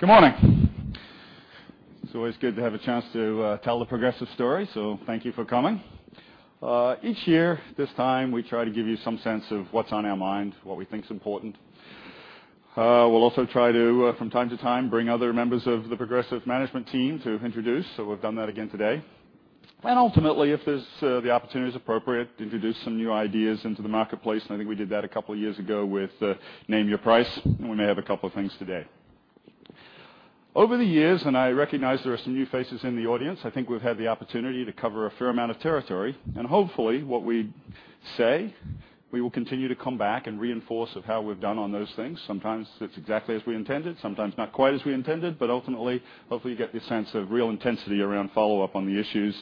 Good morning. It's always good to have a chance to tell the Progressive story, so thank you for coming. Each year, this time, we try to give you some sense of what's on our mind, what we think is important. We'll also try to, from time to time, bring other members of the Progressive management team to introduce, so we've done that again today. Ultimately, if the opportunity is appropriate, introduce some new ideas into the marketplace, and I think we did that a couple of years ago with Name Your Price, and we may have a couple of things today. Over the years, and I recognize there are some new faces in the audience, I think we've had the opportunity to cover a fair amount of territory, and hopefully what we say, we will continue to come back and reinforce of how we've done on those things. Sometimes it's exactly as we intended, sometimes not quite as we intended, but ultimately, hopefully, you get the sense of real intensity around follow-up on the issues.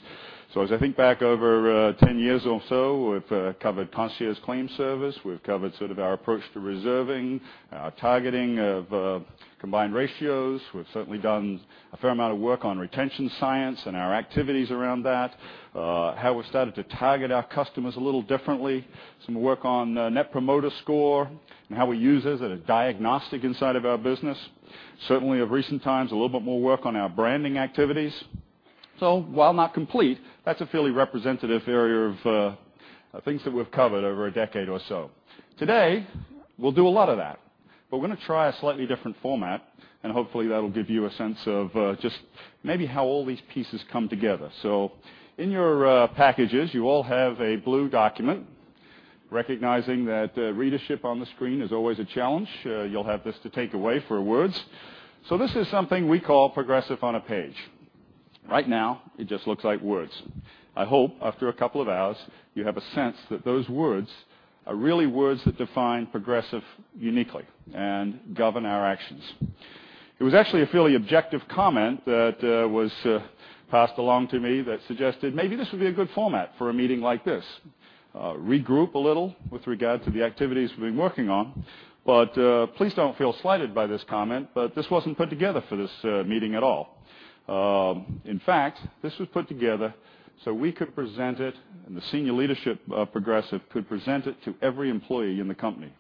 As I think back over 10 years or so, we've covered Concierge Claims Service. We've covered our approach to reserving, our targeting of combined ratios. We've certainly done a fair amount of work on retention science and our activities around that. How we've started to target our customers a little differently. Some work on Net Promoter Score and how we use those as a diagnostic inside of our business. Certainly, of recent times, a little bit more work on our branding activities. While not complete, that's a fairly representative area of things that we've covered over a decade or so. Today, we'll do a lot of that, but we're going to try a slightly different format, and hopefully, that'll give you a sense of just maybe how all these pieces come together. In your packages, you all have a blue document. Recognizing that readership on the screen is always a challenge, you'll have this to take away for words. This is something we call Progressive on a Page. Right now, it just looks like words. I hope, after a couple of hours, you have a sense that those words are really words that define Progressive uniquely and govern our actions. It was actually a fairly objective comment that was passed along to me that suggested maybe this would be a good format for a meeting like this. Regroup a little with regard to the activities we've been working on. Please don't feel slighted by this comment, but this wasn't put together for this meeting at all. In fact, this was put together so we could present it, and the senior leadership of Progressive could present it to every employee in the company.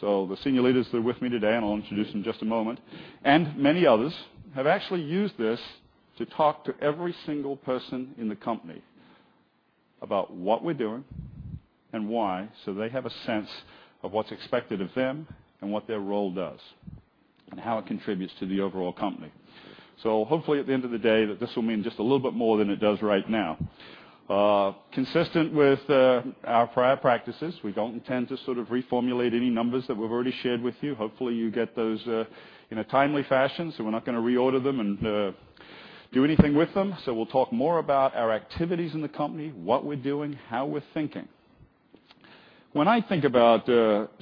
The senior leaders that are with me today, and I'll introduce in just a moment, and many others, have actually used this to talk to every single person in the company about what we're doing and why, so they have a sense of what's expected of them and what their role does, and how it contributes to the overall company. Hopefully, at the end of the day, that this will mean just a little bit more than it does right now. Consistent with our prior practices, we don't intend to reformulate any numbers that we've already shared with you. Hopefully, you get those in a timely fashion, we're not going to reorder them and do anything with them. We'll talk more about our activities in the company, what we're doing, how we're thinking. When I think about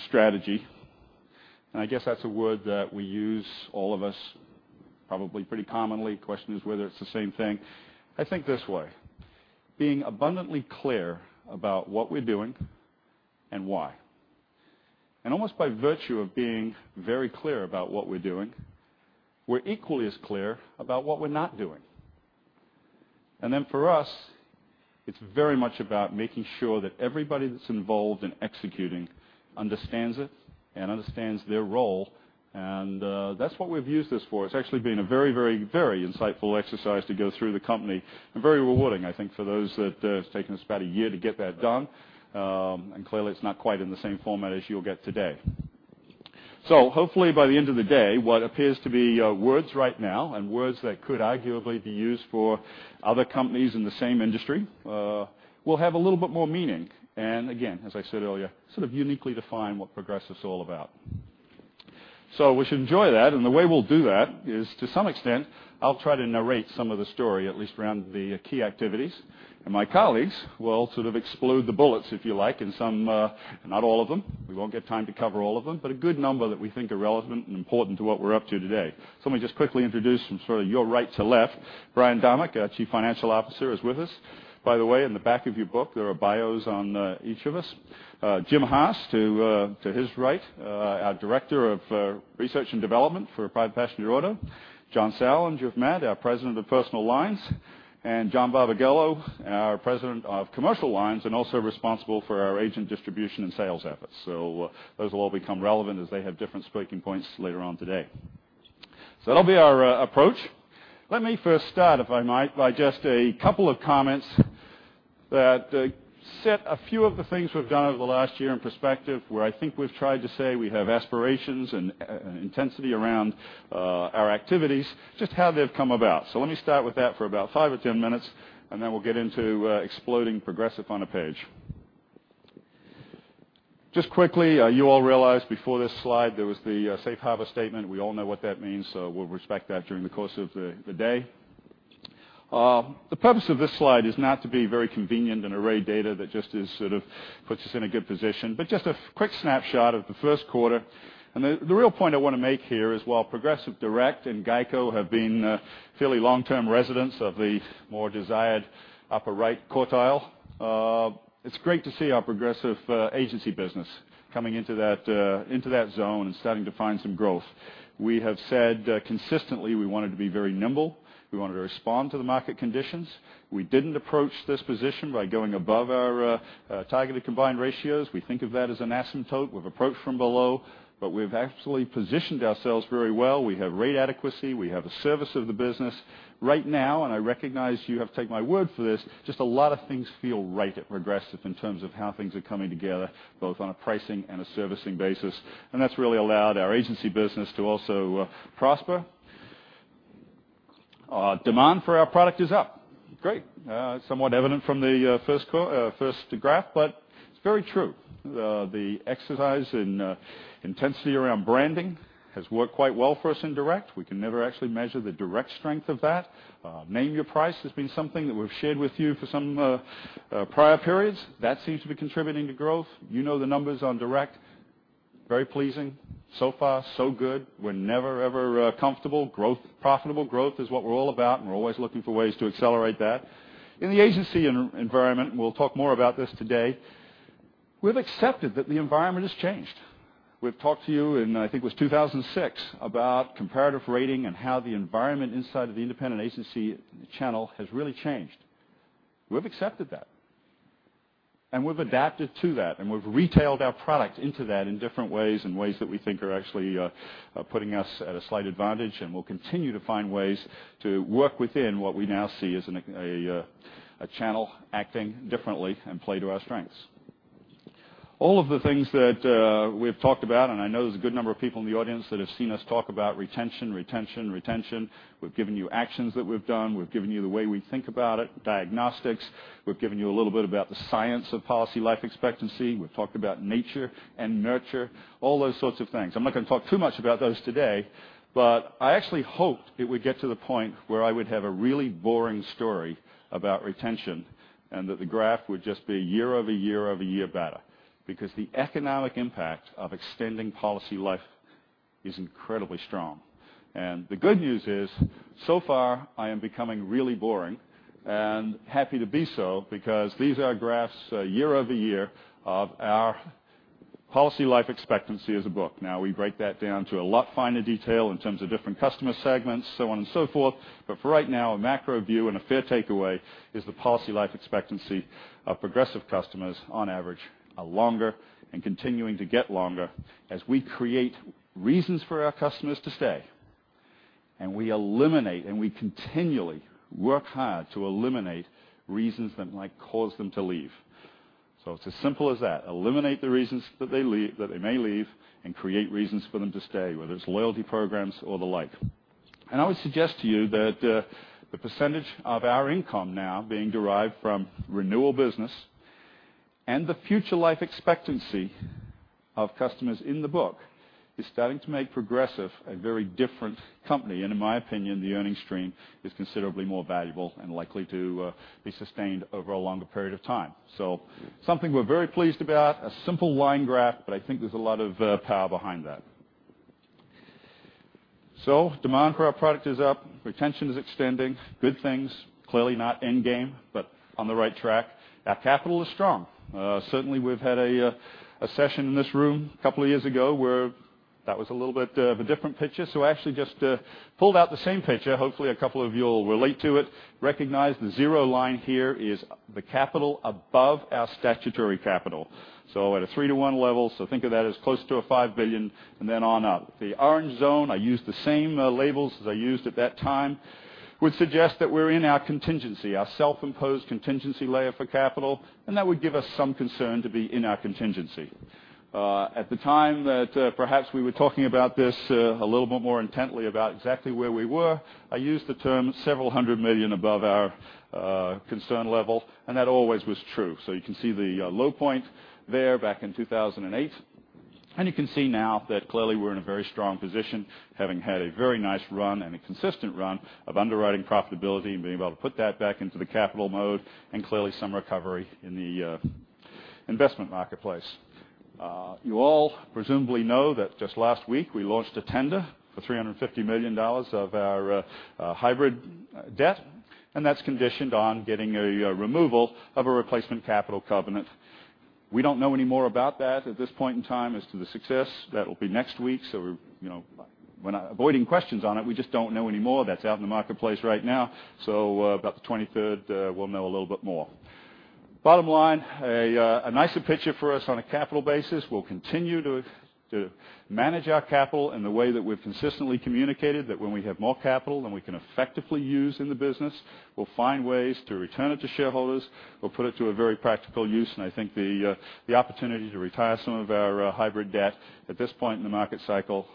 strategy, I guess that's a word that we use, all of us, probably pretty commonly. Question is whether it's the same thing. I think this way. Being abundantly clear about what we're doing and why. Almost by virtue of being very clear about what we're doing, we're equally as clear about what we're not doing. Then for us, it's very much about making sure that everybody that's involved in executing understands it and understands their role, and that's what we've used this for. It's actually been a very insightful exercise to go through the company and very rewarding, I think, for those that it's taken us about a year to get that done. Clearly, it's not quite in the same format as you'll get today. Hopefully, by the end of the day, what appears to be words right now and words that could arguably be used for other companies in the same industry will have a little bit more meaning. Again, as I said earlier, uniquely define what Progressive's all about. We should enjoy that. The way we'll do that is, to some extent, I'll try to narrate some of the story, at least around the key activities. My colleagues will explode the bullets, if you like, in some Not all of them. We won't get time to cover all of them, but a good number that we think are relevant and important to what we're up to today. Let me just quickly introduce from your right to left. Brian Domeck, our Chief Financial Officer, is with us. By the way, in the back of your book, there are bios on each of us. Jim Haas, to his right our Director of Research and Development for private passenger auto. John Sauerland, our President of Personal Lines. John Barbagallo, our President of Commercial Lines and also responsible for our agent distribution and sales efforts. Those will all become relevant as they have different speaking points later on today. That'll be our approach. Let me first start, if I might, by just a couple of comments that set a few of the things we've done over the last year in perspective, where I think we've tried to say we have aspirations and intensity around our activities, just how they've come about. Let me start with that for about five or 10 minutes, then we'll get into exploding Progressive on a Page. Just quickly, you all realize before this slide, there was the safe harbor statement. We all know what that means, we'll respect that during the course of the day. The purpose of this slide is not to be very convenient and array data that just puts us in a good position. Just a quick snapshot of the first quarter. The real point I want to make here is while Progressive Direct and GEICO have been fairly long-term residents of the more desired upper right quartile it's great to see our Progressive agency business coming into that zone and starting to find some growth. We have said consistently we wanted to be very nimble. We wanted to respond to the market conditions. We didn't approach this position by going above our targeted combined ratios. We think of that as an asymptote. We've approached from below, but we've absolutely positioned ourselves very well. We have rate adequacy. We have a service of the business. Right now, I recognize you have to take my word for this, just a lot of things feel right at Progressive in terms of how things are coming together, both on a pricing and a servicing basis, and that's really allowed our agency business to also prosper. Demand for our product is up. Great. Somewhat evident from the first graph, but it's very true. The exercise in intensity around branding has worked quite well for us in direct. We can never actually measure the direct strength of that. Name Your Price has been something that we've shared with you for some prior periods. That seems to be contributing to growth. You know the numbers on direct, very pleasing. So far so good. We're never, ever comfortable. Profitable growth is what we're all about, and we're always looking for ways to accelerate that. In the agency environment, we'll talk more about this today. We've accepted that the environment has changed. We've talked to you in, I think it was 2006, about comparative rating and how the environment inside of the independent agency channel has really changed. We've accepted that, and we've adapted to that, and we've retailed our product into that in different ways, and ways that we think are actually putting us at a slight advantage. We'll continue to find ways to work within what we now see as a channel acting differently and play to our strengths. All of the things that we've talked about, and I know there's a good number of people in the audience that have seen us talk about retention. We've given you actions that we've done. We've given you the way we think about it, diagnostics. We've given you a little bit about the science of policy life expectancy. We've talked about nature and nurture, all those sorts of things. I'm not going to talk too much about those today, but I actually hoped it would get to the point where I would have a really boring story about retention and that the graph would just be year-over-year over year better. The economic impact of extending policy life is incredibly strong. The good news is, so far, I am becoming really boring and happy to be so because these are graphs year-over-year of our policy life expectancy as a book. Now we break that down to a lot finer detail in terms of different customer segments, so on and so forth. For right now, a macro view and a fair takeaway is the Policy Life Expectancy of Progressive customers, on average, are longer and continuing to get longer as we create reasons for our customers to stay. We continually work hard to eliminate reasons that might cause them to leave. It's as simple as that. Eliminate the reasons that they may leave and create reasons for them to stay, whether it's loyalty programs or the like. I would suggest to you that the percentage of our income now being derived from renewal business and the future life expectancy of customers in the book is starting to make Progressive a very different company. In my opinion, the earning stream is considerably more valuable and likely to be sustained over a longer period of time. Something we're very pleased about. A simple line graph, I think there's a lot of power behind that. Demand for our product is up. Retention is extending. Good things. Clearly not endgame, but on the right track. Our capital is strong. Certainly, we've had a session in this room a couple of years ago where that was a little bit of a different picture. Actually just pulled out the same picture. Hopefully, a couple of you will relate to it. Recognize the zero line here is the capital above our statutory capital. At a 3 to 1 level, think of that as close to a $5 billion and then on up. The orange zone, I use the same labels as I used at that time, would suggest that we're in our Contingency, our self-imposed Contingency Layer for capital, and that would give us some concern to be in our Contingency. At the time that perhaps we were talking about this a little bit more intently about exactly where we were, I used the term several hundred million above our concern level. That always was true. You can see the low point there back in 2008. You can see now that clearly we're in a very strong position, having had a very nice run and a consistent run of underwriting profitability and being able to put that back into the capital mode and clearly some recovery in the investment marketplace. You all presumably know that just last week we launched a tender for $350 million of our hybrid debt, and that's conditioned on getting a removal of a replacement capital covenant. We don't know any more about that at this point in time as to the success. That'll be next week. We're avoiding questions on it. We just don't know any more. That's out in the marketplace right now. About the 23rd, we'll know a little bit more. Bottom line, a nicer picture for us on a capital basis. We'll continue to manage our capital in the way that we've consistently communicated, that when we have more capital than we can effectively use in the business, we'll find ways to return it to shareholders. We'll put it to a very practical use, I think the opportunity to retire some of our hybrid debt at this point in the market cycle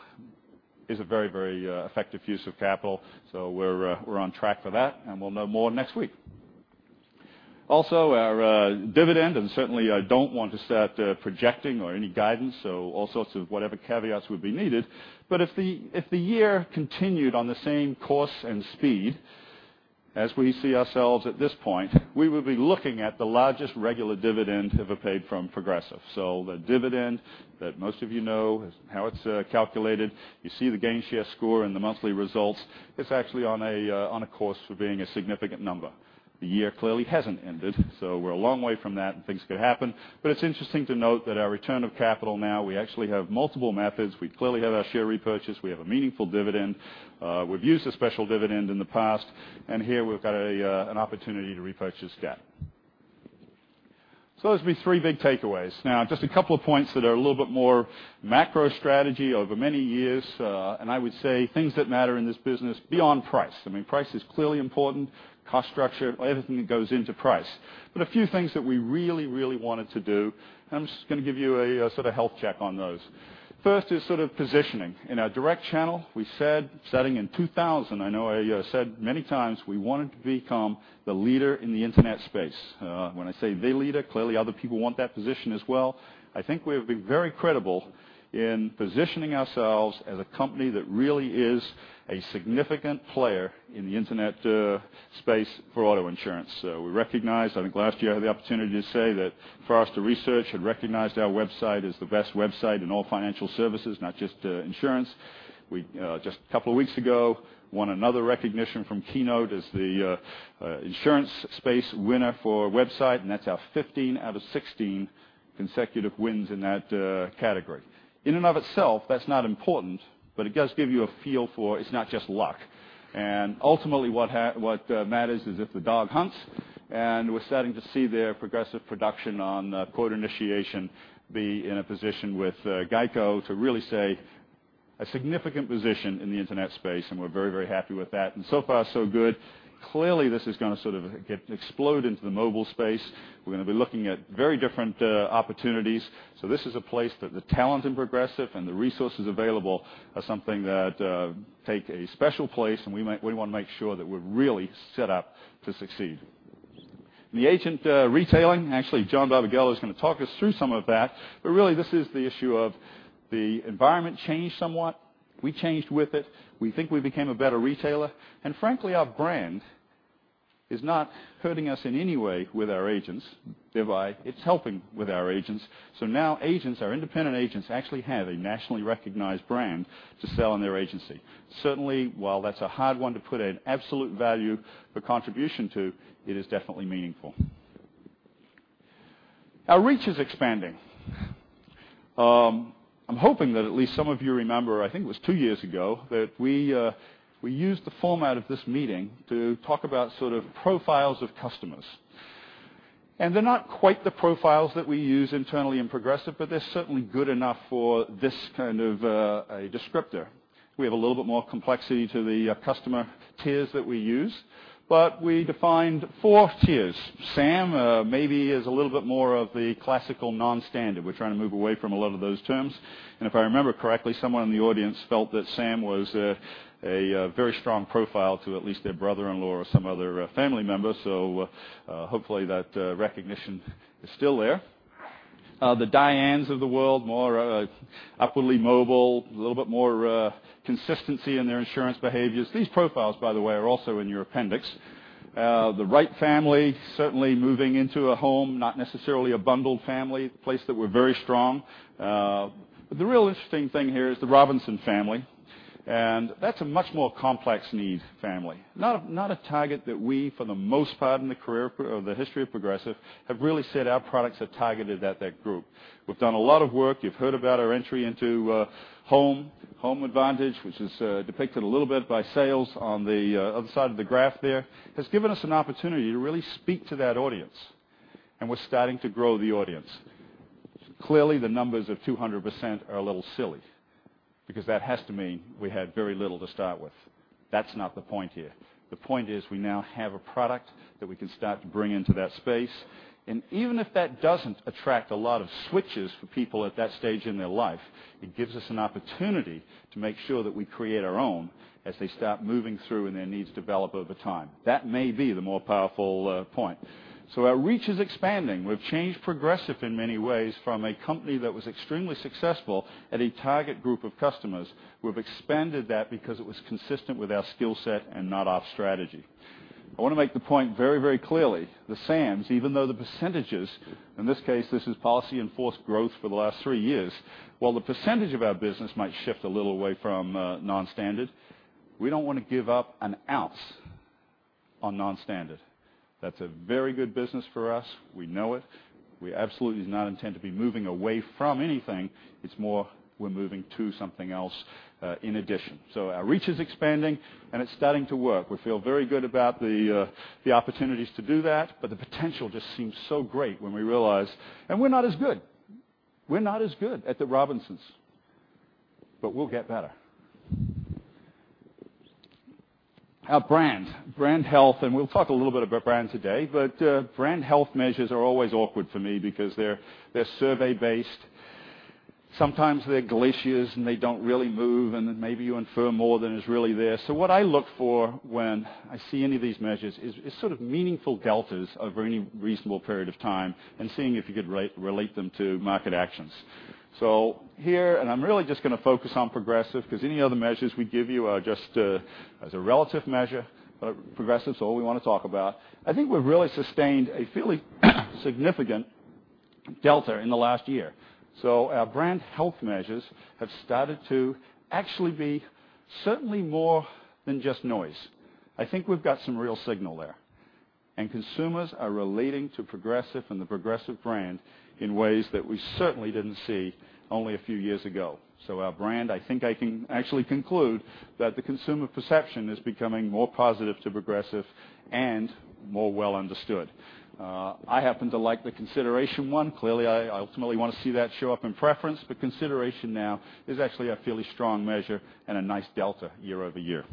is a very effective use of capital. We're on track for that, we'll know more next week. Also, our dividend, certainly, I don't want to start projecting or any guidance, all sorts of whatever caveats would be needed. If the year continued on the same course and speed as we see ourselves at this point, we will be looking at the largest regular dividend ever paid from Progressive. The dividend that most of you know how it's calculated. You see the Gainshare score and the monthly results. It's actually on a course for being a significant number. The year clearly hasn't ended, so we're a long way from that and things could happen. It's interesting to note that our return of capital now, we actually have multiple methods. We clearly have our share repurchase. We have a meaningful dividend. We've used a special dividend in the past, and here we've got an opportunity to repurchase SCAP. Those would be three big takeaways. Just a couple of points that are a little bit more macro strategy over many years, and I would say things that matter in this business beyond price. Price is clearly important, cost structure, everything that goes into price. A few things that we really, really wanted to do, and I'm just going to give you a sort of health check on those. First is positioning. In our direct channel, we said starting in 2000, I know I said many times we wanted to become the leader in the internet space. When I say the leader, clearly, other people want that position as well. I think we have been very credible in positioning ourselves as a company that really is a significant player in the internet space for auto insurance. We recognized, I think last year I had the opportunity to say that Forrester Research had recognized our website as the best website in all financial services, not just insurance. We, just a couple of weeks ago, won another recognition from Keynote as the insurance space winner for website, and that's our 15 out of 16 consecutive wins in that category. In and of itself, that's not important, but it does give you a feel for it's not just luck. Ultimately, what matters is if the dog hunts, and we're starting to see their Progressive production on quote initiation be in a position with GEICO to really say a significant position in the internet space, and we're very, very happy with that. So far, so good. Clearly, this is going to sort of explode into the mobile space. We're going to be looking at very different opportunities. This is a place that the talent in Progressive and the resources available are something that take a special place, and we want to make sure that we're really set up to succeed. The agent retailing, actually, John Barbagallo is going to talk us through some of that, but really this is the issue of the environment changed somewhat. We changed with it. We think we became a better retailer. Frankly, our brand is not hurting us in any way with our agents, it's helping with our agents. Now agents or independent agents actually have a nationally recognized brand to sell in their agency. Certainly, while that's a hard one to put an absolute value or contribution to, it is definitely meaningful. Our reach is expanding. I'm hoping that at least some of you remember, I think it was 2 years ago, that we used the format of this meeting to talk about sort of profiles of customers. They're not quite the profiles that we use internally in Progressive, but they're certainly good enough for this kind of a descriptor. We have a little bit more complexity to the customer tiers that we use, but we defined 4 tiers. Sam maybe is a little bit more of the classical non-standard. We're trying to move away from a lot of those terms. If I remember correctly, someone in the audience felt that Sam was a very strong profile to at least their brother-in-law or some other family member. Hopefully, that recognition is still there. The Dianes of the world, more upwardly mobile, a little bit more consistency in their insurance behaviors. These profiles, by the way, are also in your appendix. The Wright family, certainly moving into a home, not necessarily a bundled family, the place that we're very strong. The real interesting thing here is the Robinson family. That's a much more complex needs family. Not a target that we, for the most part in the career or the history of Progressive, have really said our products are targeted at that group. We've done a lot of work. You've heard about our entry into home. Home Advantage, which is depicted a little bit by sales on the other side of the graph there, has given us an opportunity to really speak to that audience, and we're starting to grow the audience. Clearly, the numbers of 200% are a little silly because that has to mean we had very little to start with. That's not the point here. The point is we now have a product that we can start to bring into that space. Even if that doesn't attract a lot of switches for people at that stage in their life, it gives us an opportunity to make sure that we create our own as they start moving through and their needs develop over time. That may be the more powerful point. Our reach is expanding. We've changed Progressive in many ways from a company that was extremely successful at a target group of customers. We've expanded that because it was consistent with our skill set and not our strategy. I want to make the point very, very clearly. The Sams, even though the percentages, in this case, this is policy enforced growth for the last 3 years. While the percentage of our business might shift a little away from non-standard, we don't want to give up an ounce on non-standard. That's a very good business for us. We know it. We absolutely do not intend to be moving away from anything. It's more we're moving to something else in addition. Our reach is expanding, and it's starting to work. We feel very good about the opportunities to do that, the potential just seems so great when we realize We're not as good. We're not as good at the Robinsons, but we'll get better. Our brand. Brand health, and we'll talk a little bit about brand today. Brand health measures are always awkward for me because they're survey-based. Sometimes they're glaciers, and they don't really move, and then maybe you infer more than is really there. What I look for when I see any of these measures is sort of meaningful deltas over any reasonable period of time and seeing if you could relate them to market actions. Here, and I'm really just going to focus on Progressive because any other measures we give you are just as a relative measure, but Progressive's all we want to talk about. I think we've really sustained a fairly significant delta in the last year. Our brand health measures have started to actually be certainly more than just noise. I think we've got some real signal there. Consumers are relating to Progressive and the Progressive brand in ways that we certainly didn't see only a few years ago. Our brand, I think I can actually conclude that the consumer perception is becoming more positive to Progressive and more well understood. I happen to like the consideration one. Clearly, I ultimately want to see that show up in preference, but consideration now is actually a fairly strong measure and a nice delta year-over-year.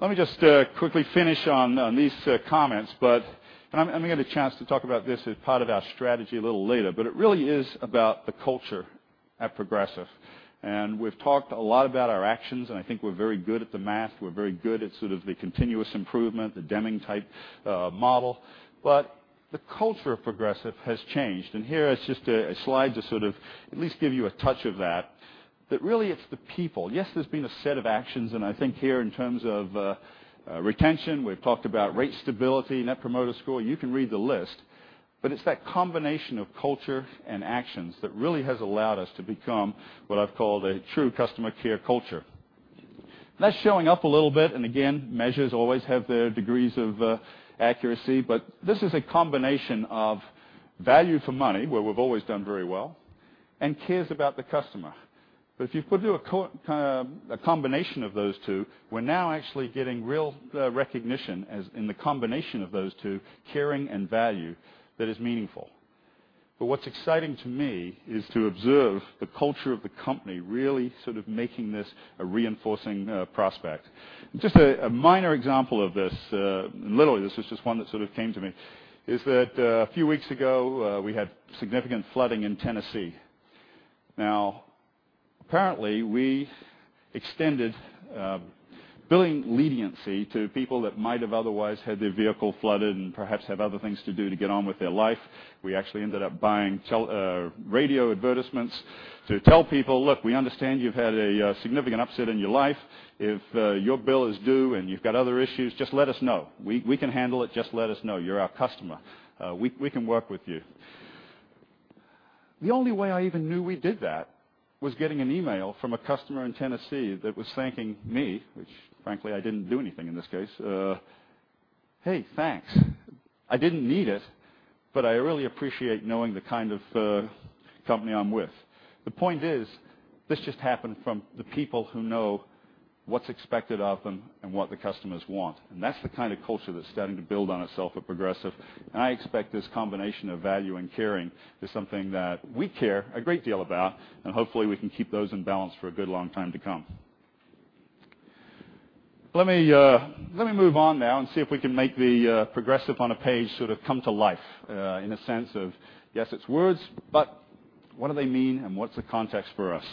Let me just quickly finish on these comments. I'm going to get a chance to talk about this as part of our strategy a little later, but it really is about the culture at Progressive. We've talked a lot about our actions, and I think we're very good at the math. We're very good at sort of the continuous improvement, the Deming type model. The culture of Progressive has changed, and here is just a slide to sort of at least give you a touch of that. Really, it's the people. Yes, there's been a set of actions, and I think here, in terms of retention, we've talked about rate stability, Net Promoter Score. You can read the list. It's that combination of culture and actions that really has allowed us to become what I've called a true customer care culture. That's showing up a little bit. Again, measures always have their degrees of accuracy. This is a combination of value for money, where we've always done very well, and cares about the customer. If you put a combination of those two, we're now actually getting real recognition in the combination of those two, caring and value, that is meaningful. What's exciting to me is to observe the culture of the company really sort of making this a reinforcing prospect. Just a minor example of this, literally, this is just one that sort of came to me, is that a few weeks ago, we had significant flooding in Tennessee. Apparently, we extended billing leniency to people that might have otherwise had their vehicle flooded and perhaps have other things to do to get on with their life. We actually ended up buying radio advertisements to tell people, "Look, we understand you've had a significant upset in your life. If your bill is due and you've got other issues, just let us know. We can handle it. Just let us know. You're our customer. We can work with you." The only way I even knew we did that was getting an email from a customer in Tennessee that was thanking me, which frankly, I didn't do anything in this case. "Hey, thanks. I didn't need it, but I really appreciate knowing the kind of company I'm with." The point is, this just happened from the people who know what's expected of them and what the customers want, and that's the kind of culture that's starting to build on itself at Progressive. I expect this combination of value and caring is something that we care a great deal about, and hopefully, we can keep those in balance for a good long time to come. Let me move on now and see if we can make the Progressive on a Page sort of come to life in a sense of, yes, it's words, but what do they mean and what's the context for us?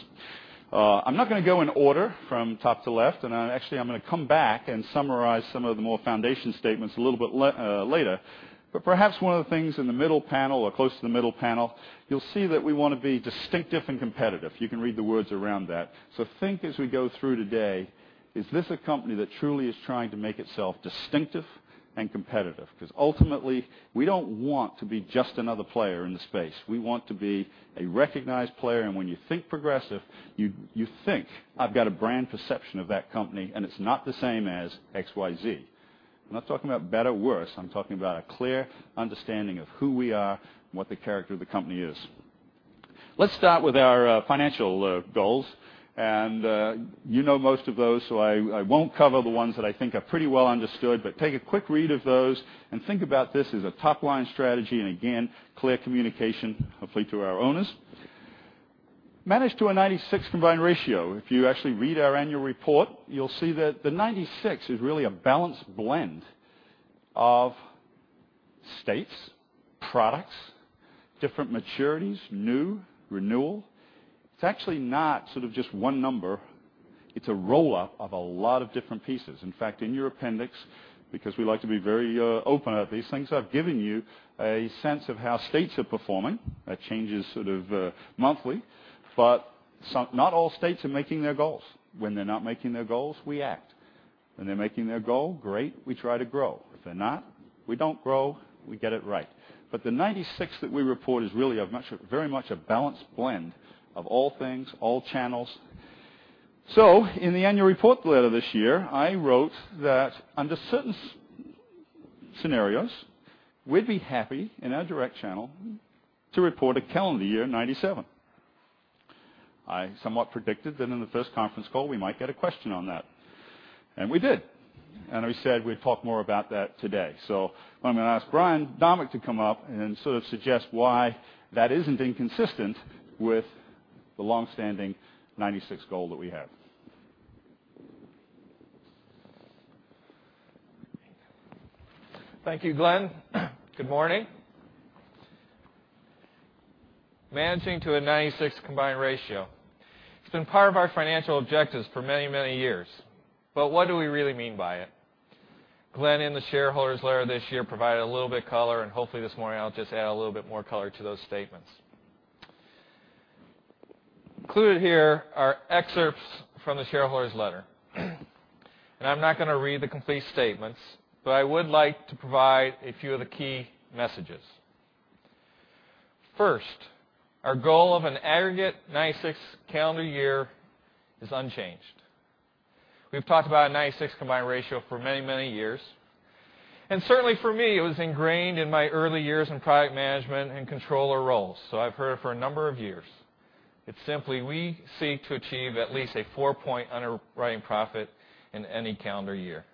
I'm not going to go in order from top to left. Actually, I'm going to come back and summarize some of the more foundation statements a little bit later. Perhaps one of the things in the middle panel or close to the middle panel, you'll see that we want to be distinctive and competitive. You can read the words around that. Think as we go through today, is this a company that truly is trying to make itself distinctive and competitive? Ultimately, we don't want to be just another player in the space. We want to be a recognized player, and when you think Progressive, you think, I've got a brand perception of that company, and it's not the same as XYZ. I'm not talking about better or worse. I'm talking about a clear understanding of who we are and what the character of the company is. Let's start with our financial goals. You know most of those, I won't cover the ones that I think are pretty well understood, but take a quick read of those and think about this as a top-line strategy. Again, clear communication, hopefully, to our owners. Manage to a 96 combined ratio. If you actually read our annual report, you'll see that the 96 is really a balanced blend of states, products, different maturities, new, renewal. It's actually not sort of just one number. It's a roll-up of a lot of different pieces. In fact, in your appendix, because we like to be very open about these things, I've given you a sense of how states are performing. That changes sort of monthly. Not all states are making their goals. When they're not making their goals, we act. When they're making their goal, great, we try to grow. If they're not, we don't grow. We get it right. The 96 that we report is really very much a balanced blend of all things, all channels. In the annual report letter this year, I wrote that under certain scenarios, we'd be happy in our direct channel to report a calendar year 97. I somewhat predicted that in the first conference call, we might get a question on that. We did. We said we'd talk more about that today. I'm going to ask Brian Domeck to come up and sort of suggest why that isn't inconsistent with the longstanding 96 goal that we have. Thank you, Glenn. Good morning. Managing to a 96 combined ratio. It's been part of our financial objectives for many, many years. What do we really mean by it? Glenn in the shareholders' letter this year provided a little bit color, hopefully, this morning I'll just add a little bit more color to those statements. Included here are excerpts from the shareholders' letter. I'm not going to read the complete statements, but I would like to provide a few of the key messages. First, our goal of an aggregate 96 calendar year is unchanged. We've talked about a 96 combined ratio for many, many years. Certainly for me, it was ingrained in my early years in product management and controller roles. I've heard it for a number of years. It's simply, we seek to achieve at least a four point underwriting profit in any calendar year.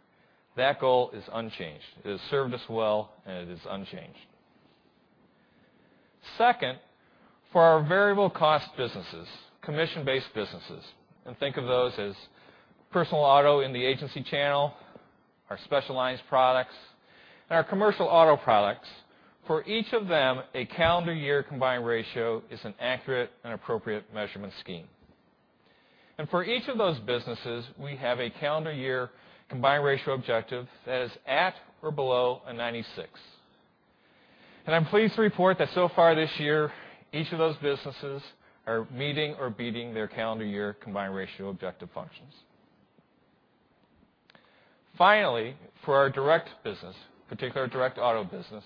That goal is unchanged. It has served us well, and it is unchanged. Second, for our variable cost businesses, commission-based businesses, think of those as personal auto in the agency channel, our specialized products, and our commercial auto products. For each of them, a calendar year combined ratio is an accurate and appropriate measurement scheme. For each of those businesses, we have a calendar year combined ratio objective that is at or below a 96. I'm pleased to report that so far this year, each of those businesses are meeting or beating their calendar year combined ratio objective functions. Finally, for our direct business, particular our direct auto business,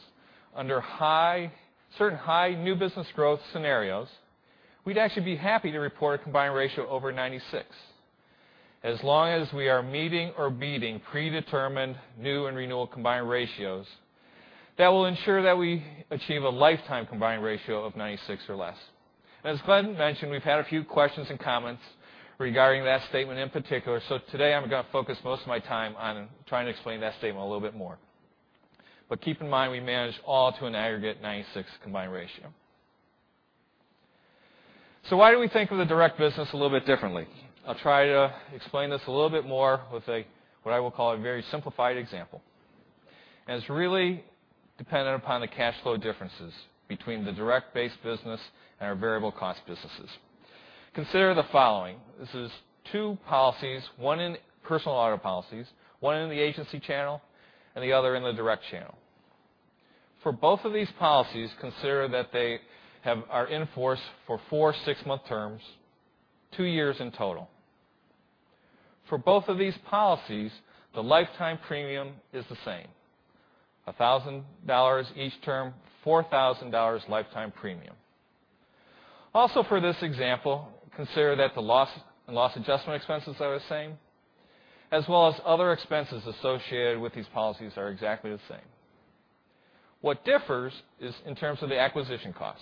under certain high new business growth scenarios, we'd actually be happy to report a combined ratio over 96, as long as we are meeting or beating predetermined new and renewal combined ratios that will ensure that we achieve a lifetime combined ratio of 96 or less. As Glenn mentioned, we've had a few questions and comments regarding that statement in particular. Today I'm going to focus most of my time on trying to explain that statement a little bit more. Keep in mind, we manage all to an aggregate 96 combined ratio. Why do we think of the direct business a little bit differently? I'll try to explain this a little bit more with what I will call a very simplified example. It's really dependent upon the cash flow differences between the direct base business and our variable cost businesses. Consider the following. This is two policies, personal auto policies, one in the agency channel and the other in the direct channel. For both of these policies, consider that they are in force for four six-month terms, two years in total. For both of these policies, the lifetime premium is the same. $1,000 each term, $4,000 lifetime premium. Also for this example, consider that the loss and loss adjustment expenses are the same, as well as other expenses associated with these policies are exactly the same. What differs is in terms of the acquisition cost,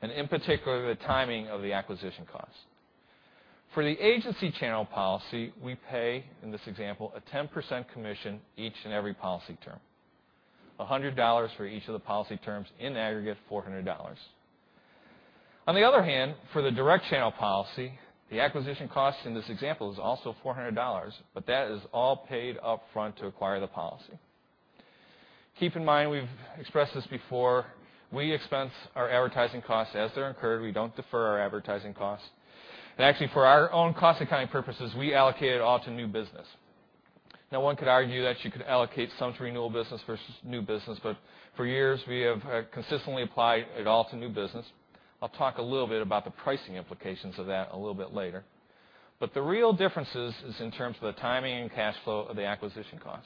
and in particular, the timing of the acquisition cost. For the agency channel policy, we pay, in this example, a 10% commission each and every policy term. $100 for each of the policy terms, in aggregate $400. On the other hand, for the direct channel policy, the acquisition cost in this example is also $400, but that is all paid upfront to acquire the policy. Keep in mind, we've expressed this before, we expense our advertising costs as they're incurred. We don't defer our advertising costs. Actually, for our own cost accounting purposes, we allocate it all to new business. One could argue that you could allocate some to renewal business versus new business, but for years, we have consistently applied it all to new business. I'll talk a little bit about the pricing implications of that a little bit later. The real difference is in terms of the timing and cash flow of the acquisition cost.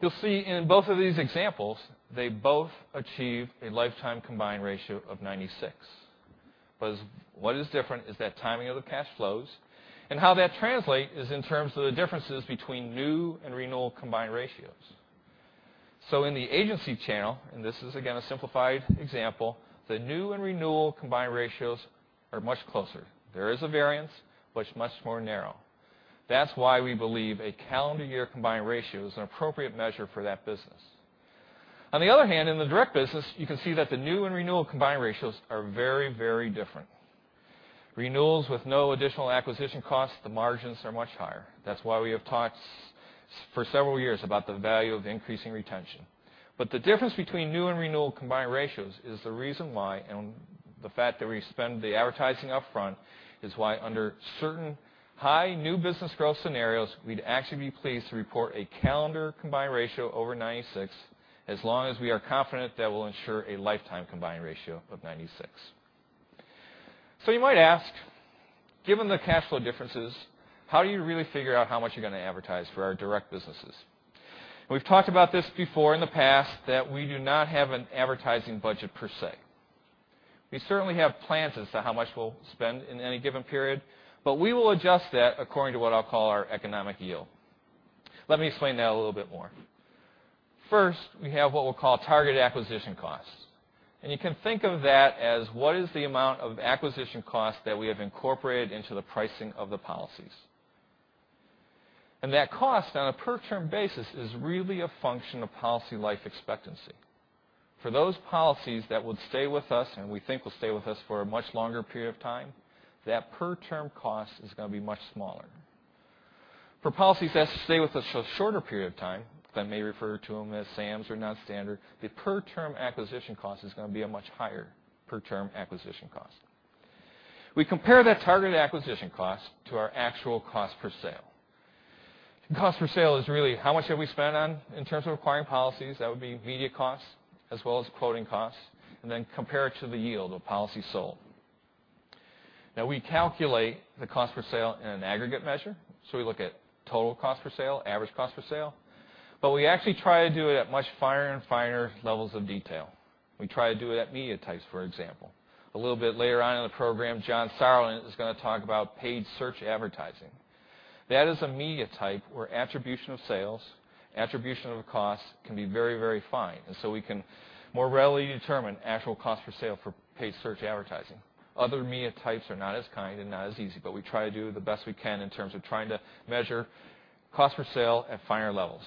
You'll see in both of these examples, they both achieve a lifetime combined ratio of 96. What is different is that timing of the cash flows and how that translates is in terms of the differences between new and renewal combined ratios. In the agency channel, and this is again, a simplified example, the new and renewal combined ratios are much closer. There is a variance, but it's much more narrow. That's why we believe a calendar year combined ratio is an appropriate measure for that business. On the other hand, in the direct business, you can see that the new and renewal combined ratios are very, very different. Renewals with no additional acquisition costs, the margins are much higher. That's why we have talked for several years about the value of increasing retention. The difference between new and renewal combined ratios is the reason why, and the fact that we spend the advertising upfront is why under certain high new business growth scenarios, we'd actually be pleased to report a calendar combined ratio over 96, as long as we are confident that we'll ensure a lifetime combined ratio of 96. You might ask, given the cash flow differences, how do you really figure out how much you're going to advertise for our direct businesses? We've talked about this before in the past that we do not have an advertising budget per se. We certainly have plans as to how much we'll spend in any given period, but we will adjust that according to what I'll call our economic yield. Let me explain that a little bit more. First, we have what we'll call target acquisition costs. You can think of that as what is the amount of acquisition cost that we have incorporated into the pricing of the policies. That cost on a per term basis is really a function of policy life expectancy. For those policies that would stay with us and we think will stay with us for a much longer period of time, that per term cost is going to be much smaller. For policies that stay with us a shorter period of time, Glenn may refer to them as Sams or non-standard, the per term acquisition cost is going to be a much higher per term acquisition cost. We compare that targeted acquisition cost to our actual cost per sale. Cost per sale is really how much have we spent in terms of acquiring policies. That would be media costs as well as quoting costs. Then compare it to the yield of policy sold. We calculate the cost per sale in an aggregate measure. We look at total cost per sale, average cost per sale, but we actually try to do it at much finer and finer levels of detail. We try to do it at media types, for example. A little bit later on in the program, John Sauerland is going to talk about paid search advertising. That is a media type where attribution of sales, attribution of a cost can be very fine. So we can more readily determine actual cost per sale for paid search advertising. Other media types are not as kind and not as easy. We try to do the best we can in terms of trying to measure cost per sale at finer levels.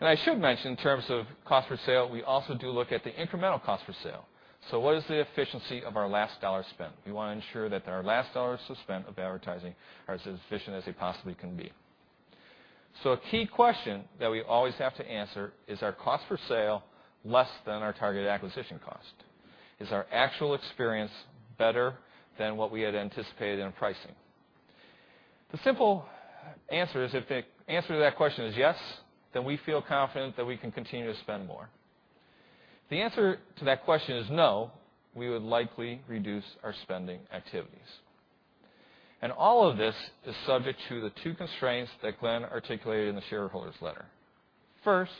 I should mention in terms of cost per sale, we also do look at the incremental cost per sale. What is the efficiency of our last dollar spent? We want to ensure that our last dollars spent of advertising are as efficient as they possibly can be. A key question that we always have to answer, is our cost per sale less than our target acquisition cost? Is our actual experience better than what we had anticipated in pricing? The simple answer is, if the answer to that question is yes, we feel confident that we can continue to spend more. If the answer to that question is no, we would likely reduce our spending activities. All of this is subject to the two constraints that Glenn articulated in the shareholders' letter. First,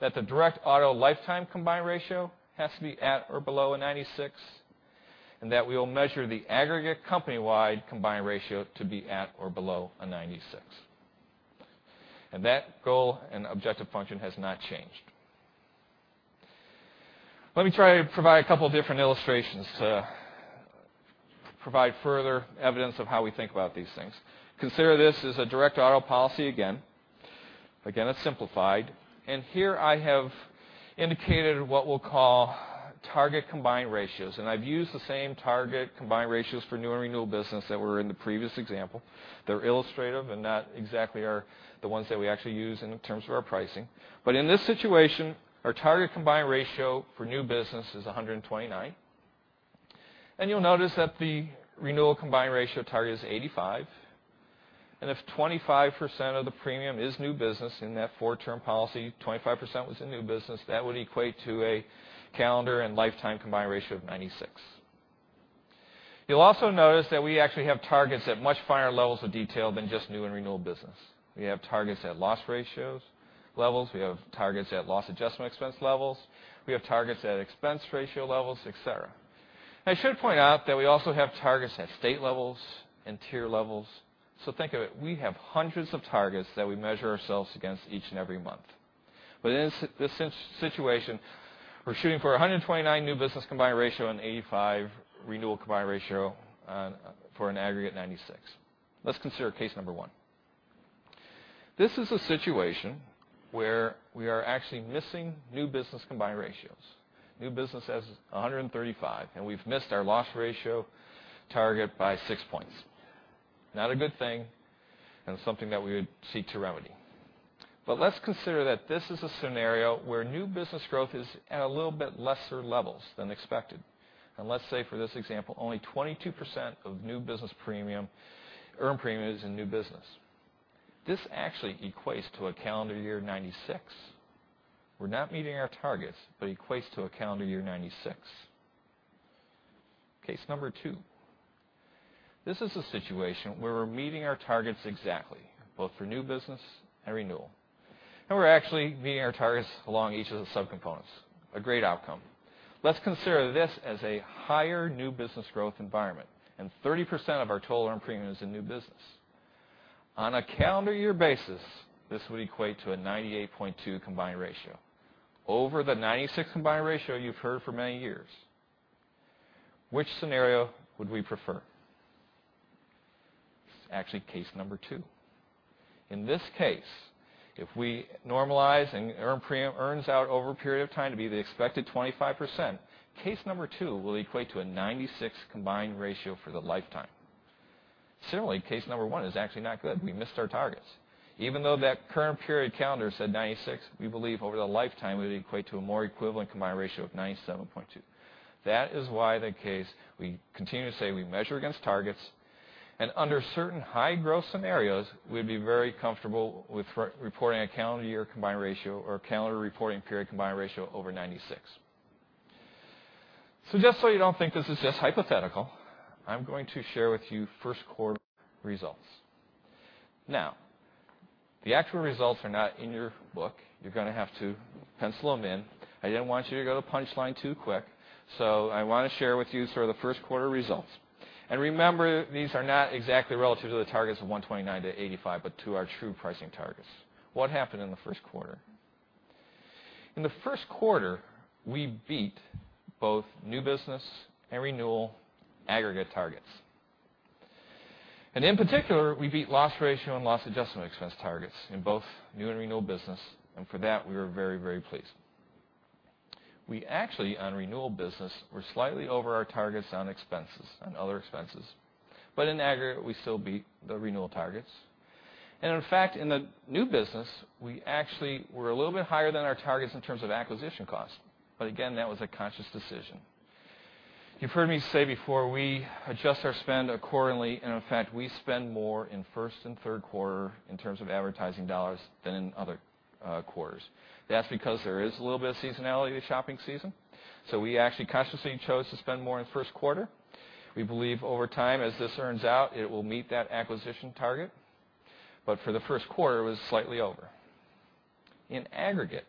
that the direct auto lifetime combined ratio has to be at or below a 96. We will measure the aggregate company-wide combined ratio to be at or below a 96. That goal and objective function has not changed. Let me try to provide a couple different illustrations to provide further evidence of how we think about these things. Consider this as a direct auto policy again. Again, it's simplified. Here I have indicated what we'll call target combined ratios. I've used the same target combined ratios for new and renewal business that were in the previous example. They're illustrative and not exactly the ones that we actually use in terms of our pricing. In this situation, our target combined ratio for new business is 129. You'll notice that the renewal combined ratio target is 85. If 25% of the premium is new business in that four-term policy, 25% was in new business, that would equate to a calendar and lifetime combined ratio of 96. You'll also notice that we actually have targets at much finer levels of detail than just new and renewal business. We have targets at loss ratios levels, we have targets at loss adjustment expense levels, we have targets at expense ratio levels, et cetera. I should point out that we also have targets at state levels and tier levels. Think of it. We have hundreds of targets that we measure ourselves against each and every month. In this situation, we're shooting for 129 new business combined ratio and 85 renewal combined ratio for an aggregate 96. Let's consider case 1. This is a situation where we are actually missing new business combined ratios. New business has 135, and we've missed our loss ratio target by six points. Not a good thing, and something that we would seek to remedy. Let's consider that this is a scenario where new business growth is at a little bit lesser levels than expected. Let's say, for this example, only 22% of earned premium is in new business. This actually equates to a calendar year 96. We're not meeting our targets, but equates to a calendar year 96. Case 2. This is a situation where we're meeting our targets exactly, both for new business and renewal. We're actually meeting our targets along each of the subcomponents. A great outcome. Let's consider this as a higher new business growth environment, and 30% of our total earned premium is in new business. On a calendar year basis, this would equate to a 98.2 combined ratio over the 96 combined ratio you've heard for many years. Which scenario would we prefer? It's actually case 2. In this case, if we normalize and earned premium earns out over a period of time to be the expected 25%, case 2 will equate to a 96 combined ratio for the lifetime. Similarly, case 1 is actually not good. We missed our targets. Even though that current period calendar said 96, we believe over the lifetime, it would equate to a more equivalent combined ratio of 97.2. That is why the case we continue to say we measure against targets, and under certain high growth scenarios, we'd be very comfortable with reporting a calendar year combined ratio or calendar reporting period combined ratio over 96. Just so you don't think this is just hypothetical, I'm going to share with you first quarter results. Now, the actual results are not in your book. You're going to have to pencil them in. I didn't want you to go to the punchline too quick. I want to share with you sort of the first quarter results. Remember, these are not exactly relative to the targets of 129-85, but to our true pricing targets. What happened in the first quarter? In the first quarter, we beat both new business and renewal aggregate targets. In particular, we beat loss ratio and loss adjustment expense targets in both new and renewal business, and for that, we were very pleased. We actually, on renewal business, were slightly over our targets on other expenses. In aggregate, we still beat the renewal targets. In fact, in the new business, we actually were a little bit higher than our targets in terms of acquisition cost. Again, that was a conscious decision. You've heard me say before, we adjust our spend accordingly, and in fact, we spend more in first and third quarter in terms of advertising dollars than in other quarters. That's because there is a little bit of seasonality to shopping season. We actually consciously chose to spend more in the first quarter. We believe over time, as this earns out, it will meet that acquisition target. For the first quarter, it was slightly over. In aggregate,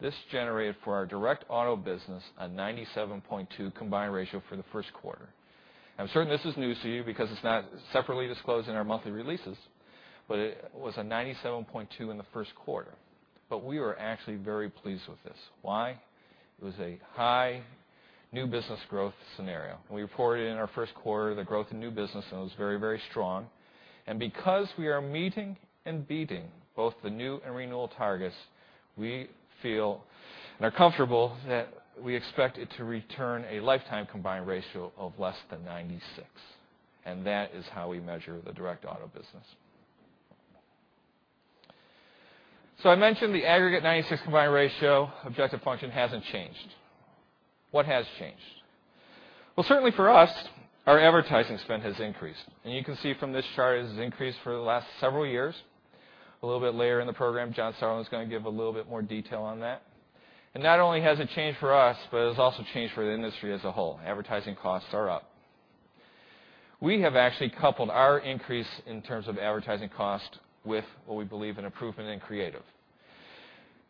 this generated for our direct auto business a 97.2 combined ratio for the first quarter. I'm certain this is news to you because it's not separately disclosed in our monthly releases, it was a 97.2 in the first quarter. We were actually very pleased with this. Why? It was a high new business growth scenario. We reported in our first quarter the growth in new business, and it was very strong. Because we are meeting and beating both the new and renewal targets, we feel and are comfortable that we expect it to return a lifetime combined ratio of less than 96, and that is how we measure the direct auto business. I mentioned the aggregate 96 combined ratio objective function hasn't changed. What has changed? Well, certainly for us, our advertising spend has increased, and you can see from this chart it has increased for the last several years. A little bit later in the program, John Sauerland is going to give a little bit more detail on that. Not only has it changed for us, but it has also changed for the industry as a whole. Advertising costs are up. We have actually coupled our increase in terms of advertising cost with what we believe an improvement in creative.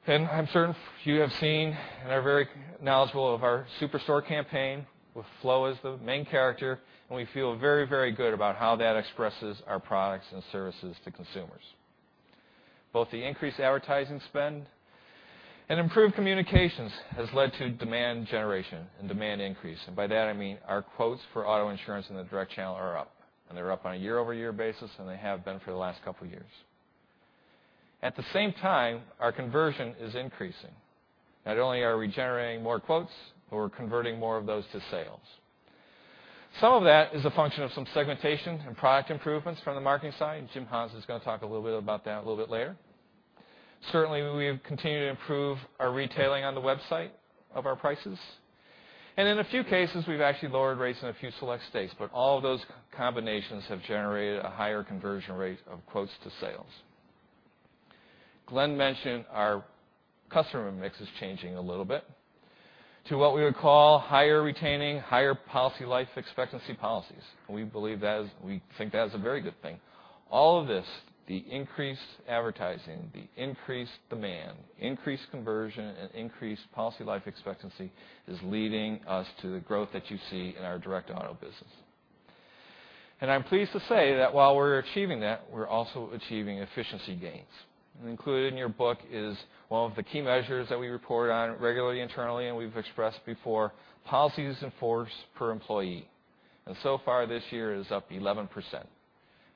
I'm certain you have seen and are very knowledgeable of our Superstore campaign, with Flo as the main character, and we feel very good about how that expresses our products and services to consumers. Both the increased advertising spend and improved communications has led to demand generation and demand increase. By that I mean our quotes for auto insurance in the direct channel are up, they're up on a year-over-year basis, and they have been for the last couple of years. At the same time, our conversion is increasing. Not only are we generating more quotes, but we're converting more of those to sales. Some of that is a function of some segmentation and product improvements from the marketing side, and Jim Haas is going to talk a little bit about that a little bit later. Certainly, we have continued to improve our retailing on the website of our prices. In a few cases, we've actually lowered rates in a few select states, all of those combinations have generated a higher conversion rate of quotes to sales. Glenn mentioned our customer mix is changing a little bit to what we would call higher retaining, higher policy life expectancy policies. We think that is a very good thing. All of this, the increased advertising, the increased demand, increased conversion, and increased policy life expectancy, is leading us to the growth that you see in our direct auto business. I'm pleased to say that while we're achieving that, we're also achieving efficiency gains. Included in your book is one of the key measures that we report on regularly internally, and we've expressed before, Policies in Force per Employee. So far this year is up 11%,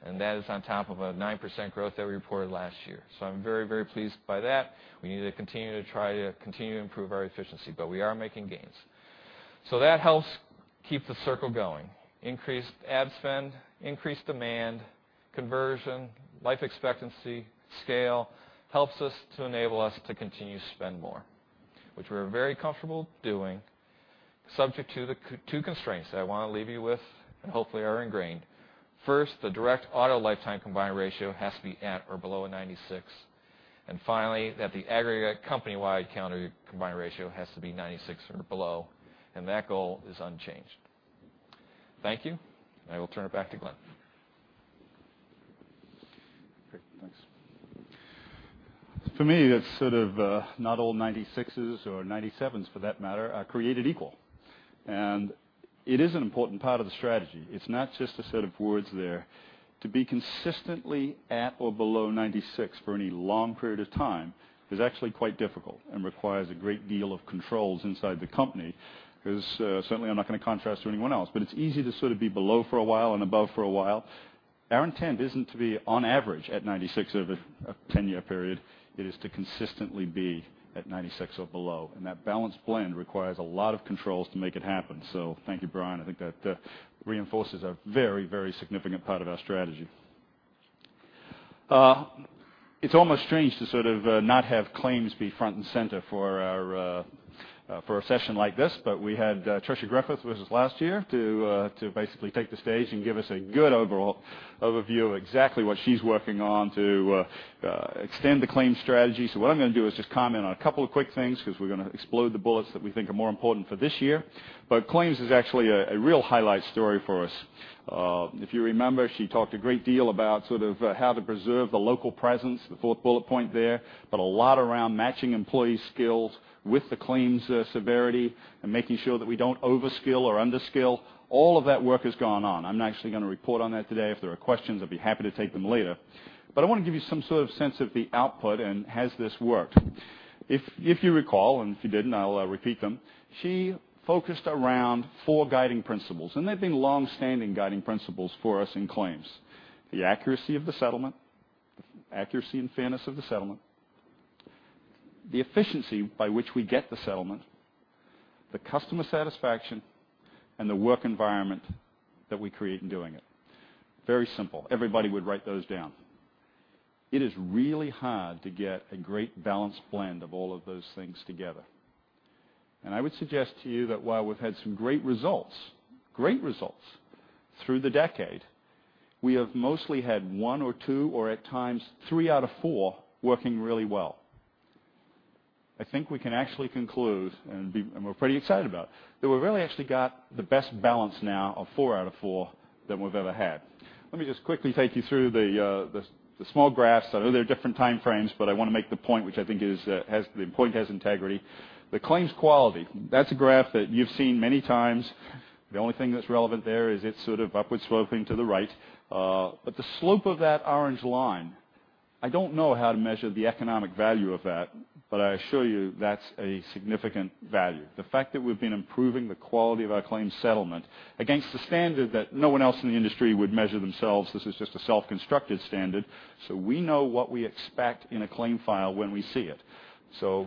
and that is on top of a 9% growth that we reported last year. I'm very pleased by that. We need to continue to try to continue to improve our efficiency, we are making gains. That helps keep the circle going. Increased ad spend, increased demand, conversion, life expectancy, scale helps us to enable us to continue to spend more, which we're very comfortable doing, subject to the two constraints that I want to leave you with and hopefully are ingrained. First, the direct auto lifetime combined ratio has to be at or below 96, and finally, that the aggregate company-wide combined ratio has to be 96 or below, and that goal is unchanged. Thank you. I will turn it back to Glenn. Great. Thanks. For me, that's sort of not all 96s, or 97s for that matter, are created equal. It is an important part of the strategy. It's not just a set of words there. To be consistently at or below 96 for any long period of time is actually quite difficult and requires a great deal of controls inside the company. Certainly I'm not going to contrast to anyone else, but it's easy to sort of be below for a while and above for a while. Our intent isn't to be on average at 96 over a 10-year period. It is to consistently be at 96 or below. That balanced blend requires a lot of controls to make it happen. Thank you, Brian. I think that reinforces a very significant part of our strategy. It's almost strange to sort of not have claims be front and center for a session like this. We had Tricia Griffith with us last year to basically take the stage and give us a good overall overview of exactly what she's working on to extend the claims strategy. What I'm going to do is just comment on a couple of quick things because we're going to explode the bullets that we think are more important for this year. Claims is actually a real highlight story for us. If you remember, she talked a great deal about sort of how to preserve the local presence, the fourth bullet point there, but a lot around matching employee skills with the claims severity and making sure that we don't over-skill or under-skill. All of that work has gone on. I'm not actually going to report on that today. If there are questions, I'd be happy to take them later. I want to give you some sort of sense of the output and has this worked. If you recall, and if you didn't, I'll repeat them, she focused around four guiding principles. They've been longstanding guiding principles for us in claims. The accuracy of the settlement, accuracy and fairness of the settlement, the efficiency by which we get the settlement, the customer satisfaction, and the work environment that we create in doing it. Very simple. Everybody would write those down. It is really hard to get a great balanced blend of all of those things together. I would suggest to you that while we've had some great results through the decade, we have mostly had one or two or at times three out of four working really well. I think we can actually conclude, and we're pretty excited about, that we've really actually got the best balance now of four out of four than we've ever had. Let me just quickly take you through the small graphs. I know they're different time frames, I want to make the point, which I think the point has integrity. The claims quality, that's a graph that you've seen many times. The only thing that's relevant there is it's sort of upward sloping to the right. The slope of that orange line, I don't know how to measure the economic value of that, I assure you that's a significant value. The fact that we've been improving the quality of our claims settlement against the standard that no one else in the industry would measure themselves, this is just a self-constructed standard, we know what we expect in a claim file when we see it.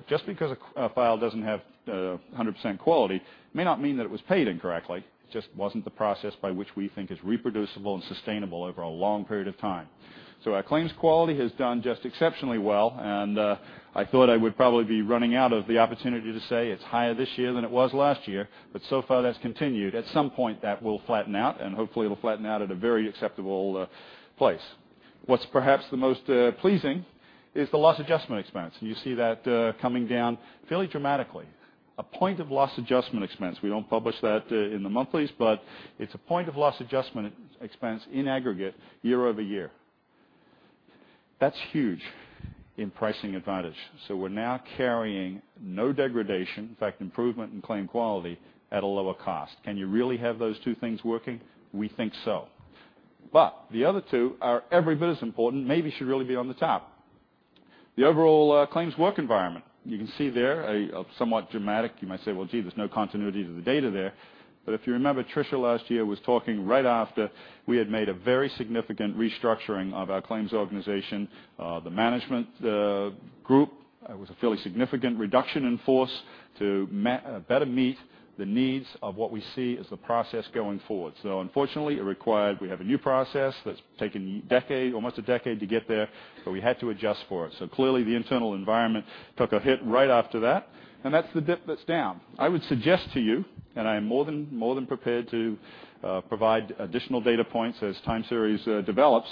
Just because a file doesn't have 100% quality may not mean that it was paid incorrectly. It just wasn't the process by which we think is reproducible and sustainable over a long period of time. Our claims quality has done just exceptionally well, I thought I would probably be running out of the opportunity to say it's higher this year than it was last year, so far, that's continued. At some point, that will flatten out, hopefully, it'll flatten out at a very acceptable place. What's perhaps the most pleasing is the loss adjustment expense, you see that coming down fairly dramatically. A point of loss adjustment expense. We don't publish that in the monthlies, it's a point of loss adjustment expense in aggregate year-over-year. That's huge in pricing advantage. We're now carrying no degradation, in fact, improvement in claim quality at a lower cost. Can you really have those two things working? We think so. The other two are every bit as important, maybe should really be on the top. The overall claims work environment. You can see there a somewhat dramatic, you might say, "Well, gee, there's no continuity to the data there." If you remember, Tricia last year was talking right after we had made a very significant restructuring of our claims organization. The management group was a fairly significant reduction in force to better meet the needs of what we see as the process going forward. Unfortunately, it required we have a new process that's taken almost a decade to get there, we had to adjust for it. Clearly, the internal environment took a hit right after that's the dip that's down. I would suggest to you, I am more than prepared to provide additional data points as time series develops,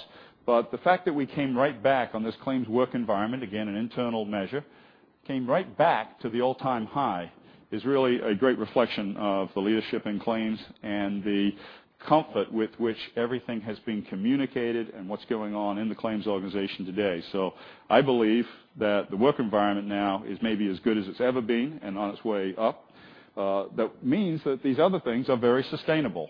the fact that we came right back on this claims work environment, again, an internal measure, came right back to the all-time high is really a great reflection of the leadership in claims the comfort with which everything has been communicated what's going on in the claims organization today. I believe that the work environment now is maybe as good as it's ever been, and on its way up. That means that these other things are very sustainable.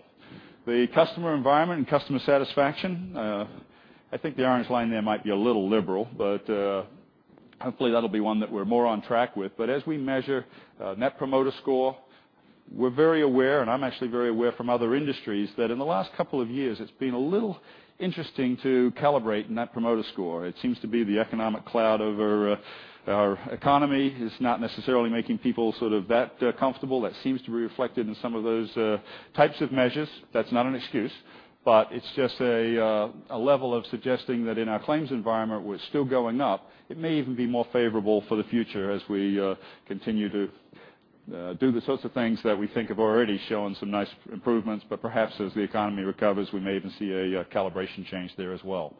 The customer environment and customer satisfaction, I think the orange line there might be a little liberal, but hopefully, that'll be one that we're more on track with. As we measure Net Promoter Score, we're very aware, and I'm actually very aware from other industries, that in the last couple of years, it's been a little interesting to calibrate Net Promoter Score. It seems to be the economic cloud over our economy is not necessarily making people sort of that comfortable. That seems to be reflected in some of those types of measures. That's not an excuse, it's just a level of suggesting that in our claims environment, we're still going up. It may even be more favorable for the future as we continue to do the sorts of things that we think have already shown some nice improvements. Perhaps as the economy recovers, we may even see a calibration change there as well.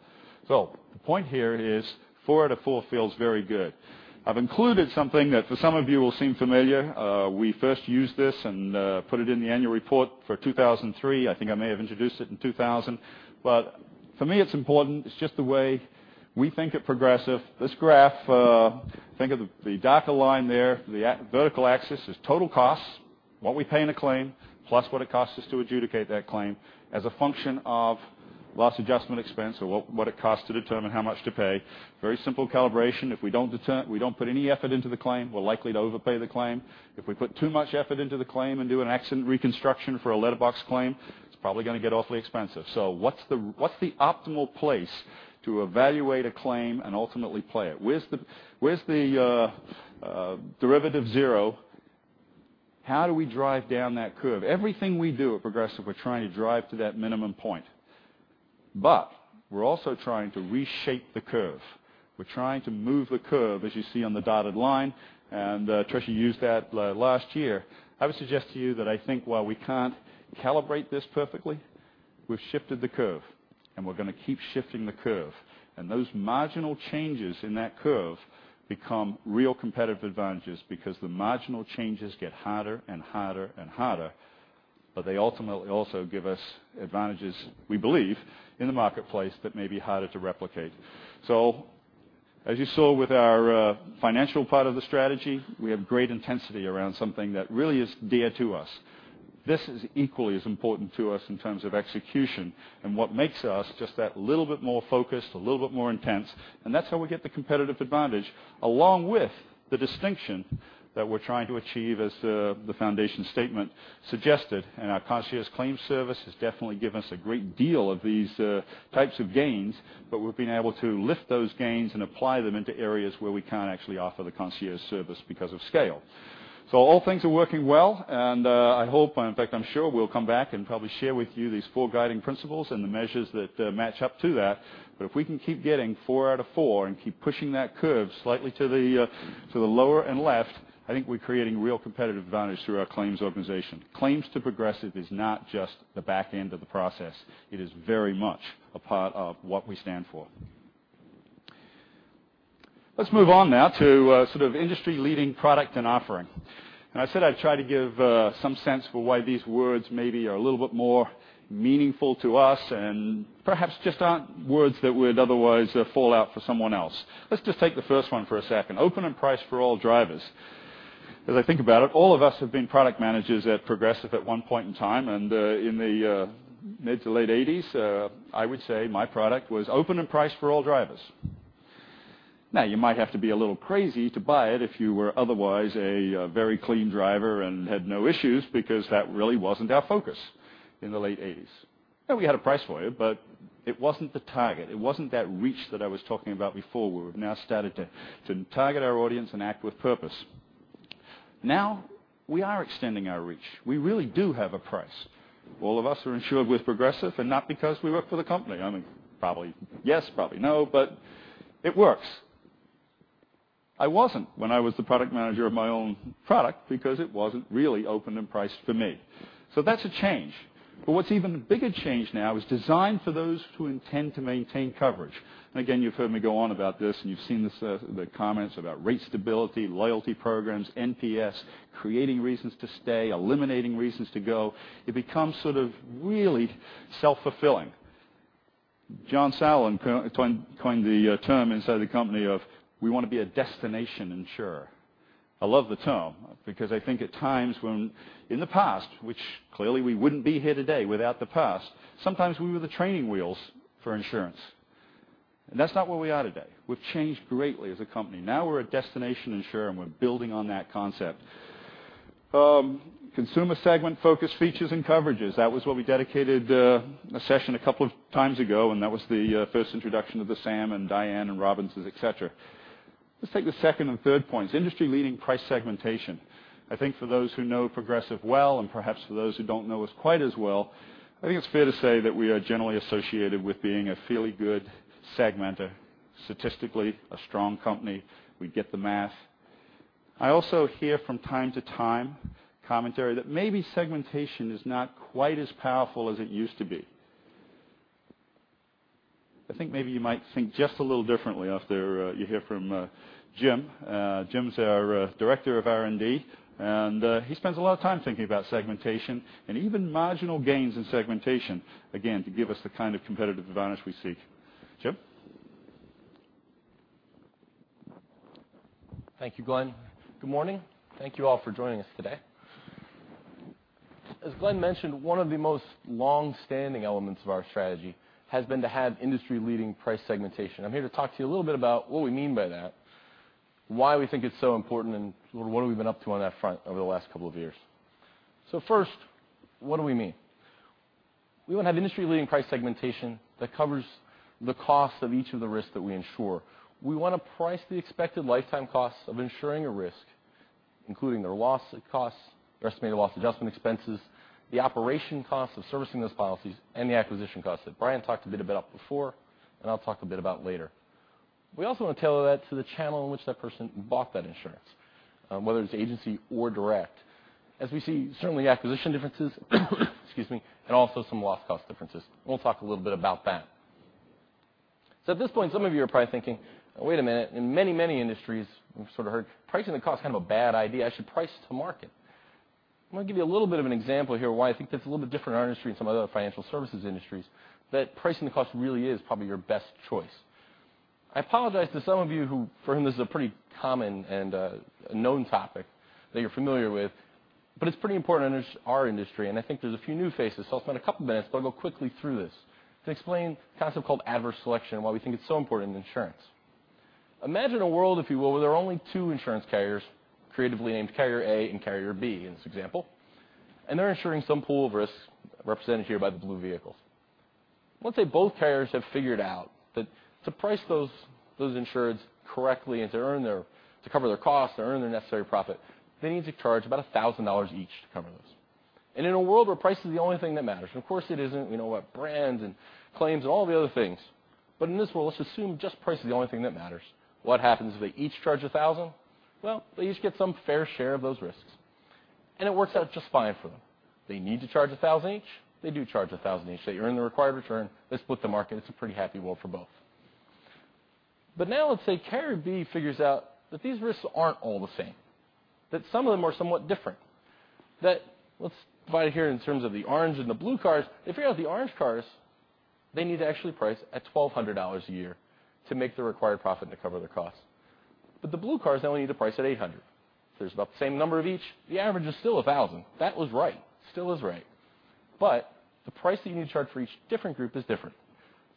The point here is four out of four feels very good. I've included something that for some of you will seem familiar. We first used this and put it in the annual report for 2003. I think I may have introduced it in 2000. For me, it's important. It's just the way we think at Progressive. This graph, think of the darker line there. The vertical axis is total cost, what we pay in a claim, plus what it costs us to adjudicate that claim as a function of loss adjustment expense or what it costs to determine how much to pay. Very simple calibration. If we don't put any effort into the claim, we're likely to overpay the claim. If we put too much effort into the claim and do an accident reconstruction for a letterbox claim, it's probably going to get awfully expensive. What's the optimal place to evaluate a claim, and ultimately pay it? Where's the derivative zero? How do we drive down that curve? Everything we do at Progressive, we're trying to drive to that minimum point. We're also trying to reshape the curve. We're trying to move the curve, as you see on the dotted line, and Tricia used that last year. I would suggest to you that I think while we can't calibrate this perfectly, we've shifted the curve, and we're going to keep shifting the curve. Those marginal changes in that curve become real competitive advantages because the marginal changes get harder and harder, they ultimately also give us advantages we believe in the marketplace that may be harder to replicate. As you saw with our financial part of the strategy, we have great intensity around something that really is dear to us. This is equally as important to us in terms of execution, what makes us just that little bit more focused, a little bit more intense, and that's how we get the competitive advantage, along with the distinction that we're trying to achieve as the foundation statement suggested. Our Concierge Claims Service has definitely given us a great deal of these types of gains, we've been able to lift those gains and apply them into areas where we can't actually offer the Concierge Service because of scale. All things are working well, I hope, in fact, I'm sure we'll come back and probably share with you these four guiding principles and the measures that match up to that. If we can keep getting four out of four and keep pushing that curve slightly to the lower and left, I think we're creating real competitive advantage through our claims organization. Claims to Progressive is not just the back end of the process. It is very much a part of what we stand for. Let's move on now to sort of industry-leading product and offering. I said I'd try to give some sense for why these words maybe are a little bit more meaningful to us and perhaps just aren't words that would otherwise fall out for someone else. Let's just take the first one for a second, open and price for all drivers. As I think about it, all of us have been product managers at Progressive at one point in time, and in the mid to late '80s, I would say my product was open and priced for all drivers. You might have to be a little crazy to buy it if you were otherwise a very clean driver and had no issues because that really wasn't our focus in the late '80s. We had a price for you, but it wasn't the target. It wasn't that reach that I was talking about before, where we've now started to target our audience and act with purpose. We are extending our reach. We really do have a price. All of us are insured with Progressive and not because we work for the company. I mean, probably yes, probably no, but it works. I wasn't when I was the product manager of my own product because it wasn't really open and priced for me. That's a change. What's even a bigger change now is designed for those who intend to maintain coverage. Again, you've heard me go on about this, and you've seen the comments about rate stability, loyalty programs, NPS, creating reasons to stay, eliminating reasons to go. It becomes sort of really self-fulfilling. John Sauerland coined the term inside the company of we want to be a destination insurer. I love the term because I think at times when in the past, which clearly we wouldn't be here today without the past, sometimes we were the training wheels for insurance, and that's not where we are today. We've changed greatly as a company. We're a destination insurer, and we're building on that concept. Consumer segment focus, features, and coverages. That was what we dedicated a session a couple of times ago, and that was the first introduction of the Sam and Diane and Robinsons, et cetera. Let's take the second and third points. Industry-leading price segmentation. I think for those who know Progressive well and perhaps for those who don't know us quite as well, I think it's fair to say that we are generally associated with being a fairly good segmenter, statistically a strong company. We get the math. I also hear from time to time commentary that maybe segmentation is not quite as powerful as it used to be. I think maybe you might think just a little differently after you hear from Jim. Jim's our director of R&D. He spends a lot of time thinking about segmentation and even marginal gains in segmentation, again, to give us the kind of competitive advantage we seek. Jim? Thank you, Glenn. Good morning. Thank you all for joining us today. As Glenn mentioned, one of the most longstanding elements of our strategy has been to have industry-leading price segmentation. I'm here to talk to you a little bit about what we mean by that, why we think it's so important, and what we've been up to on that front over the last couple of years. First, what do we mean? We want to have industry-leading price segmentation that covers the cost of each of the risks that we insure. We want to price the expected lifetime costs of insuring a risk, including their loss costs, their estimated loss adjustment expenses, the operation costs of servicing those policies, and the acquisition costs that Brian talked a bit about before, and I'll talk a bit about later. We also want to tailor that to the channel in which that person bought that insurance, whether it's agency or direct. As we see, certainly acquisition differences, excuse me, and also some loss cost differences, and we'll talk a little bit about that. At this point, some of you are probably thinking, wait a minute, in many, many industries, we've sort of heard pricing the cost is kind of a bad idea. I should price to market. I'm going to give you a little bit of an example here why I think that's a little bit different in our industry and some other financial services industries, that pricing the cost really is probably your best choice. I apologize to some of you who for whom this is a pretty common and a known topic that you're familiar with, but it's pretty important in our industry, and I think there's a few new faces. I'll spend a couple of minutes, but I'll go quickly through this to explain a concept called adverse selection and why we think it's so important in insurance. Imagine a world, if you will, where there are only two insurance carriers, creatively named Carrier A and Carrier B in this example, and they're insuring some pool of risks represented here by the blue vehicles. Let's say both carriers have figured out that to price those insureds correctly and to cover their costs or earn their necessary profit, they need to charge about $1,000 each to cover those. In a world where price is the only thing that matters, and of course it isn't. We know about brands and claims and all the other things. In this world, let's assume just price is the only thing that matters. What happens if they each charge $1,000? Well, they each get some fair share of those risks, and it works out just fine for them. They need to charge $1,000 each. They do charge $1,000 each. They earn the required return. They split the market. It's a pretty happy world for both. Now let's say Carrier B figures out that these risks aren't all the same, that some of them are somewhat different. That let's divide it here in terms of the orange and the blue cars. They figure out the orange cars, they need to actually price at $1,200 a year to make the required profit to cover their costs. The blue cars, they only need to price at $800. There's about the same number of each. The average is still $1,000. That was right. Still is right. The price that you need to charge for each different group is different.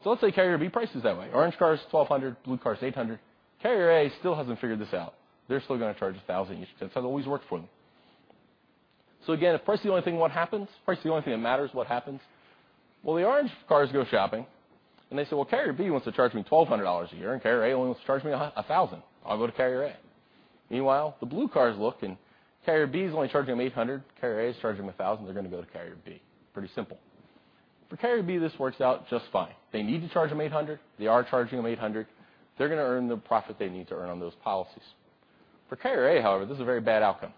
Let's say Carrier B prices that way. Orange cars, $1,200, blue cars, $800. Carrier A still hasn't figured this out. They're still going to charge $1,000 each since that's how it always worked for them. Again, if price is the only thing that matters, what happens? Well, the orange cars go shopping, and they say, "Well, Carrier B wants to charge me $1,200 a year, and Carrier A only wants to charge me $1,000. I'll go to Carrier A." Meanwhile, the blue cars look, and Carrier B is only charging them $800. Carrier A is charging them $1,000. They're going to go to Carrier B. Pretty simple. For Carrier B, this works out just fine. They need to charge them $800. They are charging them $800. They're going to earn the profit they need to earn on those policies. For Carrier A, however, this is a very bad outcome.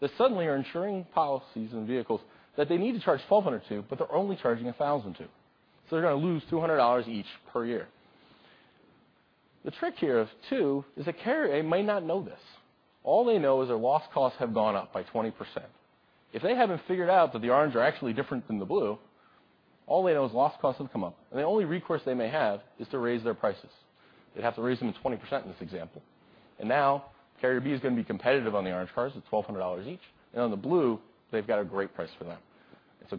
They suddenly are insuring policies and vehicles that they need to charge $1,200 to, but they're only charging $1,000 to. They're going to lose $200 each per year. The trick here, too, is that Carrier A may not know this. All they know is their loss costs have gone up by 20%. If they haven't figured out that the orange are actually different than the blue, all they know is loss costs have come up, and the only recourse they may have is to raise their prices. They'd have to raise them to 20% in this example. Now Carrier B is going to be competitive on the orange cars at $1,200 each, and on the blue, they've got a great price for them.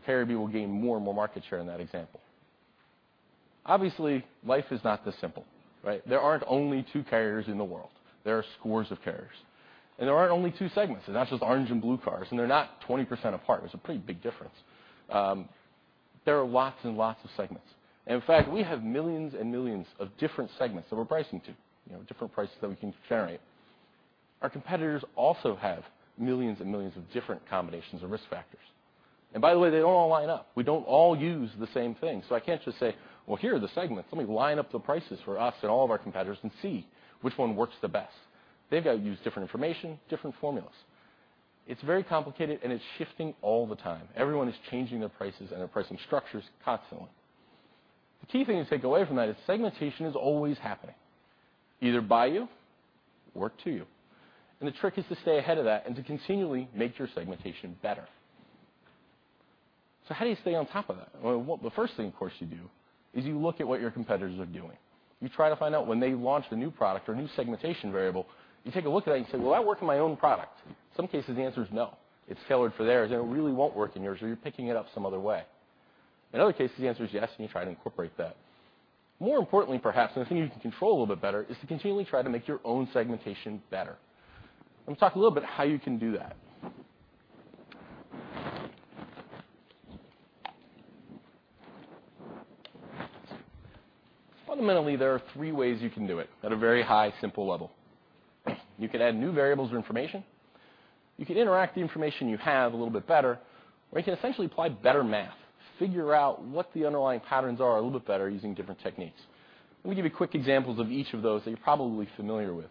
Carrier B will gain more and more market share in that example. Obviously, life is not this simple, right? There aren't only two carriers in the world. There are scores of carriers. There aren't only two segments. That's just orange and blue cars, and they're not 20% apart. It's a pretty big difference. There are lots and lots of segments. In fact, we have millions and millions of different segments that we're pricing to, different prices that we can generate. Our competitors also have millions and millions of different combinations of risk factors. By the way, they don't all line up. We don't all use the same thing. I can't just say, "Well, here are the segments. Let me line up the prices for us and all of our competitors and see which one works the best." They've got to use different information, different formulas. It's very complicated, and it's shifting all the time. Everyone is changing their prices and their pricing structures constantly. The key thing to take away from that is segmentation is always happening, either by you or to you. The trick is to stay ahead of that and to continually make your segmentation better. How do you stay on top of that? Well, the first thing, of course, you do is you look at what your competitors are doing. You try to find out when they launch a new product or a new segmentation variable, you take a look at that, and you say, "Will that work in my own product?" In some cases, the answer is no. It's tailored for theirs, and it really won't work in yours, or you're picking it up some other way. In other cases, the answer is yes, and you try to incorporate that. More importantly, perhaps, and the thing you can control a little bit better is to continually try to make your own segmentation better. Let me talk a little bit how you can do that. Fundamentally, there are three ways you can do it at a very high, simple level. You could add new variables or information, you could interact the information you have a little bit better, or you can essentially apply better math, figure out what the underlying patterns are a little bit better using different techniques. Let me give you quick examples of each of those that you're probably familiar with.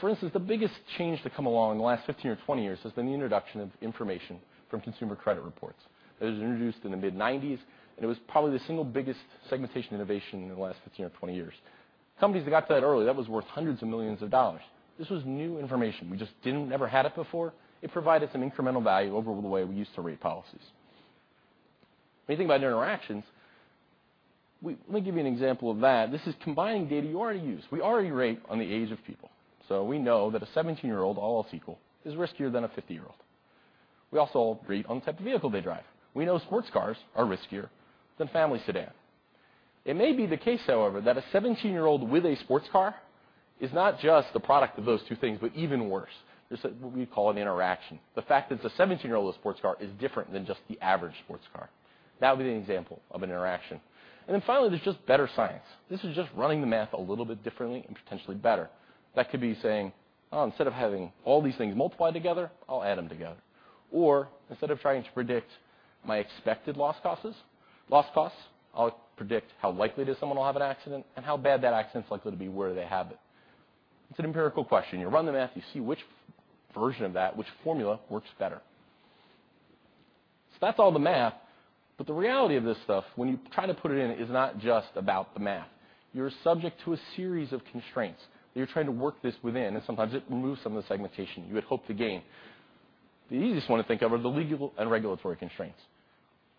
For instance, the biggest change to come along in the last 15 or 20 years has been the introduction of information from consumer credit reports. It was introduced in the mid-'90s, and it was probably the single biggest segmentation innovation in the last 15 or 20 years. Companies that got to that early, that was worth hundreds of millions of dollars. This was new information. We just never had it before. It provided some incremental value over the way we used to rate policies. When you think about interactions, let me give you an example of that. This is combining data you already use. We already rate on the age of people. We know that a 17-year-old, all else equal, is riskier than a 50-year-old. We also rate on the type of vehicle they drive. We know sports cars are riskier than family sedan. It may be the case, however, that a 17-year-old with a sports car is not just the product of those two things, but even worse. This is what we call an interaction. The fact that it's a 17-year-old with a sports car is different than just the average sports car. That would be an example of an interaction. Then finally, there's just better science. This is just running the math a little bit differently and potentially better. That could be saying, instead of having all these things multiplied together, I'll add them together. Instead of trying to predict my expected loss costs, I'll predict how likely someone will have an accident and how bad that accident is likely to be where they have it. It's an empirical question. You run the math, you see which version of that, which formula works better. That's all the math, but the reality of this stuff when you try to put it in is not just about the math. You're subject to a series of constraints that you're trying to work this within, and sometimes it removes some of the segmentation you had hoped to gain. The easiest one to think of are the legal and regulatory constraints.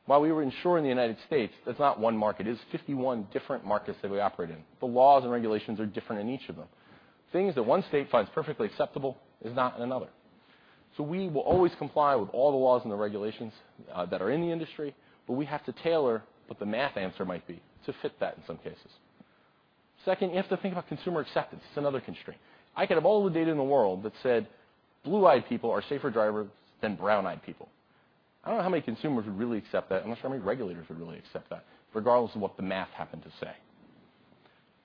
While we were insuring the U.S., that's not one market. It is 51 different markets that we operate in. The laws and regulations are different in each of them. Things that one state finds perfectly acceptable is not in another. We will always comply with all the laws and the regulations that are in the industry, but we have to tailor what the math answer might be to fit that in some cases. Second, you have to think about consumer acceptance. It's another constraint. I could have all the data in the world that said blue-eyed people are safer drivers than brown-eyed people. I don't know how many consumers would really accept that. I'm not sure how many regulators would really accept that, regardless of what the math happened to say.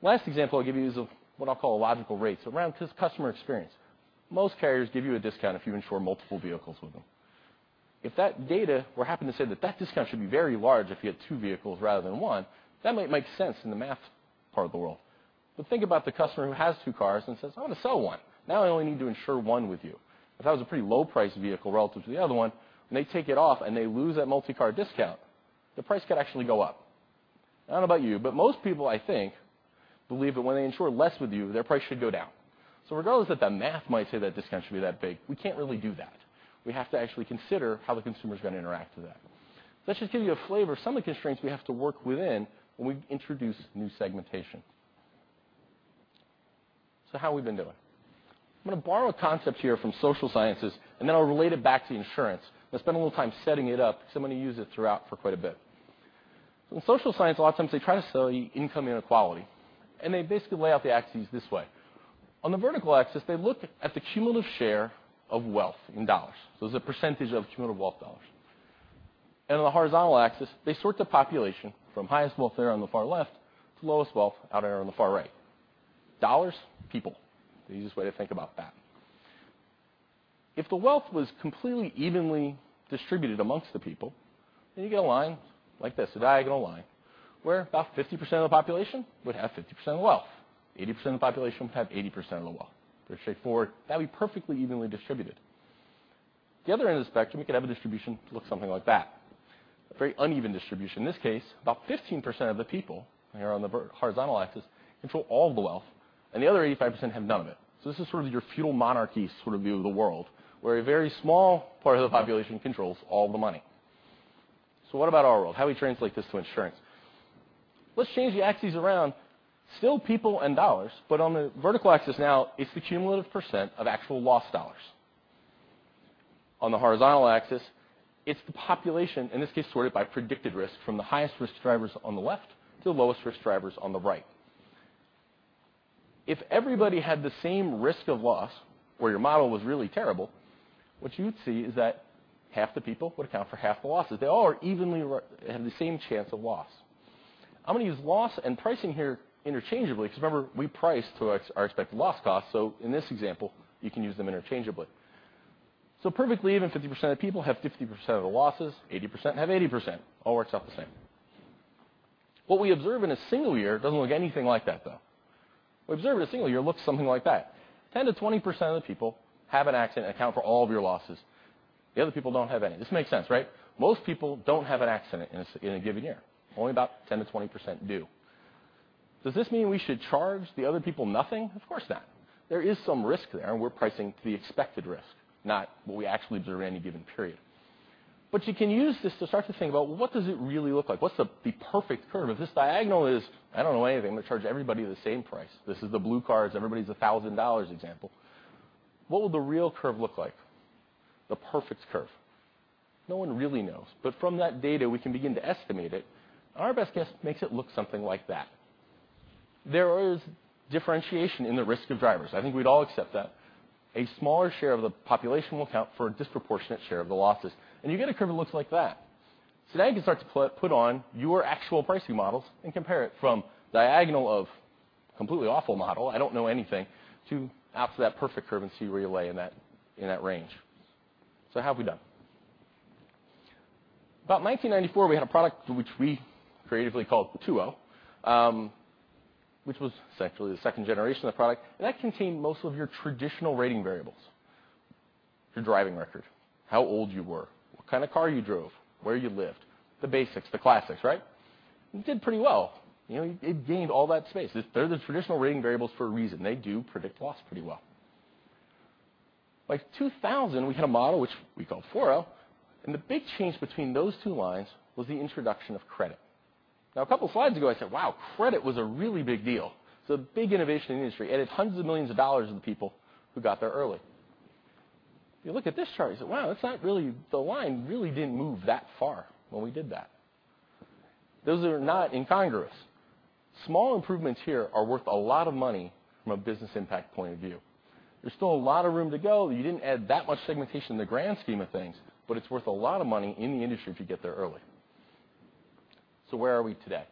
Last example I'll give you is of what I'll call a logical rate. Around customer experience. Most carriers give you a discount if you insure multiple vehicles with them. If that data were happen to say that that discount should be very large if you had two vehicles rather than one, that might make sense in the math part of the world. Think about the customer who has two cars and says, "I want to sell one. Now I only need to insure one with you." If that was a pretty low price vehicle relative to the other one, when they take it off and they lose that multi-car discount, the price could actually go up. I don't know about you, but most people, I think, believe that when they insure less with you, their price should go down. Regardless that the math might say that discount should be that big, we can't really do that. We have to actually consider how the consumer is going to interact to that. That should give you a flavor of some of the constraints we have to work within when we introduce new segmentation. How have we been doing? I'm going to borrow a concept here from social sciences, I'll relate it back to insurance, and spend a little time setting it up because I'm going to use it throughout for quite a bit. In social science, a lot of times they try to show you income inequality, they basically lay out the axes this way. On the vertical axis, they look at the cumulative share of wealth in dollars. It's a percentage of cumulative wealth dollars. On the horizontal axis, they sort the population from highest wealth there on the far left to lowest wealth out there on the far right. Dollars, people. The easiest way to think about that. If the wealth was completely evenly distributed amongst the people, then you get a line like this, a diagonal line, where about 50% of the population would have 50% of the wealth, 80% of the population would have 80% of the wealth. Very straightforward. That would be perfectly evenly distributed. The other end of the spectrum, you could have a distribution look something like that. A very uneven distribution. In this case, about 15% of the people, here on the horizontal axis, control all the wealth, and the other 85% have none of it. This is your feudal monarchy view of the world, where a very small part of the population controls all the money. What about our world? How do we translate this to insurance? Let's change the axes around. Still people and dollars, but on the vertical axis now is the cumulative percent of actual loss dollars. On the horizontal axis, it's the population, in this case, sorted by predicted risk, from the highest risk drivers on the left to the lowest risk drivers on the right. If everybody had the same risk of loss, or your model was really terrible, what you would see is that half the people would account for half the losses. They all have the same chance of loss. I'm going to use loss and pricing here interchangeably because remember, we price to our expected loss cost, so in this example, you can use them interchangeably. Perfectly even 50% of people have 50% of the losses, 80% have 80%. All works out the same. What we observe in a single year doesn't look anything like that, though. What we observe in a single year looks something like that. 10%-20% of the people have an accident and account for all of your losses. The other people don't have any. This makes sense, right? Most people don't have an accident in a given year. Only about 10%-20% do. Does this mean we should charge the other people nothing? Of course not. There is some risk there, and we're pricing to the expected risk, not what we actually observe in any given period. You can use this to start to think about what does it really look like? What's the perfect curve? If this diagonal is, I don't know anything, I'm going to charge everybody the same price. This is the blue cars, everybody's $1,000 example. What would the real curve look like? The perfect curve. No one really knows. From that data, we can begin to estimate it. Our best guess makes it look something like that. There is differentiation in the risk of drivers. I think we'd all accept that. A smaller share of the population will account for a disproportionate share of the losses. You get a curve that looks like that. Now you can start to put on your actual pricing models and compare it from diagonal of completely awful model, I don't know anything, to out to that perfect curve and see where you lay in that range. How have we done? About 1994, we had a product which we creatively called 2.0, which was actually the second generation of the product, and that contained most of your traditional rating variables. Your driving record, how old you were, what kind of car you drove, where you lived. The basics, the classics, right? It did pretty well. It gained all that space. They're the traditional rating variables for a reason. They do predict loss pretty well. By 2000, we had a model which we called 4.0, and the big change between those two lines was the introduction of credit. A couple slides ago, I said, wow, credit was a really big deal. It's a big innovation in the industry, and it's hundreds of millions of dollars of the people who got there early. If you look at this chart, you say, wow, the line really didn't move that far when we did that. Those are not incongruous. Small improvements here are worth a lot of money from a business impact point of view. There's still a lot of room to go, that you didn't add that much segmentation in the grand scheme of things, but it's worth a lot of money in the industry if you get there early. Where are we today?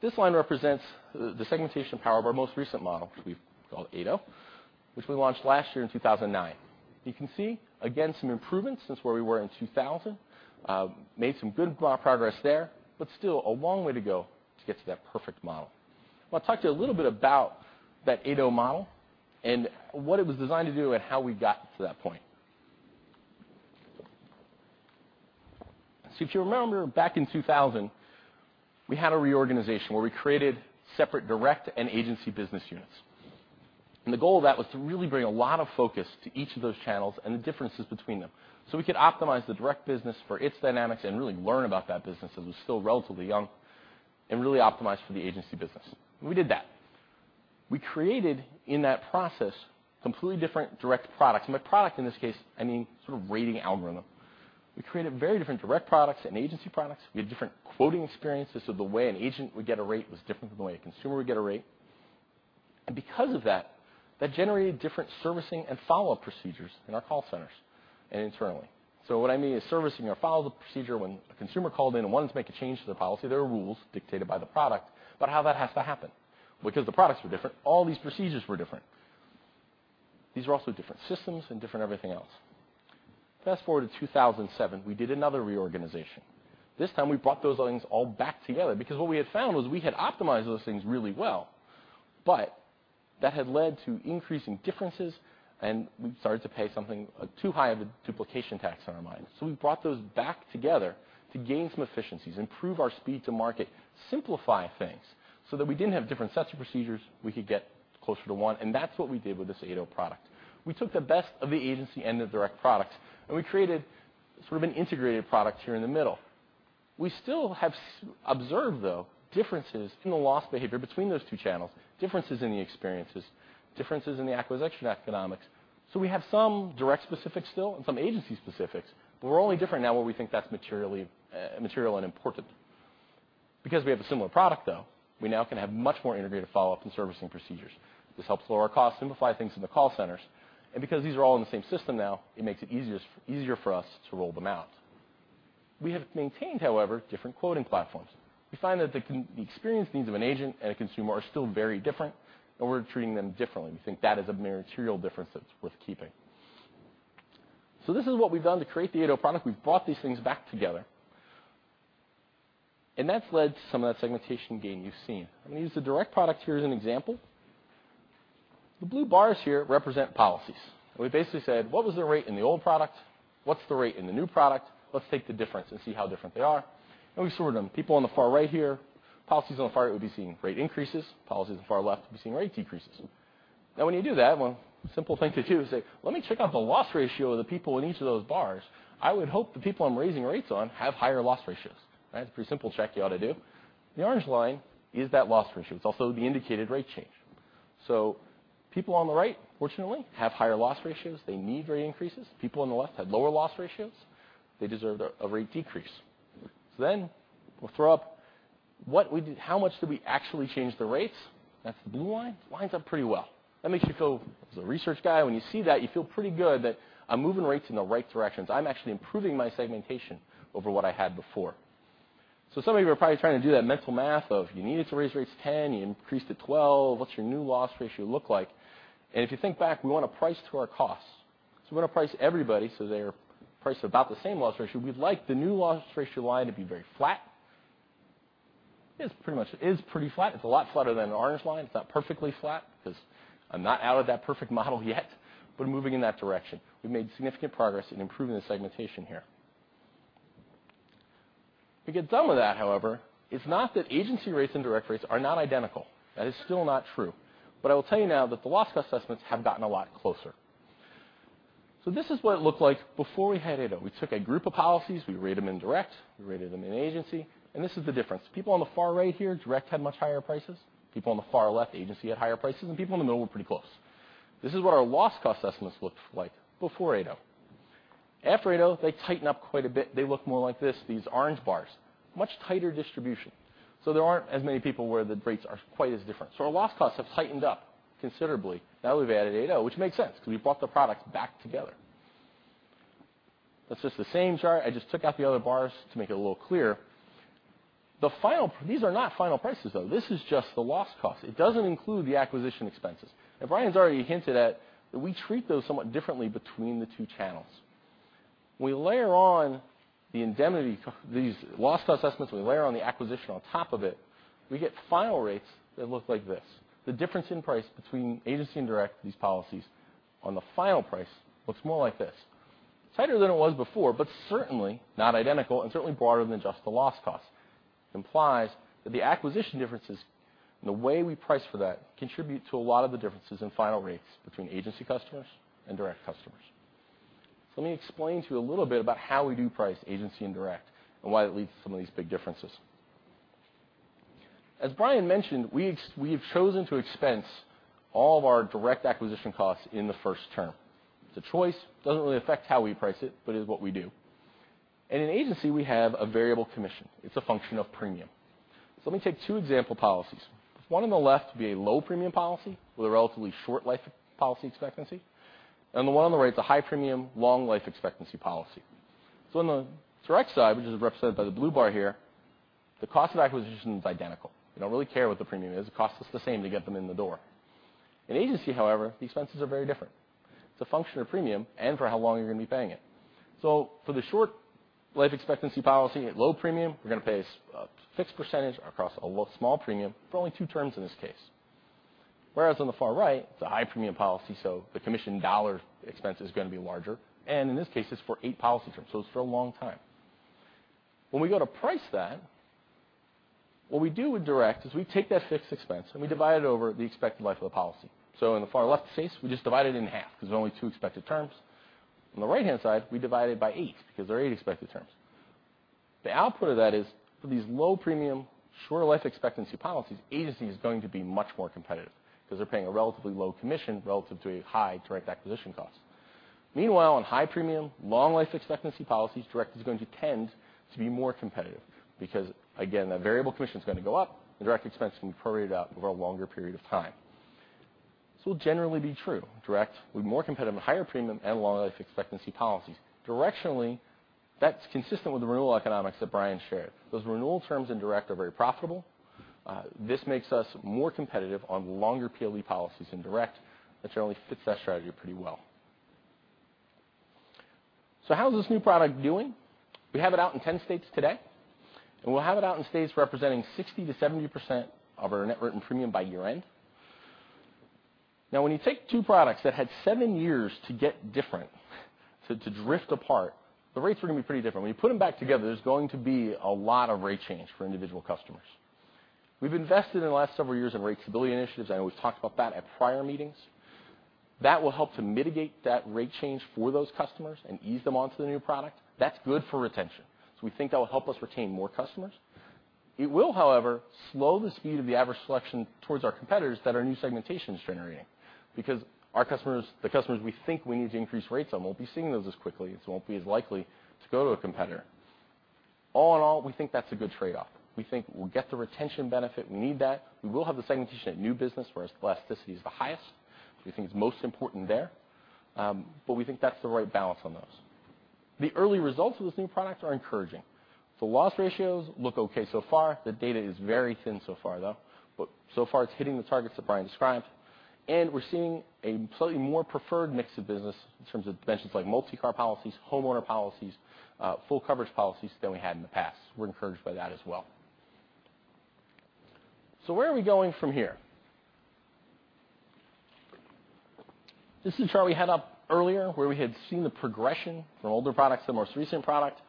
This line represents the segmentation power of our most recent model, which we've called 8.0, which we launched last year in 2009. You can see, again, some improvements since where we were in 2000. Made some good progress there, but still a long way to go to get to that perfect model. I want to talk to you a little bit about that 8.0 model, and what it was designed to do and how we got to that point. If you remember back in 2000, we had a reorganization where we created separate direct and agency business units. The goal of that was to really bring a lot of focus to each of those channels and the differences between them, so we could optimize the direct business for its dynamics and really learn about that business as it was still relatively young and really optimize for the agency business. We did that. We created, in that process, completely different direct products. By product in this case, I mean rating algorithm. We created very different direct products and agency products. We had different quoting experiences, so the way an agent would get a rate was different from the way a consumer would get a rate. Because of that generated different servicing and follow-up procedures in our call centers and internally. What I mean is servicing or follow-up procedure when a consumer called in and wanted to make a change to their policy, there are rules dictated by the product about how that has to happen. Because the products were different, all these procedures were different. These were also different systems and different everything else. Fast-forward to 2007, we did another reorganization. This time, we brought those things all back together because what we had found was we had optimized those things really well, but that had led to increasing differences, and we started to pay something too high of a duplication tax on our minds. We brought those back together to gain some efficiencies, improve our speed to market, simplify things so that we didn't have different sets of procedures, we could get closer to one, and that's what we did with this 8.0 product. We took the best of the agency and the direct products, we created an integrated product here in the middle. We still have observed, though, differences in the loss behavior between those two channels, differences in the experiences, differences in the acquisition economics. We have some direct specifics still and some agency specifics, but we're only different now where we think that's material and important. Because we have a similar product, though, we now can have much more integrated follow-up and servicing procedures. This helps lower our costs, simplify things in the call centers, and because these are all in the same system now, it makes it easier for us to roll them out. We have maintained, however, different quoting platforms. We find that the experience needs of an agent and a consumer are still very different, and we're treating them differently. We think that is a material difference that's worth keeping. This is what we've done to create the ADO product. We've brought these things back together. That's led to some of that segmentation gain you've seen. I'm going to use the direct product here as an example. The blue bars here represent policies. We basically said, what was the rate in the old product? What's the rate in the new product? Let's take the difference and see how different they are, and we sort them. People on the far right here, policies on the far right will be seeing rate increases, policies on the far left will be seeing rate decreases. When you do that, one simple thing to do is say, let me check out the loss ratio of the people in each of those bars. I would hope the people I'm raising rates on have higher loss ratios. Right? It's a pretty simple check you ought to do. The orange line is that loss ratio. It's also the indicated rate change. People on the right, fortunately, have higher loss ratios. They need rate increases. People on the left had lower loss ratios. They deserved a rate decrease. We'll throw up what we did-- how much did we actually change the rates? That's the blue line. Lines up pretty well. That makes you feel, as a research guy, when you see that, you feel pretty good that I'm moving rates in the right directions. I'm actually improving my segmentation over what I had before. Some of you are probably trying to do that mental math of, you needed to raise rates 10, you increased to 12. What's your new loss ratio look like? If you think back, we want to price to our costs. We want to price everybody, so they are priced about the same loss ratio. We'd like the new loss ratio line to be very flat. It is pretty flat. It's a lot flatter than an orange line. It's not perfectly flat because I'm not out of that perfect model yet, but moving in that direction. We've made significant progress in improving the segmentation here. To get done with that, however, it's not that agency rates and direct rates are not identical. That is still not true. I will tell you now that the loss assessments have gotten a lot closer. This is what it looked like before we had ADO. We took a group of policies, we rated them in direct, we rated them in agency, and this is the difference. People on the far right here, direct had much higher prices. People on the far left, agency had higher prices, people in the middle were pretty close. This is what our loss cost estimates looked like before ADO. After ADO, they tighten up quite a bit. They look more like this, these orange bars. Much tighter distribution. There aren't as many people where the rates are quite as different. Our loss costs have tightened up considerably now that we have added ADO, which makes sense because we brought the products back together. That is just the same chart. I just took out the other bars to make it a little clearer. These are not final prices, though. This is just the loss cost. It does not include the acquisition expenses. Brian has already hinted at that we treat those somewhat differently between the two channels. We layer on the indemnity, these loss assessments, we layer on the acquisition on top of it, we get final rates that look like this. The difference in price between agency and direct, these policies on the final price looks more like this. Tighter than it was before, but certainly not identical and certainly broader than just the loss cost. Implies that the acquisition differences and the way we price for that contribute to a lot of the differences in final rates between agency customers and direct customers. Let me explain to you a little bit about how we do price agency and direct, and why it leads to some of these big differences. As Brian mentioned, we have chosen to expense all of our direct acquisition costs in the first term. It is a choice. Does not really affect how we price it, but it is what we do. In agency, we have a variable commission. It is a function of premium. Let me take two example policies. One on the left will be a low premium policy with a relatively short life policy expectancy. The one on the right is a high premium, long life expectancy policy. On the direct side, which is represented by the blue bar here, the cost of acquisition is identical. We do not really care what the premium is. It costs us the same to get them in the door. In agency, however, the expenses are very different. It is a function of premium and for how long you are going to be paying it. For the short life expectancy policy at low premium, we are going to pay a fixed percentage across a small premium for only two terms in this case. Whereas on the far right, it is a high premium policy, the commission dollar expense is going to be larger. In this case, it is for eight policy terms, it is for a long time. When we go to price that, what we do with direct is we take that fixed expense and we divide it over the expected life of the policy. In the far left case, we just divide it in half because there are only two expected terms. On the right-hand side, we divide it by eight because there are eight expected terms. The output of that is for these low premium, short life expectancy policies, agency is going to be much more competitive because they're paying a relatively low commission relative to a high direct acquisition cost. Meanwhile, on high premium, long life expectancy policies, direct is going to tend to be more competitive because, again, that variable commission is going to go up and direct expense can be prorated out over a longer period of time. This will generally be true. Direct will be more competitive at higher premium and long life expectancy policies. Directionally, that's consistent with the renewal economics that Brian shared. Those renewal terms in direct are very profitable. This makes us more competitive on longer PLE policies in direct, which only fits that strategy pretty well. How's this new product doing? We have it out in 10 states today, and we'll have it out in states representing 60%-70% of our net written premium by year-end. When you take two products that had seven years to get different, to drift apart, the rates are going to be pretty different. When you put them back together, there's going to be a lot of rate change for individual customers. We've invested in the last several years in rate stability initiatives. I know we've talked about that at prior meetings. That will help to mitigate that rate change for those customers and ease them onto the new product. That's good for retention. We think that will help us retain more customers. It will, however, slow the speed of the adverse selection towards our competitors that our new segmentation is generating because our customers, the customers we think we need to increase rates on, won't be seeing those as quickly, so won't be as likely to go to a competitor. All in all, we think that's a good trade-off. We think we'll get the retention benefit. We need that. We will have the segmentation at new business where elasticity is the highest because we think it's most important there. We think that's the right balance on those. The early results of this new product are encouraging. The loss ratios look okay so far. The data is very thin so far, though. So far, it's hitting the targets that Brian described, and we're seeing a slightly more preferred mix of business in terms of dimensions like multi-car policies, homeowner policies, full coverage policies than we had in the past. We're encouraged by that as well. Where are we going from here? This is a chart we had up earlier, where we had seen the progression from older products to the most recent product.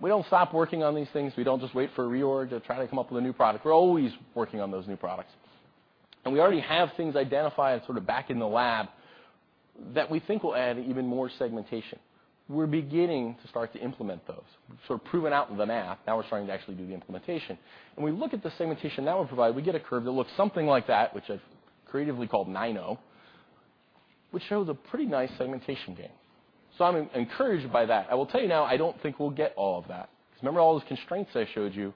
We don't stop working on these things. We don't just wait for a reorg to try to come up with a new product. We're always working on those new products. We already have things identified sort of back in the lab that we think will add even more segmentation. We're beginning to start to implement those. Sort of proven out the math, now we're starting to actually do the implementation. When we look at the segmentation that will provide, we get a curve that looks something like that, which I've creatively called nine-zero, which shows a pretty nice segmentation gain. I'm encouraged by that. I will tell you now, I don't think we'll get all of that because remember all those constraints I showed you,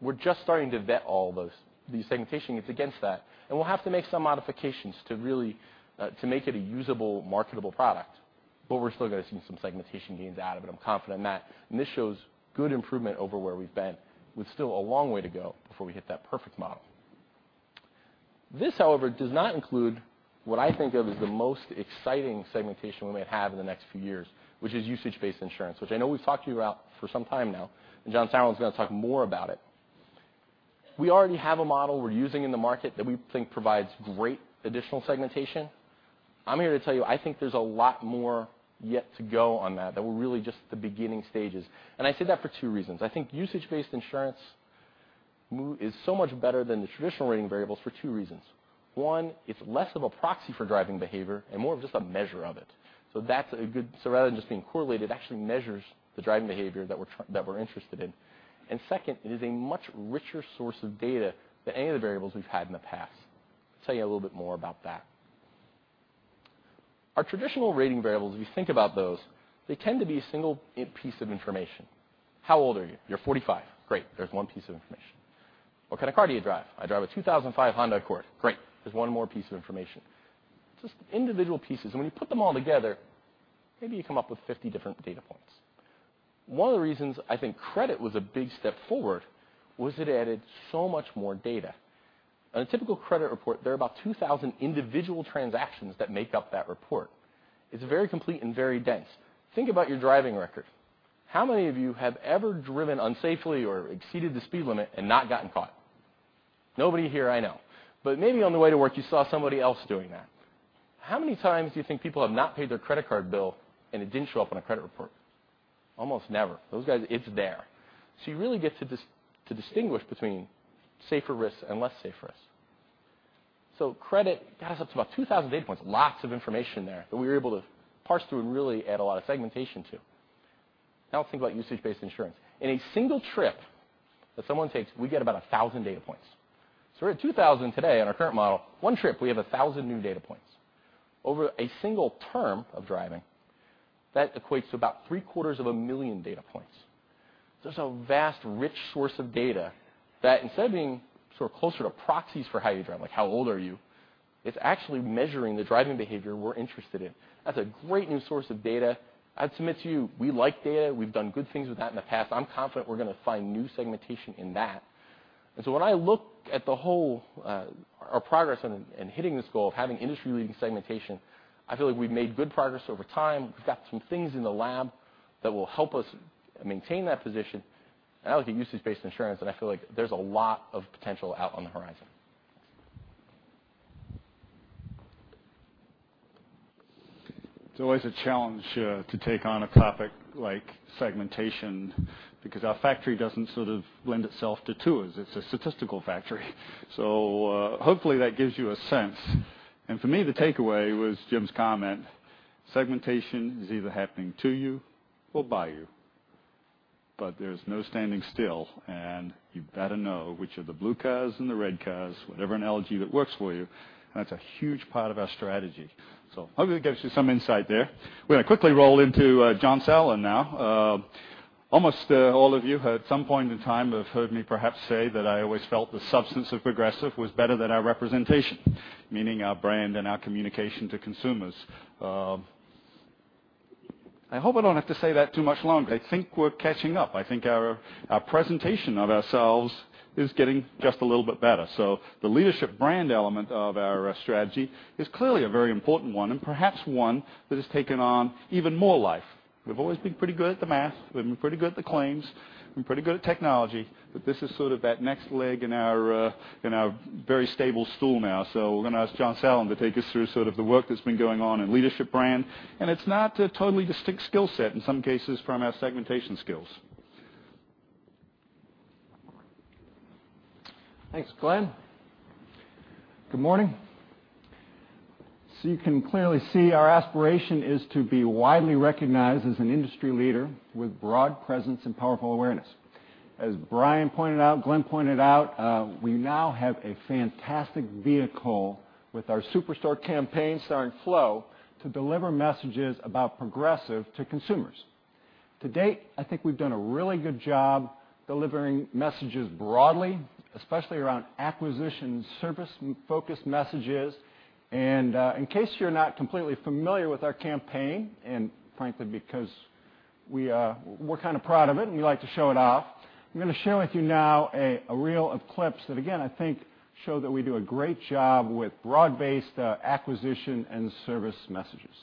we're just starting to vet all those. The segmentation is against that, we'll have to make some modifications to really make it a usable, marketable product. We're still going to see some segmentation gains out of it. I'm confident in that, this shows good improvement over where we've been, with still a long way to go before we hit that perfect model. This, however, does not include what I think of as the most exciting segmentation we may have in the next few years, which is usage-based insurance, which I know we've talked to you about for some time now, John Sauerland is going to talk more about it. We already have a model we're using in the market that we think provides great additional segmentation. I'm here to tell you, I think there's a lot more yet to go on that we're really just at the beginning stages. I say that for two reasons. I think usage-based insurance is so much better than the traditional rating variables for two reasons. One, it's less of a proxy for driving behavior and more of just a measure of it. Rather than just being correlated, it actually measures the driving behavior that we're interested in. Second, it is a much richer source of data than any of the variables we've had in the past. I'll tell you a little bit more about that. Our traditional rating variables, if you think about those, they tend to be a single piece of information. How old are you? You're 45. Great. There's one piece of information. What kind of car do you drive? I drive a 2005 Honda Accord. Great. There's one more piece of information. Just individual pieces, and when you put them all together, maybe you come up with 50 different data points. One of the reasons I think credit was a big step forward was it added so much more data. On a typical credit report, there are about 2,000 individual transactions that make up that report. It's very complete and very dense. Think about your driving record. How many of you have ever driven unsafely or exceeded the speed limit and not gotten caught? Nobody here I know. Maybe on the way to work, you saw somebody else doing that. How many times do you think people have not paid their credit card bill, and it didn't show up on a credit report? Almost never. Those guys, it's there. You really get to distinguish between safer risks and less safe risks. Credit has up to about 2,000 data points, lots of information there that we were able to parse through and really add a lot of segmentation to. Now think about usage-based insurance. In a single trip that someone takes, we get about 1,000 data points. We're at 2,000 today on our current model. One trip, we have 1,000 new data points. Over a single term of driving, that equates to about three-quarters of a million data points. It's a vast, rich source of data that instead of being closer to proxies for how you drive, like how old are you, it's actually measuring the driving behavior we're interested in. That's a great new source of data. I'd submit to you, we like data. We've done good things with that in the past. I'm confident we're going to find new segmentation in that. When I look at the whole, our progress in hitting this goal of having industry-leading segmentation, I feel like we've made good progress over time. We've got some things in the lab that will help us maintain that position. With the usage-based insurance, I feel like there's a lot of potential out on the horizon. It's always a challenge to take on a topic like segmentation because our factory doesn't sort of lend itself to tools. It's a statistical factory. Hopefully that gives you a sense. For me, the takeaway was Jim's comment, segmentation is either happening to you or by you, there's no standing still, you better know which are the blue cows and the red cows, whatever analogy that works for you. That's a huge part of our strategy. Hopefully that gives you some insight there. We're going to quickly roll into John Sauerland now. Almost all of you at some point in time have heard me perhaps say that I always felt the substance of Progressive was better than our representation, meaning our brand and our communication to consumers. I hope I don't have to say that too much longer. I think we're catching up. I think our presentation of ourselves is getting just a little bit better. The Leadership Brand element of our strategy is clearly a very important one, perhaps one that has taken on even more life. We've always been pretty good at the math, we've been pretty good at the claims, been pretty good at technology, this is sort of that next leg in our very stable stool now. We're going to ask John Sauerland to take us through sort of the work that's been going on in Leadership Brand, it's not a totally distinct skill set in some cases from our segmentation skills. Thanks, Glenn. Good morning. You can clearly see our aspiration is to be widely recognized as an industry leader with broad presence and powerful awareness. As Brian pointed out, Glenn pointed out, we now have a fantastic vehicle with our Superstore campaign starring Flo to deliver messages about Progressive to consumers. To date, I think we've done a really good job delivering messages broadly, especially around acquisitions, service focused messages. In case you're not completely familiar with our campaign, frankly, because we're kind of proud of it, we like to show it off, I'm going to share with you now a reel of clips that, again, I think show that we do a great job with broad-based acquisition and service messages.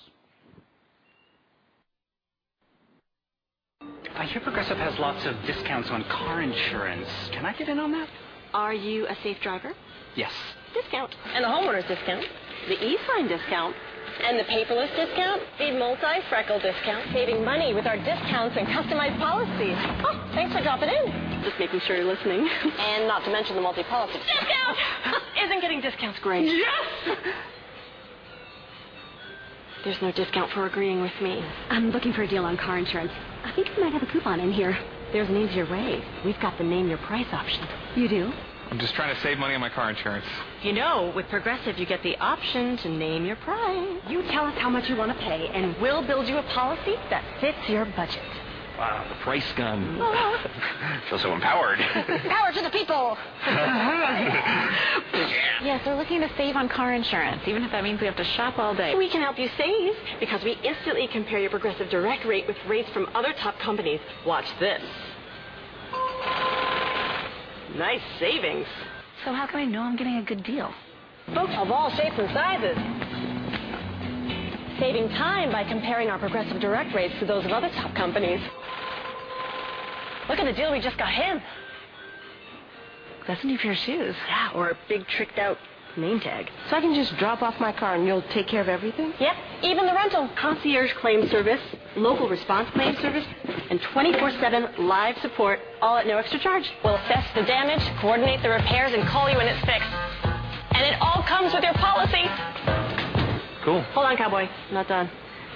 I hear Progressive has lots of discounts on car insurance. Can I get in on that? Are you a safe driver? Yes. Discount. A homeowner's discount. The e-sign discount, and the paperless discount. The multi-freckle discount. Saving money with our discounts and customized policies. Oh, thanks for dropping in. Just making sure you're listening. Not to mention the multi-policy- Discount. Isn't getting discounts great? Yes. There's no discount for agreeing with me. I'm looking for a deal on car insurance. I think we might have a coupon in here. There's an easier way. We've got the Name Your Price option. You do? I'm just trying to save money on my car insurance. You know, with Progressive, you get the option to Name Your Price. You tell us how much you want to pay. We'll build you a policy that fits your budget. Wow. The price gun. Feel so empowered. Power to the people. Yes, we're looking to save on car insurance, even if that means we have to shop all day. We can help you save because we instantly compare your Progressive Direct rate with rates from other top companies. Watch this. Nice savings. How can I know I'm getting a good deal? Folks of all shapes and sizes. Saving time by comparing our Progressive Direct rates to those of other top companies. Look at the deal we just got him. That's a new pair of shoes. Yeah, or a big tricked-out name tag. I can just drop off my car, and you'll take care of everything? Yep, even the rental. Concierge Claims Service, local response claim service, and twenty-four/seven live support, all at no extra charge. We'll assess the damage, coordinate the repairs, and call you when it's fixed. It all comes with your policy. Cool. Hold on, cowboy. I'm not done.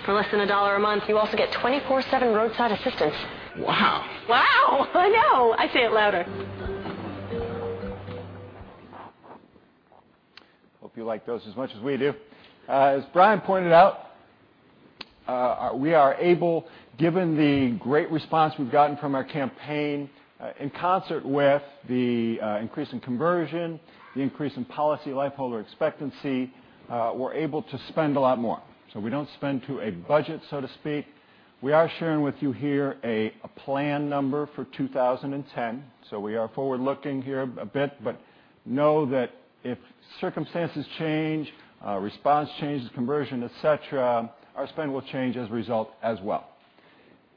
For less than $1 a month, you also get 24/7 roadside assistance. Wow. Wow. I know. I'd say it louder. Hope you like those as much as we do. As Brian pointed out, we are able, given the great response we've gotten from our campaign, in concert with the increase in conversion, the increase in policy life expectancy, we're able to spend a lot more. We don't spend to a budget, so to speak. We are sharing with you here a plan number for 2010, we are forward-looking here a bit. Know that if circumstances change, response changes, conversion, et cetera, our spend will change as a result as well.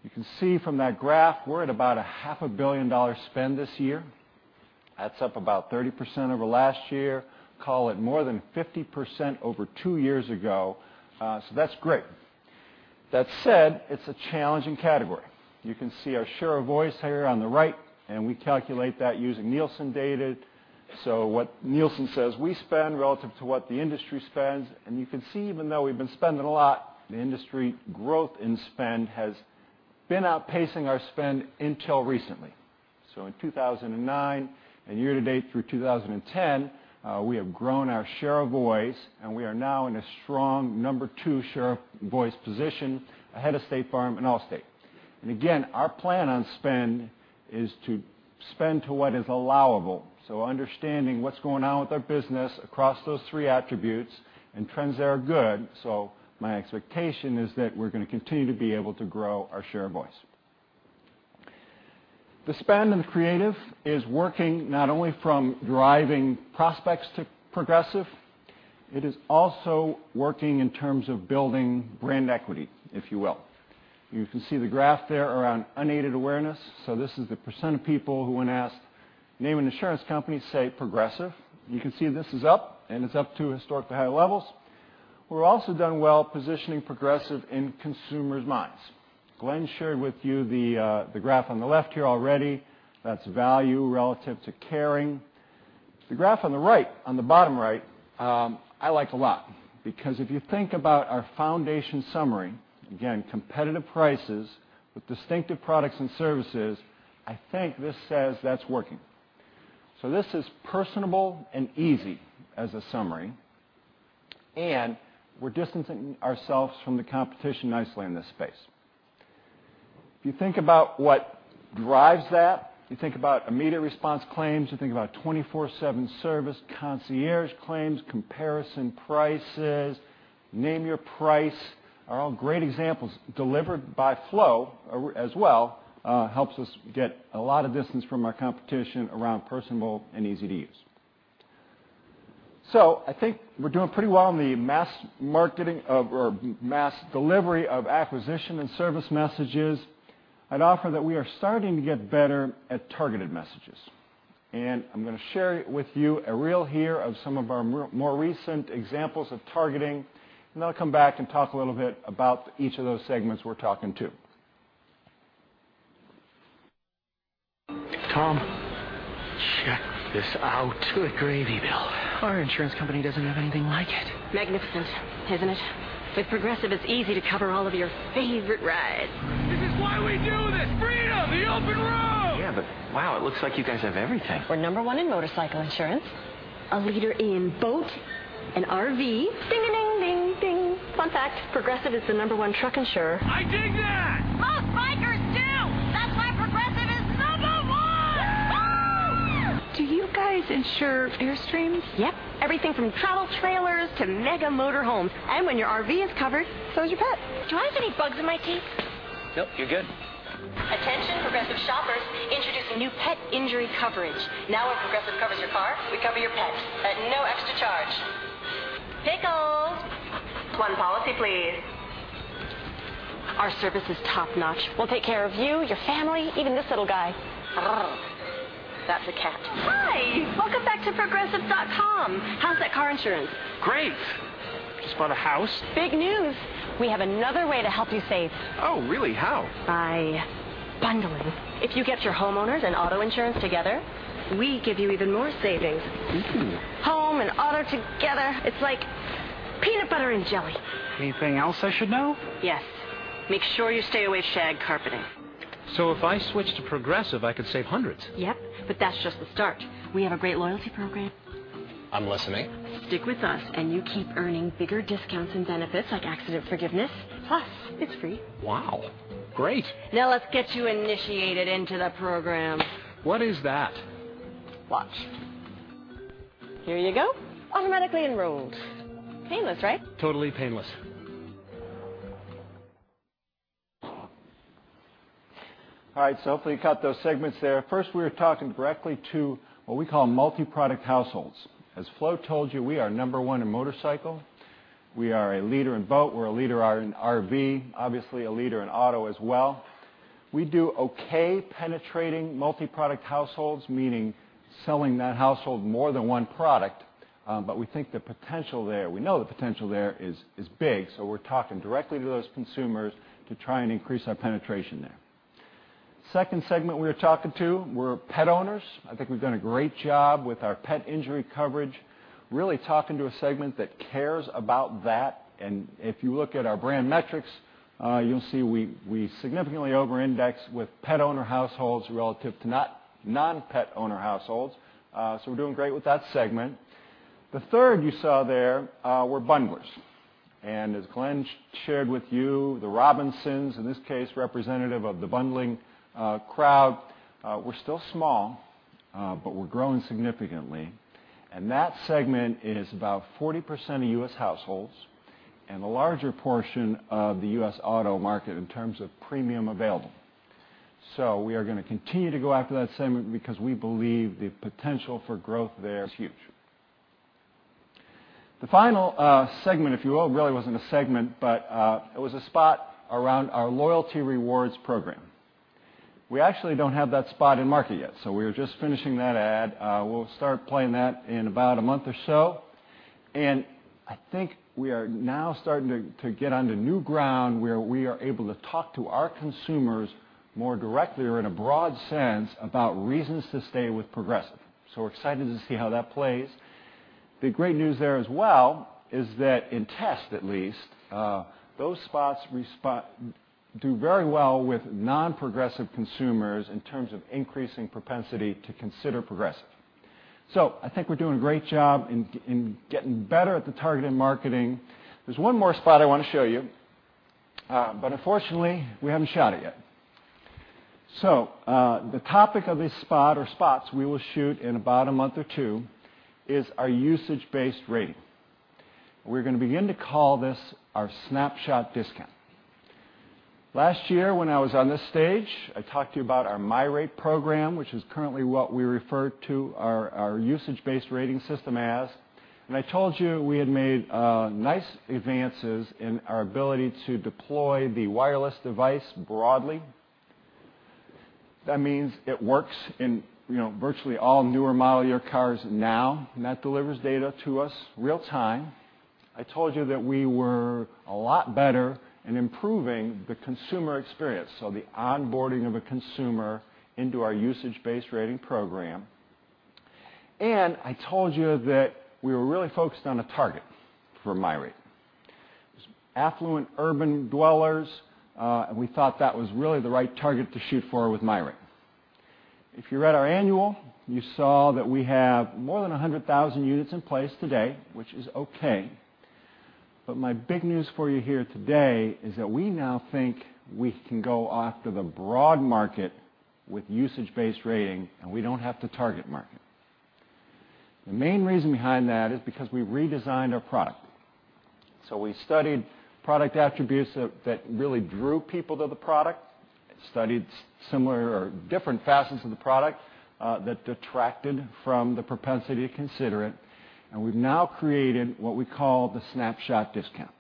You can see from that graph, we're at about a $0.5 billion spend this year. That's up about 30% over last year, call it more than 50% over two years ago. That's great. That said, it's a challenging category. You can see our share of voice here on the right, and we calculate that using Nielsen data. What Nielsen says we spend relative to what the industry spends, and you can see, even though we've been spending a lot, the industry growth in spend has been outpacing our spend until recently. In 2009, year to date through 2010, we have grown our share of voice, and we are now in a strong number 2 share of voice position ahead of State Farm and Allstate. Again, our plan on spend is to spend to what is allowable, understanding what's going on with our business across those 3 attributes and trends that are good. My expectation is that we're going to continue to be able to grow our share of voice. The spend and the creative is working not only from driving prospects to Progressive, it is also working in terms of building brand equity, if you will. You can see the graph there around unaided awareness. This is the % of people who, when asked, "Name an insurance company," say Progressive. You can see this is up, and it's up to historically high levels. We've also done well positioning Progressive in consumers' minds. Glenn shared with you the graph on the left here already. That's value relative to caring. The graph on the right, on the bottom right, I like a lot because if you think about our foundation summary, again, competitive prices with distinctive products and services, I think this says that's working. This is personable and easy as a summary, and we're distancing ourselves from the competition nicely in this space. If you think about what drives that, you think about immediate response claims, you think about 24/7 service, Concierge Claims, comparison prices, Name Your Price, are all great examples delivered by Flo as well, helps us get a lot of distance from our competition around personable and easy to use. I think we're doing pretty well in the mass marketing of or mass delivery of acquisition and service messages. I'd offer that we are starting to get better at targeted messages. I'm going to share with you a reel here of some of our more recent examples of targeting, and then I'll come back and talk a little bit about each of those segments we're talking to. Tom, check this out. Sweet gravy, Bill. Our insurance company doesn't have anything like it. Magnificent, isn't it? With Progressive, it's easy to cover all of your favorite rides. This is why we do this. Oh, it looks like you guys have everything. We're number one in motorcycle insurance, a leader in boat and RV. Ding-a-ding, ding. Fun fact, Progressive is the number one truck insurer. I dig that. Most bikers do. That's why Progressive is number one. Woo. Woo! Do you guys insure Airstream? Yep. Everything from travel trailers to mega motor homes. When your RV is covered, so is your pet. Do I have any bugs in my teeth? Nope, you're good. Attention, Progressive shoppers. Introducing new Pet Injury Coverage. Now, where Progressive covers your car, we cover your pet at no extra charge. Pickles, one policy, please. Our service is top-notch. We'll take care of you, your family, even this little guy. Oh. That's a cat. Hi, welcome back to progressive.com. How's that car insurance? Great. Just bought a house. Big news. We have another way to help you save. Oh, really? How? By bundling. If you get your homeowners and auto insurance together, we give you even more savings. Ooh. Home and auto together, it's like peanut butter and jelly. Anything else I should know? Yes. Make sure you stay away shag carpeting. If I switch to Progressive, I could save hundreds. Yep, that's just the start. We have a great Loyalty Program. I'm listening. Stick with us, and you keep earning bigger discounts and benefits, like accident forgiveness. Plus, it's free. Wow. Great. Now let's get you initiated into the program. What is that? Watch. Here you go. Automatically enrolled. Painless, right? Totally painless. All right, hopefully you caught those segments there. First, we were talking directly to what we call multi-product households. As Flo told you, we are number one in motorcycle. We are a leader in boat, we're a leader in RV, obviously a leader in auto as well. We do okay penetrating multi-product households, meaning selling that household more than one product. We think the potential there, we know the potential there is big, we're talking directly to those consumers to try and increase our penetration there. Second segment we were talking to were pet owners. I think we've done a great job with our Pet Injury Coverage, really talking to a segment that cares about that. If you look at our brand metrics, you'll see we significantly over-index with pet owner households relative to non-pet owner households. We're doing great with that segment. The third you saw there were bundlers, as Glenn shared with you, the Robinsons, in this case, representative of the bundling crowd. We're still small, we're growing significantly, that segment is about 40% of U.S. households and a larger portion of the U.S. auto market in terms of premium available. We are going to continue to go after that segment because we believe the potential for growth there is huge. The final segment, if you will, really wasn't a segment, it was a spot around our Loyalty Rewards Program. We actually don't have that spot in market yet, we are just finishing that ad. We'll start playing that in about a month or so. I think we are now starting to get onto new ground where we are able to talk to our consumers more directly or in a broad sense about reasons to stay with Progressive. We're excited to see how that plays. The great news there as well is that in tests at least, those spots do very well with non-Progressive consumers in terms of increasing propensity to consider Progressive. I think we're doing a great job in getting better at the targeted marketing. There's one more spot I want to show you. Unfortunately, we haven't shot it yet. The topic of this spot or spots we will shoot in about a month or two is our usage-based rating. We're going to begin to call this our Snapshot discount. Last year when I was on this stage, I talked to you about our MyRate program, which is currently what we refer to our usage-based rating system as. I told you we had made nice advances in our ability to deploy the wireless device broadly. That means it works in virtually all newer model-year cars now, and that delivers data to us real time. I told you that we were a lot better in improving the consumer experience, so the onboarding of a consumer into our usage-based rating program. I told you that we were really focused on a target for MyRate. It was affluent, urban dwellers, and we thought that was really the right target to shoot for with MyRate. If you read our annual, you saw that we have more than 100,000 units in place today, which is okay, but my big news for you here today is that we now think we can go after the broad market with usage-based rating, and we don't have to target market. The main reason behind that is because we redesigned our product. We studied product attributes that really drew people to the product. Studied different facets of the product that detracted from the propensity to consider it. We've now created what we call the Snapshot discount.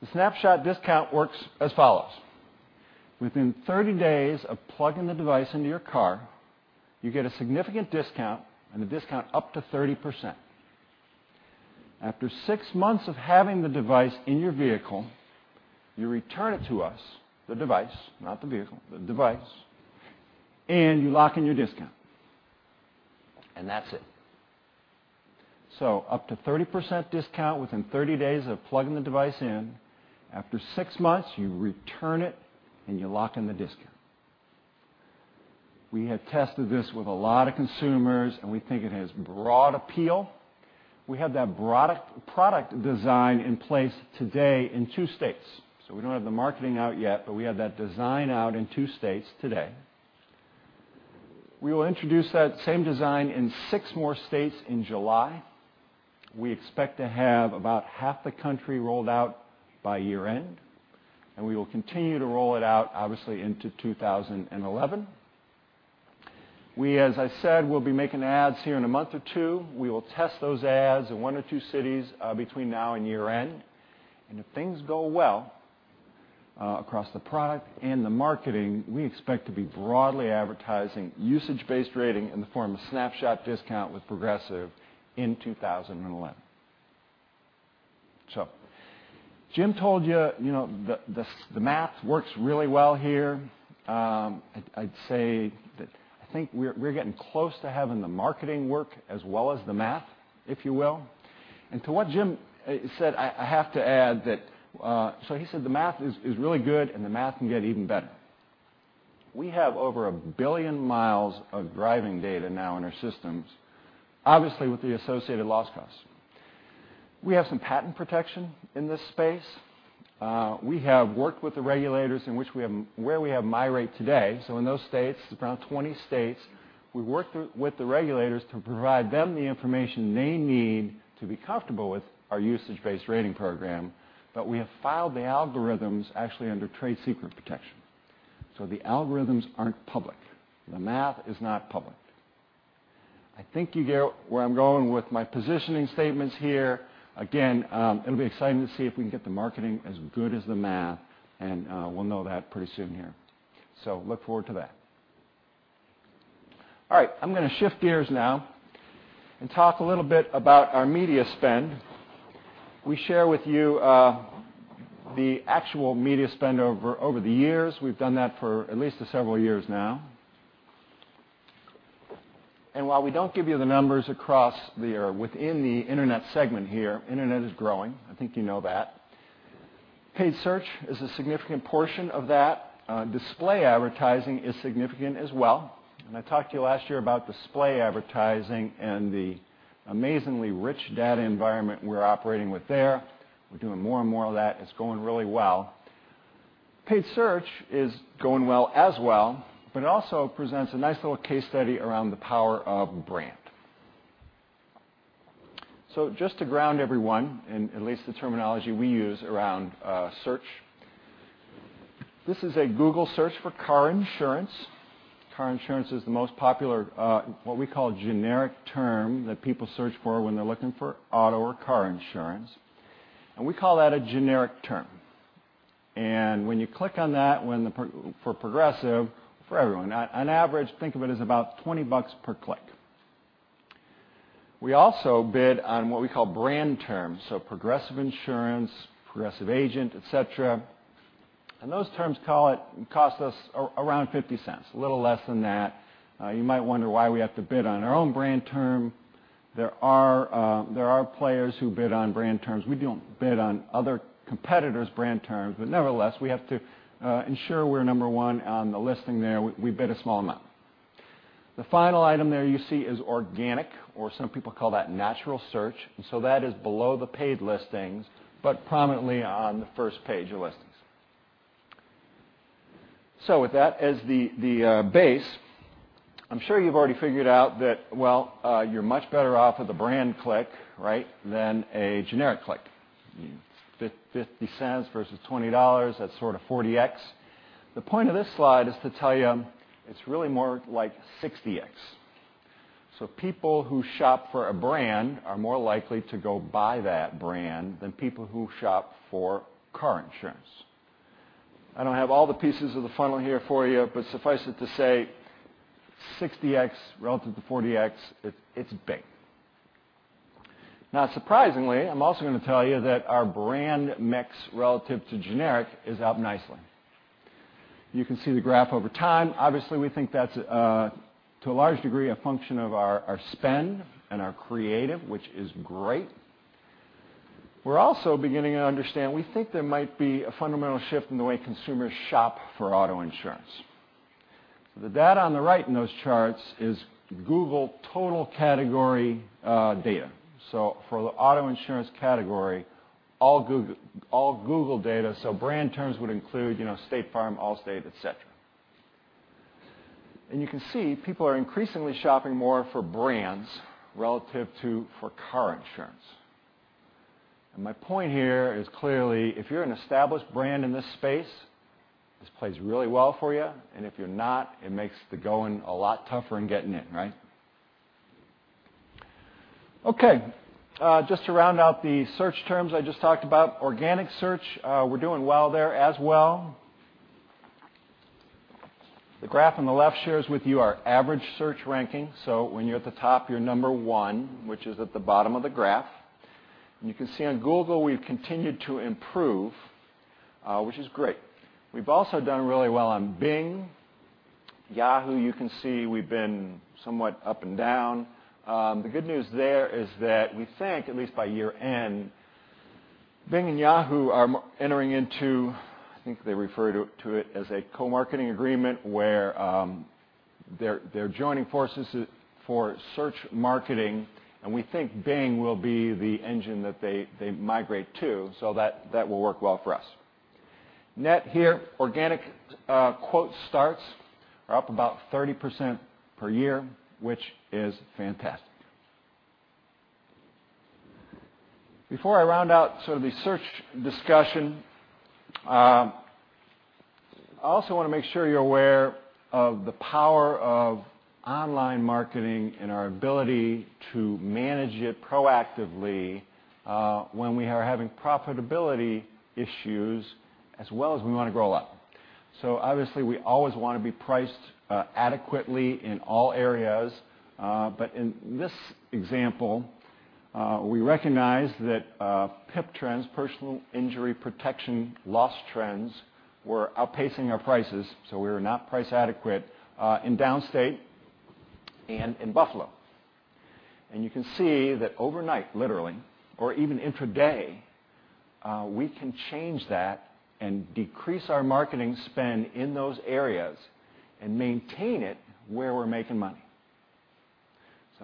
The Snapshot discount works as follows. Within 30 days of plugging the device into your car, you get a significant discount, and a discount up to 30%. After six months of having the device in your vehicle, you return it to us, the device, not the vehicle, the device, and you lock in your discount. That's it. Up to 30% discount within 30 days of plugging the device in. After six months, you return it, and you lock in the discount. We have tested this with a lot of consumers, and we think it has broad appeal. We have that product design in place today in two states. We don't have the marketing out yet, but we have that design out in two states today. We will introduce that same design in six more states in July. We expect to have about half the country rolled out by year-end, and we will continue to roll it out, obviously, into 2011. We, as I said, will be making ads here in a month or two. We will test those ads in one or two cities between now and year-end. If things go well across the product and the marketing, we expect to be broadly advertising usage-based rating in the form of Snapshot discount with Progressive in 2011. Jim told you the math works really well here. I'd say that I think we're getting close to having the marketing work as well as the math, if you will. To what Jim said, I have to add that. He said the math is really good, and the math can get even better. We have over 1 billion miles of driving data now in our systems, obviously with the associated loss cost. We have some patent protection in this space. We have worked with the regulators where we have MyRate today. In those states, it's around 20 states, we worked with the regulators to provide them the information they need to be comfortable with our usage-based rating program. We have filed the algorithms actually under trade secret protection. The algorithms aren't public. The math is not public. I think you get where I'm going with my positioning statements here. Again, it'll be exciting to see if we can get the marketing as good as the math, and we'll know that pretty soon here. Look forward to that. All right, I'm going to shift gears now and talk a little bit about our media spend. We share with you the actual media spend over the years. We've done that for at least several years now. While we don't give you the numbers within the internet segment here, internet is growing. I think you know that. Paid search is a significant portion of that. Display advertising is significant as well. I talked to you last year about display advertising and the amazingly rich data environment we're operating with there. We're doing more and more of that. It's going really well. Paid search is going well as well, but it also presents a nice little case study around the power of brand. Just to ground everyone in at least the terminology we use around search, this is a Google search for car insurance. Car insurance is the most popular, what we call generic term that people search for when they're looking for auto or car insurance. We call that a generic term. When you click on that, for Progressive, for everyone, on average, think of it as about $20 per click. We also bid on what we call brand terms, Progressive insurance, Progressive agent, et cetera. Those terms cost us around $0.50, a little less than that. You might wonder why we have to bid on our own brand term. There are players who bid on brand terms. We don't bid on other competitors' brand terms, but nevertheless, we have to ensure we're number one on the listing there. We bid a small amount. The final item there you see is organic, or some people call that natural search, that is below the paid listings, but prominently on the first page of listings. With that as the base, I'm sure you've already figured out that, well, you're much better off with a brand click, right, than a generic click. $0.50 versus $20, that's sort of 40x. People who shop for a brand are more likely to go buy that brand than people who shop for car insurance. I don't have all the pieces of the funnel here for you, but suffice it to say 60x relative to 40x, it's big. Surprisingly, I'm also going to tell you that our brand mix relative to generic is up nicely. You can see the graph over time. We think that's, to a large degree, a function of our spend and our creative, which is great. We're also beginning to understand, we think there might be a fundamental shift in the way consumers shop for auto insurance. The data on the right in those charts is Google total category data. For the auto insurance category, all Google data. Brand terms would include State Farm, Allstate, et cetera. You can see people are increasingly shopping more for brands relative to for car insurance. My point here is clearly, if you're an established brand in this space, this plays really well for you, and if you're not, it makes the going a lot tougher in getting in, right? Okay. Just to round out the search terms I just talked about, organic search, we're doing well there as well. The graph on the left shares with you our average search ranking. When you're at the top, you're number one, which is at the bottom of the graph. You can see on Google, we've continued to improve, which is great. We've also done really well on Bing. Yahoo, you can see we've been somewhat up and down. The good news there is that we think, at least by year-end, Bing and Yahoo are entering into, I think they refer to it as a co-marketing agreement, where they're joining forces for search marketing, and we think Bing will be the engine that they migrate to, that will work well for us. Net here, organic quote starts are up about 30% per year, which is fantastic. Before I round out the search discussion, I also want to make sure you're aware of the power of online marketing and our ability to manage it proactively when we are having profitability issues as well as we want to grow up. We always want to be priced adequately in all areas. In this example, we recognize that PIP trends, personal injury protection loss trends, were outpacing our prices, so we were not price adequate in Downstate and in Buffalo. You can see that overnight, literally, or even intraday, we can change that and decrease our marketing spend in those areas and maintain it where we're making money.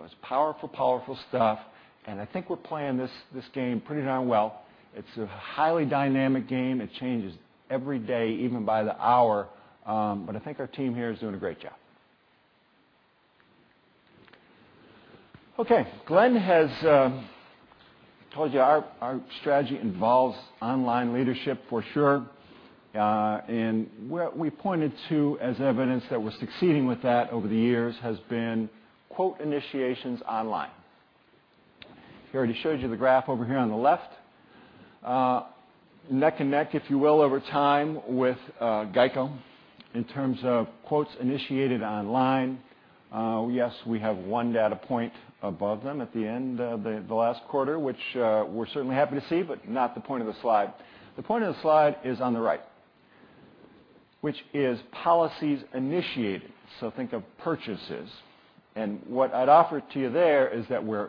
It's powerful stuff, and I think we're playing this game pretty darn well. It's a highly dynamic game. It changes every day, even by the hour. I think our team here is doing a great job. Okay. Glenn has told you our strategy involves online leadership for sure. What we pointed to as evidence that we're succeeding with that over the years has been quote initiations online. He already showed you the graph over here on the left. Neck and neck, if you will, over time with GEICO in terms of quotes initiated online. Yes, we have one data point above them at the end of the last quarter, which we're certainly happy to see, but not the point of the slide. The point of the slide is on the right, which is policies initiated. Think of purchases. What I'd offer to you there is that we're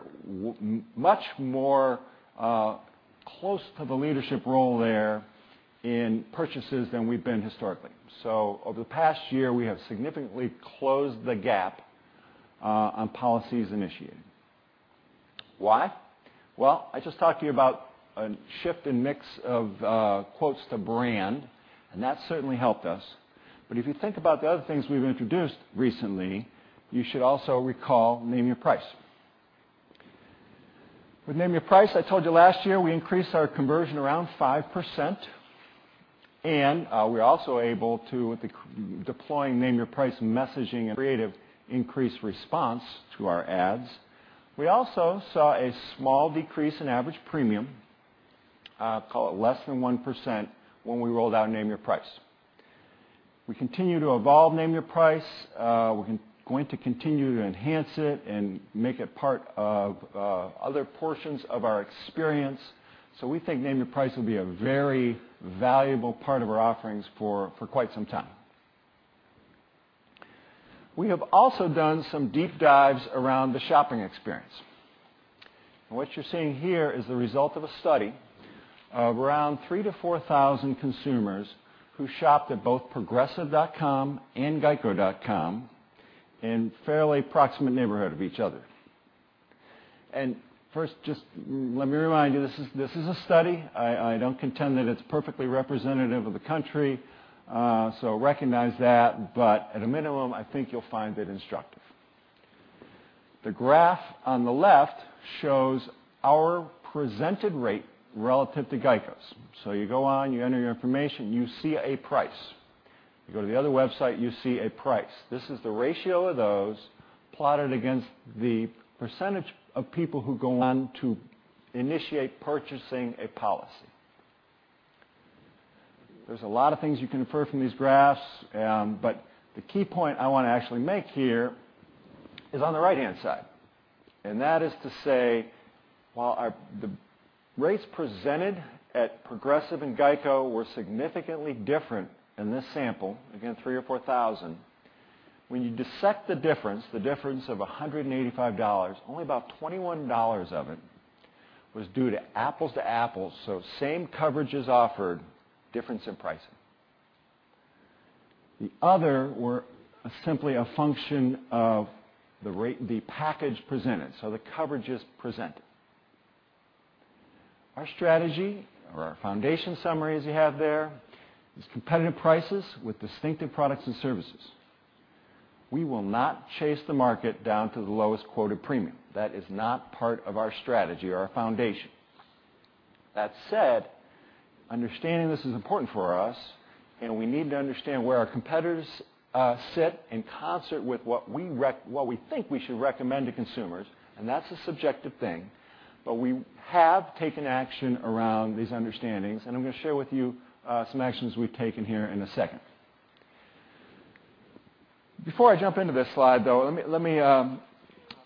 much more close to the leadership role there in purchases than we've been historically. Over the past year, we have significantly closed the gap on policies initiated. Why? I just talked to you about a shift in mix of quotes to brand, and that certainly helped us. If you think about the other things we've introduced recently, you should also recall Name Your Price. With Name Your Price, I told you last year, we increased our conversion around 5%, and we're also able to, deploying Name Your Price messaging and creative increased response to our ads. We also saw a small decrease in average premium, call it less than 1%, when we rolled out Name Your Price. We continue to evolve Name Your Price. We're going to continue to enhance it and make it part of other portions of our experience. We think Name Your Price will be a very valuable part of our offerings for quite some time. We have also done some deep dives around the shopping experience. What you're seeing here is the result of a study of around 3,000 to 4,000 consumers who shopped at both progressive.com and geico.com in fairly proximate neighborhood of each other. First, just let me remind you, this is a study. I don't contend that it's perfectly representative of the country, recognize that. At a minimum, I think you'll find it instructive. The graph on the left shows our presented rate relative to GEICO's. You go on, you enter your information, you see a price. You go to the other website, you see a price. This is the ratio of those plotted against the percentage of people who go on to initiate purchasing a policy. There's a lot of things you can infer from these graphs, the key point I want to actually make here is on the right-hand side, and that is to say while the rates presented at Progressive and GEICO were significantly different in this sample, again, 3,000 or 4,000, when you dissect the difference, the difference of $185, only about $21 of it was due to apples to apples, same coverages offered, difference in pricing. The other were simply a function of the package presented, the coverages presented. Our strategy or our foundation summary, as you have there, is competitive prices with distinctive products and services. We will not chase the market down to the lowest quoted premium. That is not part of our strategy or our foundation. That said, understanding this is important for us. We need to understand where our competitors sit in concert with what we think we should recommend to consumers. That's a subjective thing. We have taken action around these understandings. I'm going to share with you some actions we've taken here in a second. Before I jump into this slide, though, let me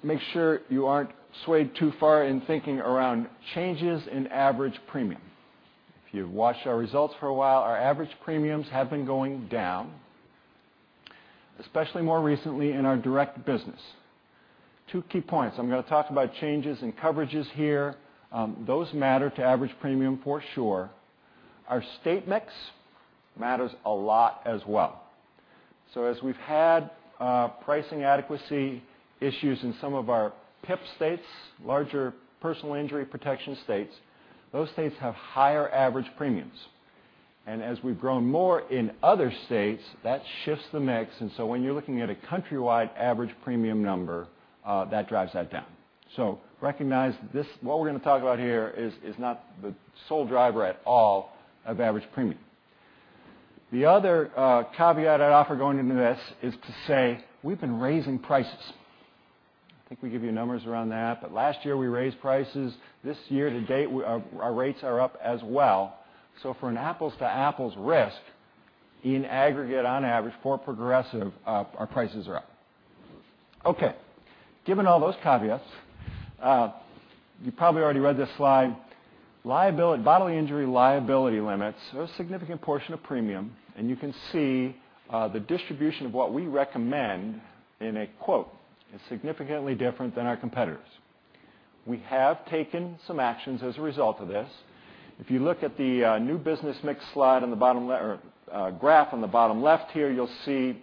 make sure you aren't swayed too far in thinking around changes in average premium. If you've watched our results for a while, our average premiums have been going down, especially more recently in our direct business. Two key points. I'm going to talk about changes in coverages here. Those matter to average premium for sure. Our state mix matters a lot as well. As we've had pricing adequacy issues in some of our PIP states, larger personal injury protection states, those states have higher average premiums. As we've grown more in other states, that shifts the mix. When you're looking at a countrywide average premium number, that drives that down. Recognize what we're going to talk about here is not the sole driver at all of average premium. The other caveat I'd offer going into this is to say we've been raising prices. I think we give you numbers around that, but last year, we raised prices. This year to date, our rates are up as well. For an apples to apples risk, in aggregate, on average, for Progressive, our prices are up. Okay. Given all those caveats, you probably already read this slide. Bodily injury liability limits, so a significant portion of premium, and you can see the distribution of what we recommend in a quote is significantly different than our competitors. We have taken some actions as a result of this. If you look at the new business mix slide on the bottom left or graph on the bottom left here, you'll see,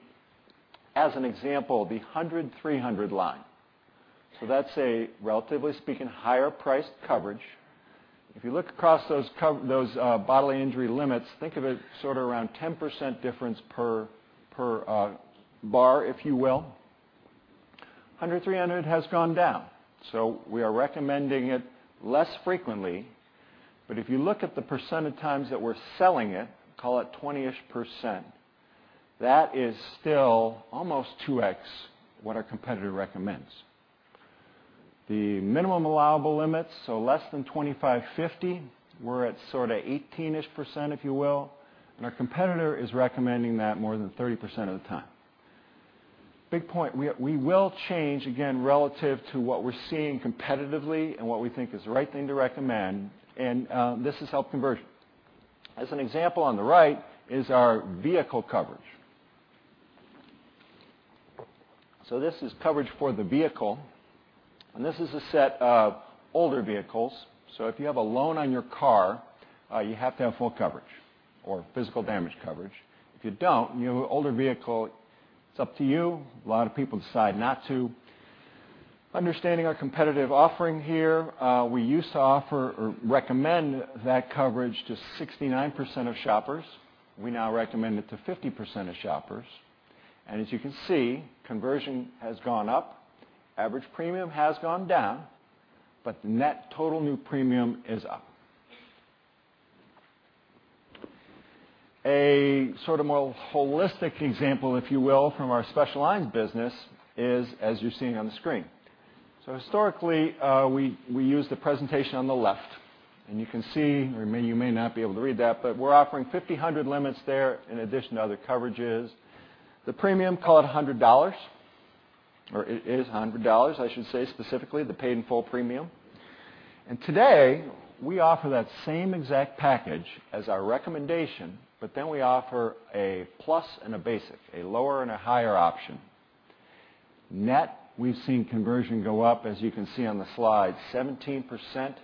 as an example, the 100/300 line. That's a, relatively speaking, higher priced coverage. If you look across those bodily injury limits, think of it sort of around 10% difference per bar, if you will. 100/300 has gone down, so we are recommending it less frequently. If you look at the percent of times that we're selling it, call it 20-ish%. That is still almost two X what our competitor recommends. The minimum allowable limits, so less than 25/50, we're at sort of 18-ish%, if you will, and our competitor is recommending that more than 30% of the time. Big point. We will change again relative to what we're seeing competitively and what we think is the right thing to recommend. This has helped conversion. As an example, on the right is our vehicle coverage. This is coverage for the vehicle, and this is a set of older vehicles, so if you have a loan on your car, you have to have full coverage or physical damage coverage. If you don't, and you have an older vehicle, it's up to you. A lot of people decide not to. Understanding our competitive offering here, we used to offer or recommend that coverage to 69% of shoppers. We now recommend it to 50% of shoppers. As you can see, conversion has gone up, average premium has gone down, but the net total new premium is up. A sort of more holistic example, if you will, from our special lines business is as you're seeing on the screen. Historically, we used the presentation on the left, and you can see, or you may not be able to read that, but we're offering 1,500 limits there in addition to other coverages. The premium, call it $100, or it is $100, I should say, specifically, the pay-in-full premium. And today, we offer that same exact package as our recommendation, but then we offer a plus and a basic, a lower and a higher option. Net, we've seen conversion go up, as you can see on the slide, 17%.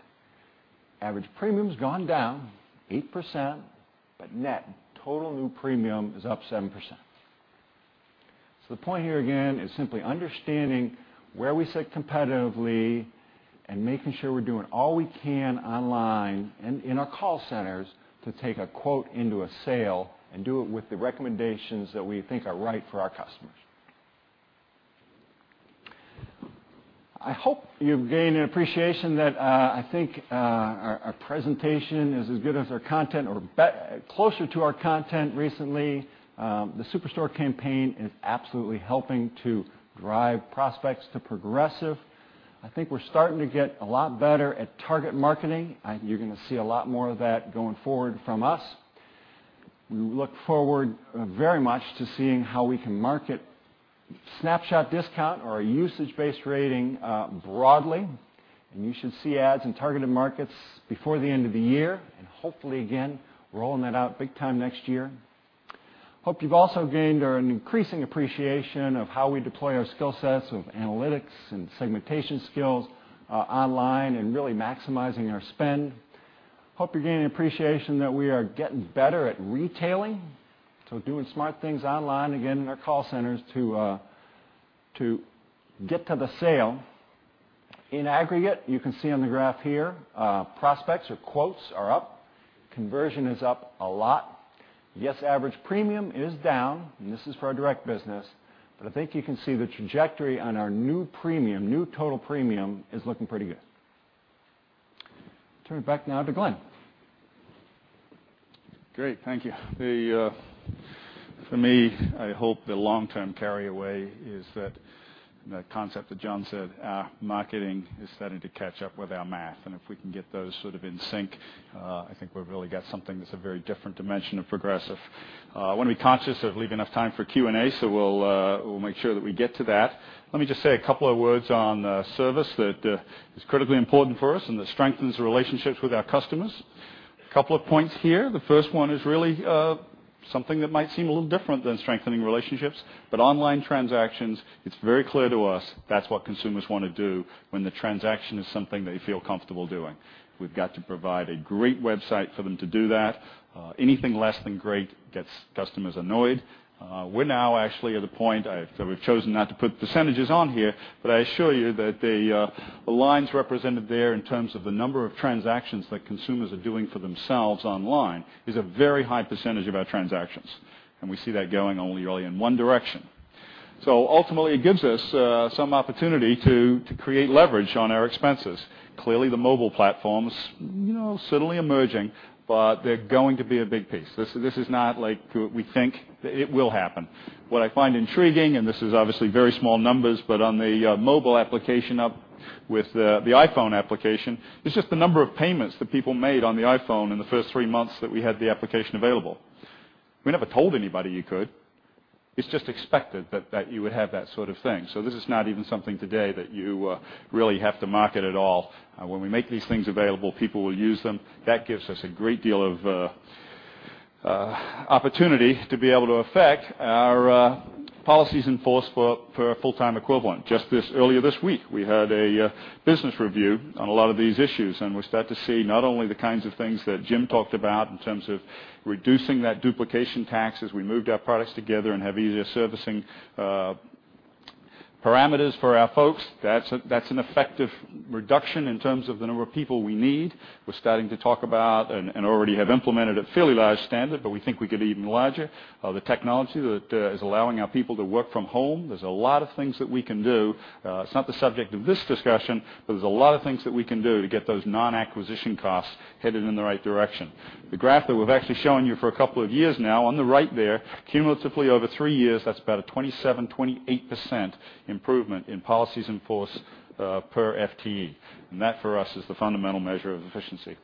Average premium's gone down 8%, but net total new premium is up 7%. The point here again is simply understanding where we sit competitively and making sure we're doing all we can online and in our call centers to take a quote into a sale and do it with the recommendations that we think are right for our customers. I hope you've gained an appreciation that I think our presentation is as good as our content or closer to our content recently. The Superstore campaign is absolutely helping to drive prospects to Progressive. I think we're starting to get a lot better at target marketing. You're going to see a lot more of that going forward from us. We look forward very much to seeing how we can market Snapshot discount or our usage-based rating broadly, and you should see ads in targeted markets before the end of the year. Hopefully, again, rolling that out big time next year. Hope you've also gained an increasing appreciation of how we deploy our skill sets of analytics and segmentation skills online and really maximizing our spend. Hope you're gaining an appreciation that we are getting better at retailing, so doing smart things online, again, in our call centers to get to the sale. In aggregate, you can see on the graph here, prospects or quotes are up. Conversion is up a lot. Yes, average premium is down, and this is for our direct business, but I think you can see the trajectory on our new premium. New total premium is looking pretty good. Turn it back now to Glenn. Great. Thank you. For me, I hope the long-term carry away is that the concept that John said, our marketing is starting to catch up with our math. If we can get those sort of in sync, I think we've really got something that's a very different dimension of Progressive. I want to be conscious of leaving enough time for Q&A, so we'll make sure that we get to that. Let me just say a couple of words on service that is critically important for us and that strengthens the relationships with our customers. Couple of points here. The first one is really something that might seem a little different than strengthening relationships, but online transactions, it's very clear to us that's what consumers want to do when the transaction is something they feel comfortable doing. We've got to provide a great website for them to do that. Anything less than great gets customers annoyed. We're now actually at the point, we've chosen not to put % on here, but I assure you that the lines represented there in terms of the number of transactions that consumers are doing for themselves online is a very high % of our transactions. We see that going only really in one direction. Ultimately, it gives us some opportunity to create leverage on our expenses. Clearly, the mobile platform's subtly emerging, but they're going to be a big piece. This is not like we think. It will happen. What I find intriguing, and this is obviously very small numbers, but on the mobile application up with the iPhone application, is just the number of payments that people made on the iPhone in the first three months that we had the application available. We never told anybody you could. It's just expected that you would have that sort of thing. This is not even something today that you really have to market at all. When we make these things available, people will use them. That gives us a great deal of opportunity to be able to affect our policies in force for a full-time equivalent. Just earlier this week, we had a business review on a lot of these issues, we start to see not only the kinds of things that Jim talked about in terms of reducing that duplication tax as we moved our products together and have easier servicing parameters for our folks. That's an effective reduction in terms of the number of people we need. We're starting to talk about and already have implemented a fairly large standard, but we think we could even larger. The technology that is allowing our people to work from home. There's a lot of things that we can do. It's not the subject of this discussion, but there's a lot of things that we can do to get those non-acquisition costs headed in the right direction. The graph that we've actually shown you for a couple of years now on the right there, cumulatively over three years, that's about a 27%-28% improvement in policies in force per FTE. That, for us, is the fundamental measure of efficiency.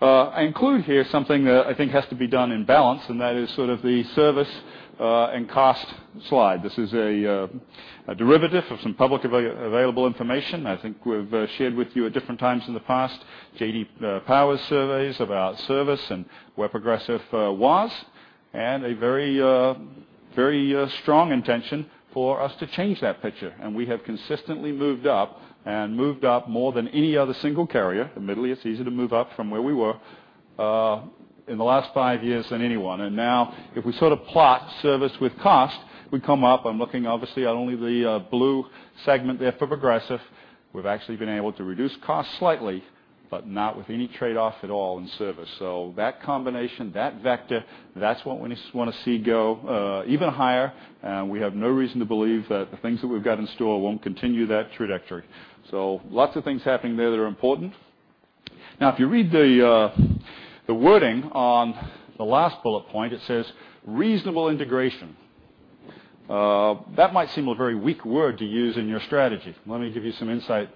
I include here something that I think has to be done in balance, and that is sort of the service and cost slide. This is a derivative of some publicly available information I think we've shared with you at different times in the past. J.D. Power. Power surveys about service and where Progressive was, a very strong intention for us to change that picture. We have consistently moved up and moved up more than any other single carrier, admittedly it's easy to move up from where we were, in the last five years than anyone. Now if we sort of plot service with cost, we come up, I'm looking obviously at only the blue segment there for Progressive. We've actually been able to reduce cost slightly, but not with any trade-off at all in service. That combination, that vector, that's what we want to see go even higher. We have no reason to believe that the things that we've got in store won't continue that trajectory. Lots of things happening there that are important. Now, if you read the wording on the last bullet point, it says reasonable integration. That might seem a very weak word to use in your strategy. Let me give you some insight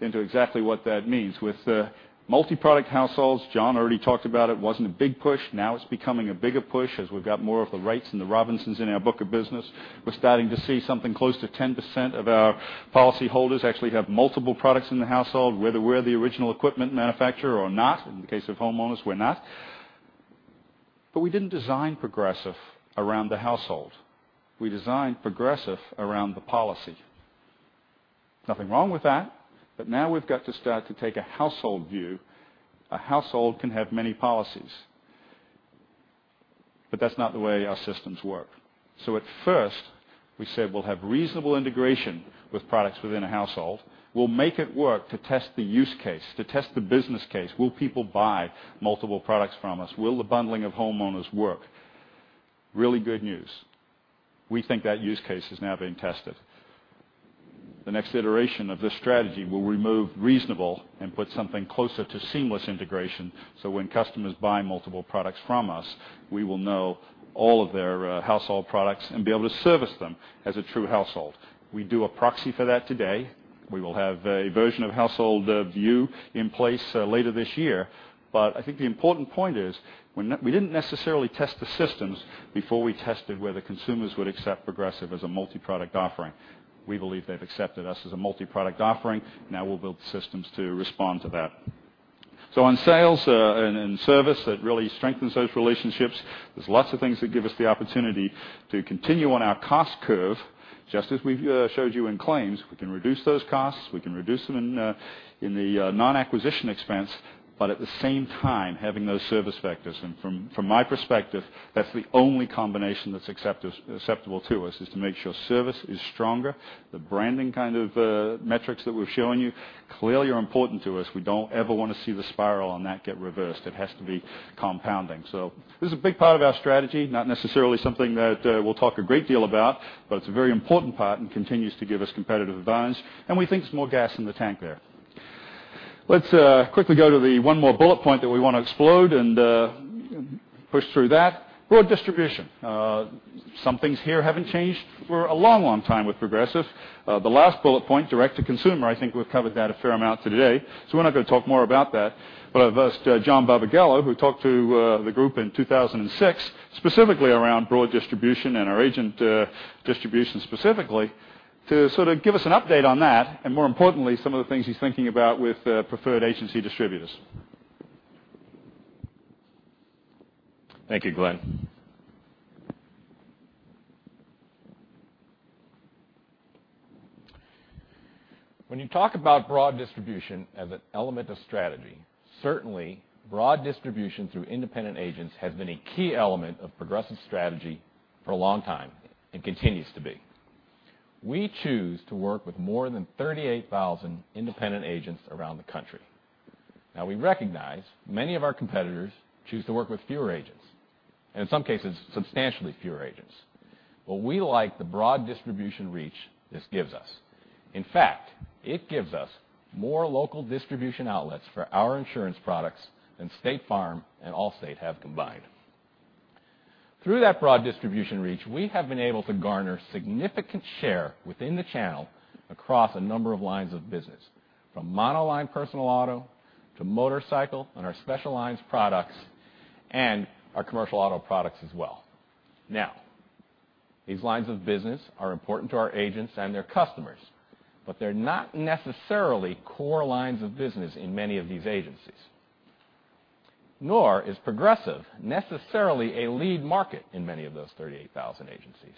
into exactly what that means. With multi-product households, John already talked about it wasn't a big push. Now it's becoming a bigger push as we've got more of the Wrights and the Robinsons in our book of business. We're starting to see something close to 10% of our policyholders actually have multiple products in the household, whether we're the original equipment manufacturer or not. In the case of homeowners, we're not. We didn't design Progressive around the household. We designed Progressive around the policy. Nothing wrong with that. Now we've got to start to take a household view. A household can have many policies. That's not the way our systems work. At first, we said we'll have reasonable integration with products within a household. We'll make it work to test the use case, to test the business case. Will people buy multiple products from us? Will the bundling of homeowners work? Really good news. We think that use case is now being tested. The next iteration of this strategy will remove reasonable and put something closer to seamless integration, so when customers buy multiple products from us, we will know all of their household products and be able to service them as a true household. We do a proxy for that today. We will have a version of household view in place later this year. I think the important point is we didn't necessarily test the systems before we tested whether consumers would accept Progressive as a multi-product offering. We believe they've accepted us as a multi-product offering. Now we'll build the systems to respond to that. On sales and service, that really strengthens those relationships. There's lots of things that give us the opportunity to continue on our cost curve, just as we've showed you in claims. We can reduce those costs, we can reduce them in the non-acquisition expense, but at the same time, having those service vectors. From my perspective, that's the only combination that's acceptable to us is to make sure service is stronger. The branding kind of metrics that we've shown you clearly are important to us. We don't ever want to see the spiral on that get reversed. It has to be compounding. This is a big part of our strategy, not necessarily something that we'll talk a great deal about, but it's a very important part and continues to give us competitive advantage. We think there's more gas in the tank there. Let's quickly go to the one more bullet point that we want to explode and push through that. Broad distribution. Some things here haven't changed for a long time with Progressive. The last bullet point, direct-to-consumer, I think we've covered that a fair amount today, so we're not going to talk more about that. I've asked John Barbagallo, who talked to the group in 2006, specifically around broad distribution and our agent distribution specifically, to give us an update on that, and more importantly, some of the things he's thinking about with preferred agency distributors. Thank you, Glenn. When you talk about broad distribution as an element of strategy, certainly broad distribution through independent agents has been a key element of Progressive strategy for a long time and continues to be. We choose to work with more than 38,000 independent agents around the country. We recognize many of our competitors choose to work with fewer agents, and in some cases, substantially fewer agents. We like the broad distribution reach this gives us. In fact, it gives us more local distribution outlets for our insurance products than State Farm and Allstate have combined. Through that broad distribution reach, we have been able to garner significant share within the channel across a number of lines of business, from monoline personal auto to motorcycle and our specialized products and our commercial auto products as well. These lines of business are important to our agents and their customers, but they're not necessarily core lines of business in many of these agencies, nor is Progressive necessarily a lead market in many of those 38,000 agencies.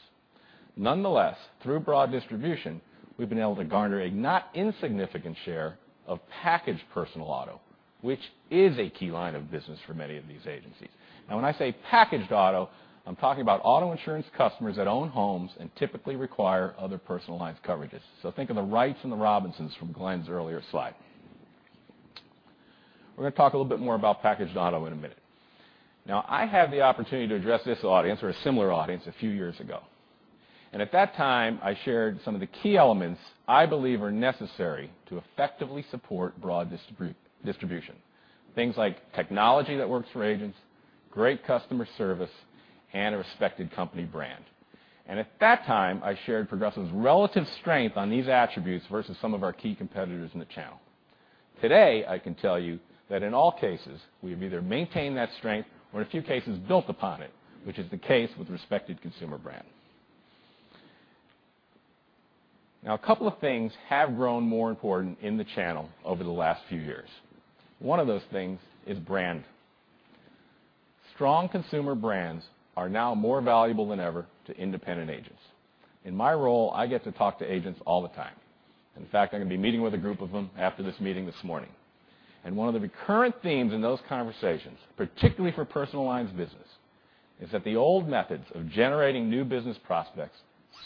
Nonetheless, through broad distribution, we've been able to garner a not insignificant share of packaged personal auto, which is a key line of business for many of these agencies. When I say packaged auto, I'm talking about auto insurance customers that own homes and typically require other personal lines coverages. Think of the Wrights and the Robinsons from Glenn's earlier slide. We're going to talk a little bit more about packaged auto in a minute. I had the opportunity to address this audience or a similar audience a few years ago. At that time, I shared some of the key elements I believe are necessary to effectively support broad distribution. Things like technology that works for agents, great customer service, and a respected company brand. At that time, I shared Progressive's relative strength on these attributes versus some of our key competitors in the channel. Today, I can tell you that in all cases, we've either maintained that strength or in a few cases, built upon it, which is the case with respected consumer brand. A couple of things have grown more important in the channel over the last few years. One of those things is brand. Strong consumer brands are now more valuable than ever to independent agents. In my role, I get to talk to agents all the time. In fact, I'm going to be meeting with a group of them after this meeting this morning. One of the recurrent themes in those conversations, particularly for personal lines business, is that the old methods of generating new business prospects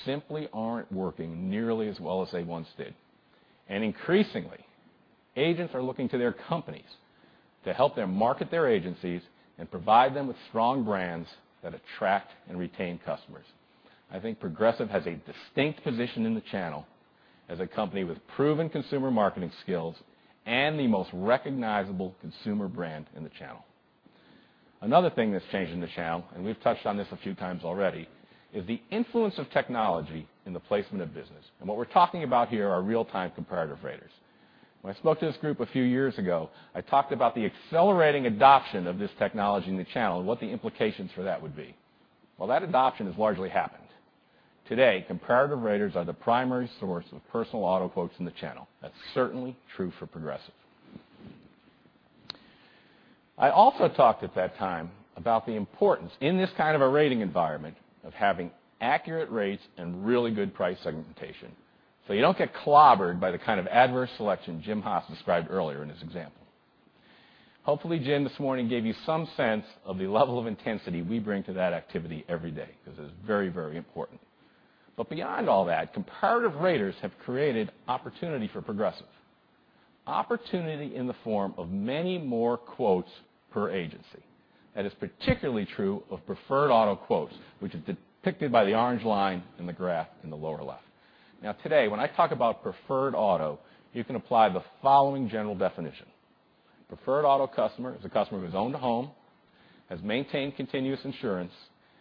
simply aren't working nearly as well as they once did. Increasingly, agents are looking to their companies to help them market their agencies and provide them with strong brands that attract and retain customers. I think Progressive has a distinct position in the channel as a company with proven consumer marketing skills and the most recognizable consumer brand in the channel. Another thing that's changed in the channel, and we've touched on this a few times already, is the influence of technology in the placement of business. What we're talking about here are real-time comparative raters. When I spoke to this group a few years ago, I talked about the accelerating adoption of this technology in the channel and what the implications for that would be. That adoption has largely happened. Today, comparative raters are the primary source of personal auto quotes in the channel. That's certainly true for Progressive. I also talked at that time about the importance in this kind of a rating environment of having accurate rates and really good price segmentation so you don't get clobbered by the kind of adverse selection Jim Haas described earlier in his example. Hopefully, Jim this morning gave you some sense of the level of intensity we bring to that activity every day, because it is very important. Beyond all that, comparative raters have created opportunity for Progressive. Opportunity in the form of many more quotes per agency. That is particularly true of preferred auto quotes, which is depicted by the orange line in the graph in the lower left. Today, when I talk about preferred auto, you can apply the following general definition. Preferred auto customer is a customer who's owned a home, has maintained continuous insurance,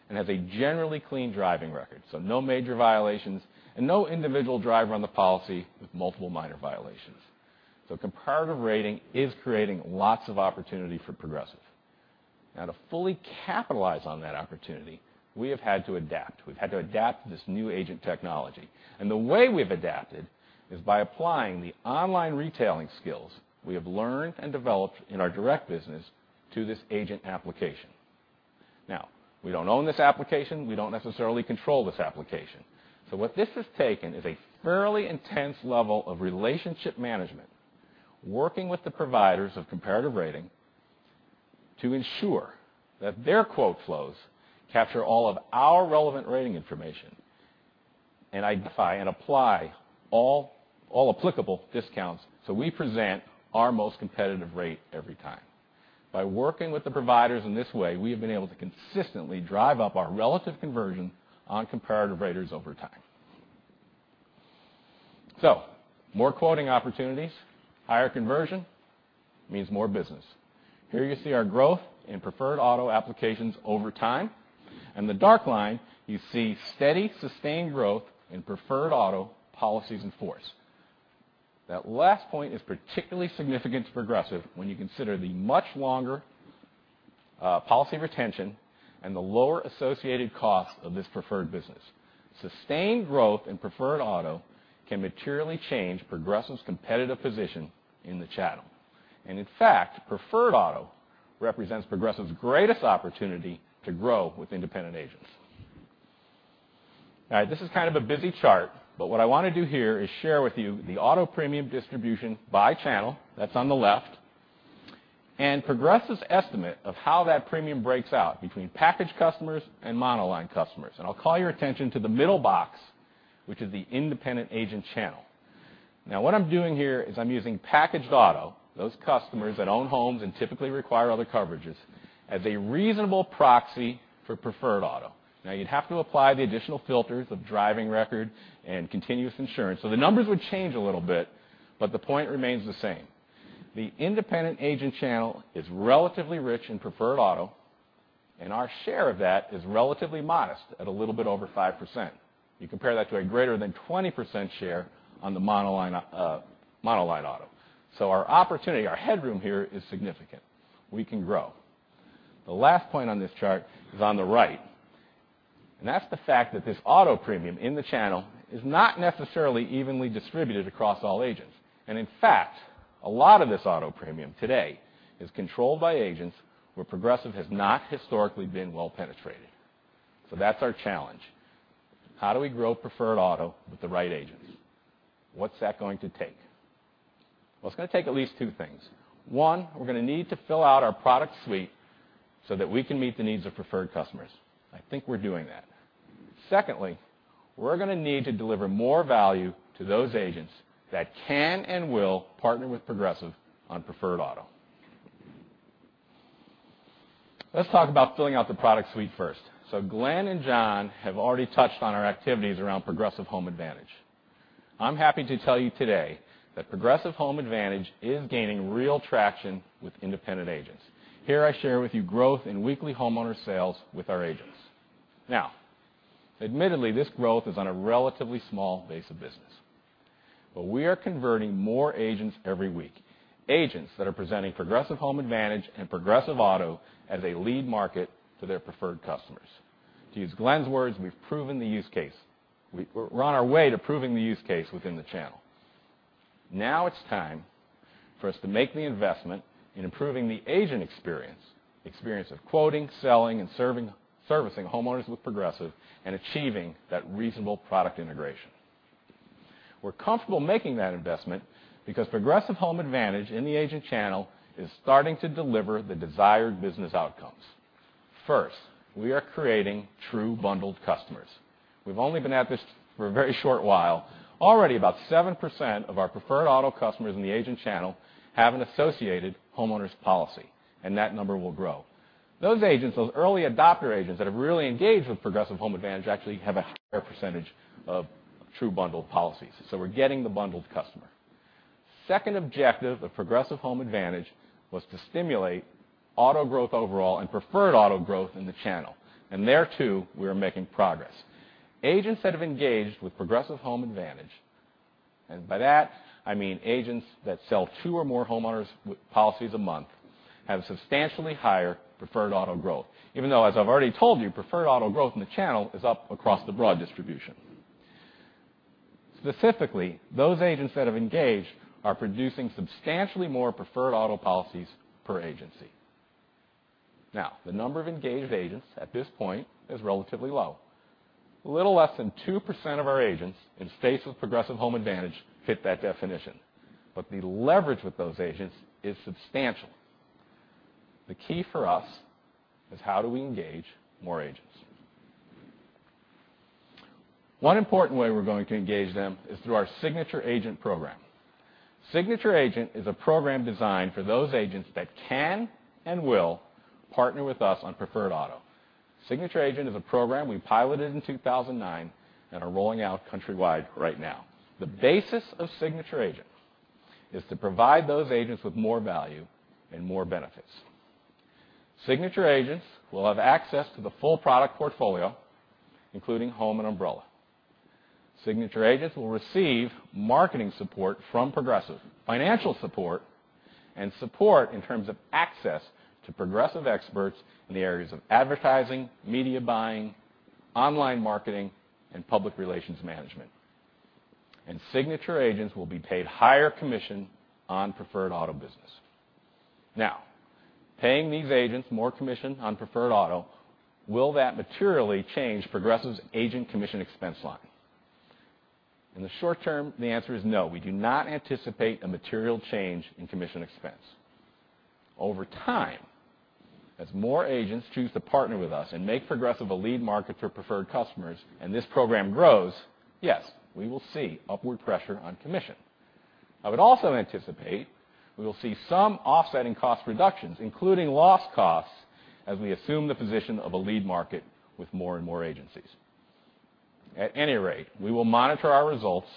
and has a generally clean driving record, so no major violations, and no individual driver on the policy with multiple minor violations. Comparative rating is creating lots of opportunity for Progressive. To fully capitalize on that opportunity, we have had to adapt. We've had to adapt to this new agent technology. The way we've adapted is by applying the online retailing skills we have learned and developed in our direct business to this agent application. We don't own this application. We don't necessarily control this application. What this has taken is a fairly intense level of relationship management, working with the providers of comparative rating to ensure that their quote flows capture all of our relevant rating information and identify and apply all applicable discounts so we present our most competitive rate every time. By working with the providers in this way, we have been able to consistently drive up our relative conversion on comparative raters over time. More quoting opportunities, higher conversion means more business. Here you see our growth in preferred auto applications over time, and the dark line, you see steady, sustained growth in preferred auto policies in force. That last point is particularly significant to Progressive when you consider the much longer policy retention and the lower associated cost of this preferred business. Sustained growth in preferred auto can materially change Progressive's competitive position in the channel. In fact, preferred auto represents Progressive's greatest opportunity to grow with independent agents. All right. This is kind of a busy chart, what I want to do here is share with you the auto premium distribution by channel, that's on the left, and Progressive's estimate of how that premium breaks out between packaged customers and monoline customers. I'll call your attention to the middle box, which is the independent agent channel. What I'm doing here is I'm using packaged auto, those customers that own homes and typically require other coverages, as a reasonable proxy for preferred auto. You'd have to apply the additional filters of driving record and continuous insurance, the numbers would change a little bit, the point remains the same. The independent agent channel is relatively rich in preferred auto, and our share of that is relatively modest at a little bit over 5%. You compare that to a greater than 20% share on the monoline auto. Our opportunity, our headroom here is significant. We can grow. The last point on this chart is on the right, and that's the fact that this auto premium in the channel is not necessarily evenly distributed across all agents. In fact, a lot of this auto premium today is controlled by agents where Progressive has not historically been well penetrated. That's our challenge. How do we grow preferred auto with the right agents? What's that going to take? One, we're going to need to fill out our product suite so that we can meet the needs of preferred customers. I think we're doing that. Secondly, we're going to need to deliver more value to those agents that can and will partner with Progressive on preferred auto. Let's talk about filling out the product suite first. Glenn and John have already touched on our activities around Progressive Home Advantage. I'm happy to tell you today that Progressive Home Advantage is gaining real traction with independent agents. Here I share with you growth in weekly homeowner sales with our agents. Admittedly, this growth is on a relatively small base of business, but we are converting more agents every week, agents that are presenting Progressive Home Advantage and Progressive Auto as a lead market to their preferred customers. To use Glenn's words, we've proven the use case. We're on our way to proving the use case within the channel. It's time for us to make the investment in improving the agent experience of quoting, selling, and servicing homeowners with Progressive and achieving that reasonable product integration. We're comfortable making that investment because Progressive Home Advantage in the agent channel is starting to deliver the desired business outcomes. First, we are creating true bundled customers. We've only been at this for a very short while. Already, about 7% of our preferred auto customers in the agent channel have an associated homeowners policy, and that number will grow. Those agents, those early adopter agents that have really engaged with Progressive Home Advantage, actually have a higher percentage of true bundled policies. We're getting the bundled customer. Second objective of Progressive Home Advantage was to stimulate auto growth overall and preferred auto growth in the channel. There, too, we are making progress. Agents that have engaged with Progressive Home Advantage, and by that, I mean agents that sell two or more homeowners policies a month, have substantially higher preferred auto growth. Even though, as I've already told you, preferred auto growth in the channel is up across the broad distribution. Specifically, those agents that have engaged are producing substantially more preferred auto policies per agency. The number of engaged agents at this point is relatively low. A little less than 2% of our agents in space with Progressive Home Advantage fit that definition. The leverage with those agents is substantial. The key for us is how do we engage more agents. One important way we're going to engage them is through our Signature Agent program. Signature Agent is a program designed for those agents that can and will partner with us on preferred auto. Signature Agent is a program we piloted in 2009 and are rolling out countrywide right now. The basis of Signature Agent is to provide those agents with more value and more benefits. Signature Agents will have access to the full product portfolio, including home and umbrella. Signature Agents will receive marketing support from Progressive, financial support, and support in terms of access to Progressive experts in the areas of advertising, media buying, online marketing, and public relations management. Signature Agents will be paid higher commission on preferred auto business. Paying these agents more commission on preferred auto, will that materially change Progressive's agent commission expense line? In the short term, the answer is no. We do not anticipate a material change in commission expense. As more agents choose to partner with us and make Progressive a lead market for preferred customers and this program grows, yes, we will see upward pressure on commission. I would also anticipate we will see some offsetting cost reductions, including loss costs, as we assume the position of a lead market with more and more agencies. We will monitor our results,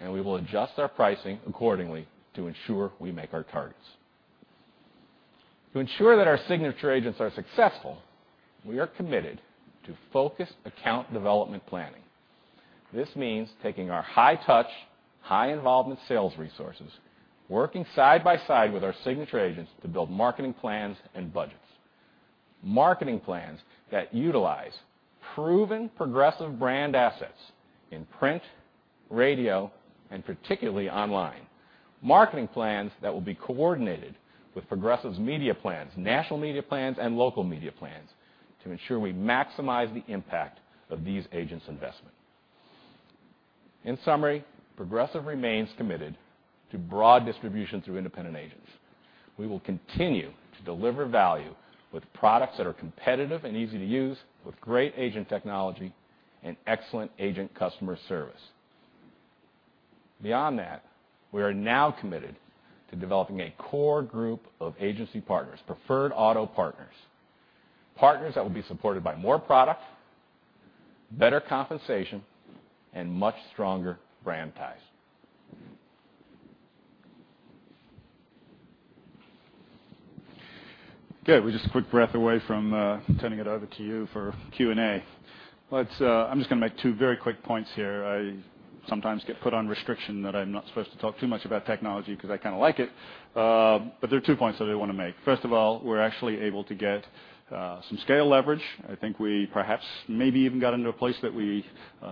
and we will adjust our pricing accordingly to ensure we make our targets. To ensure that our Signature Agents are successful, we are committed to focused account development planning. This means taking our high-touch, high-involvement sales resources, working side by side with our Signature Agents to build marketing plans and budgets. Marketing plans that utilize proven Progressive brand assets in print, radio, and particularly online. Marketing plans that will be coordinated with Progressive's media plans, national media plans, and local media plans to ensure we maximize the impact of these agents' investment. Progressive remains committed to broad distribution through independent agents. We will continue to deliver value with products that are competitive and easy to use, with great agent technology and excellent agent customer service. Beyond that, we are now committed to developing a core group of agency partners, preferred auto partners. Partners that will be supported by more product, better compensation, and much stronger brand ties. Good. We're just a quick breath away from turning it over to you for Q&A. I'm just going to make two very quick points here. I sometimes get put on restriction that I'm not supposed to talk too much about technology because I kind of like it. There are two points that I want to make. We're actually able to get some scale leverage. I think we perhaps maybe even got into a place that we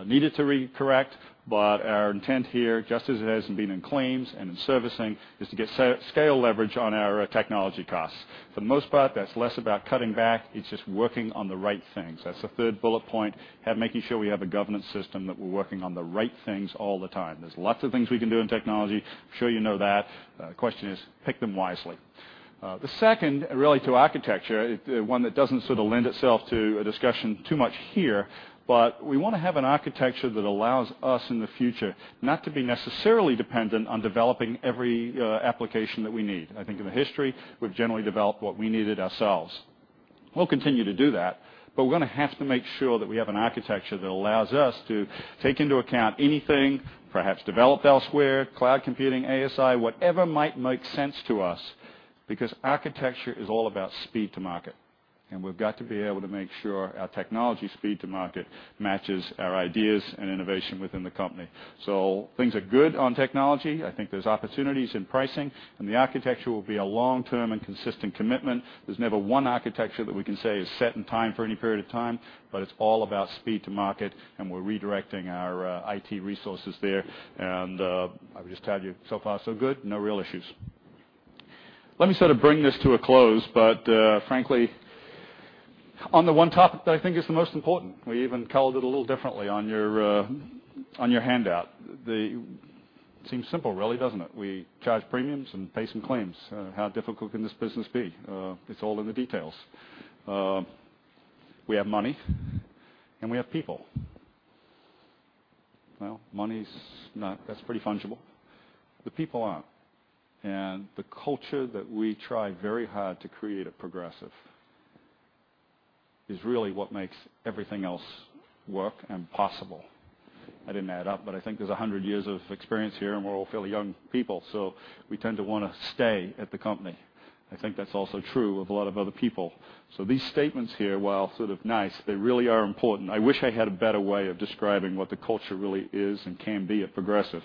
needed to re-correct, but our intent here, just as it has been in claims and in servicing, is to get scale leverage on our technology costs. For the most part, that's less about cutting back. It's just working on the right things. That's the third bullet point, making sure we have a governance system that we're working on the right things all the time. There's lots of things we can do in technology. I'm sure you know that. The question is, pick them wisely. The second, really to architecture, one that doesn't sort of lend itself to a discussion too much here, but we want to have an architecture that allows us in the future not to be necessarily dependent on developing every application that we need. I think in the history, we've generally developed what we needed ourselves. We'll continue to do that, but we're going to have to make sure that we have an architecture that allows us to take into account anything, perhaps developed elsewhere, cloud computing, ASI, whatever might make sense to us, because architecture is all about speed to market. We've got to be able to make sure our technology speed to market matches our ideas and innovation within the company. Things are good on technology. I think there's opportunities in pricing, the architecture will be a long-term and consistent commitment. There's never one architecture that we can say is set in time for any period of time, but it's all about speed to market, and we're redirecting our IT resources there. I would just tell you, so far so good. No real issues. Let me sort of bring this to a close, but frankly, on the one topic that I think is the most important, we even colored it a little differently on your handout. It seems simple, really, doesn't it? We charge premiums and pay some claims. How difficult can this business be? It's all in the details. We have money, and we have people. Well, money's pretty fungible. The people aren't. The culture that we try very hard to create at Progressive is really what makes everything else work and possible. I didn't add up, but I think there's 100 years of experience here, and we're all fairly young people, so we tend to want to stay at the company. I think that's also true of a lot of other people. These statements here, while sort of nice, they really are important. I wish I had a better way of describing what the culture really is and can be at Progressive.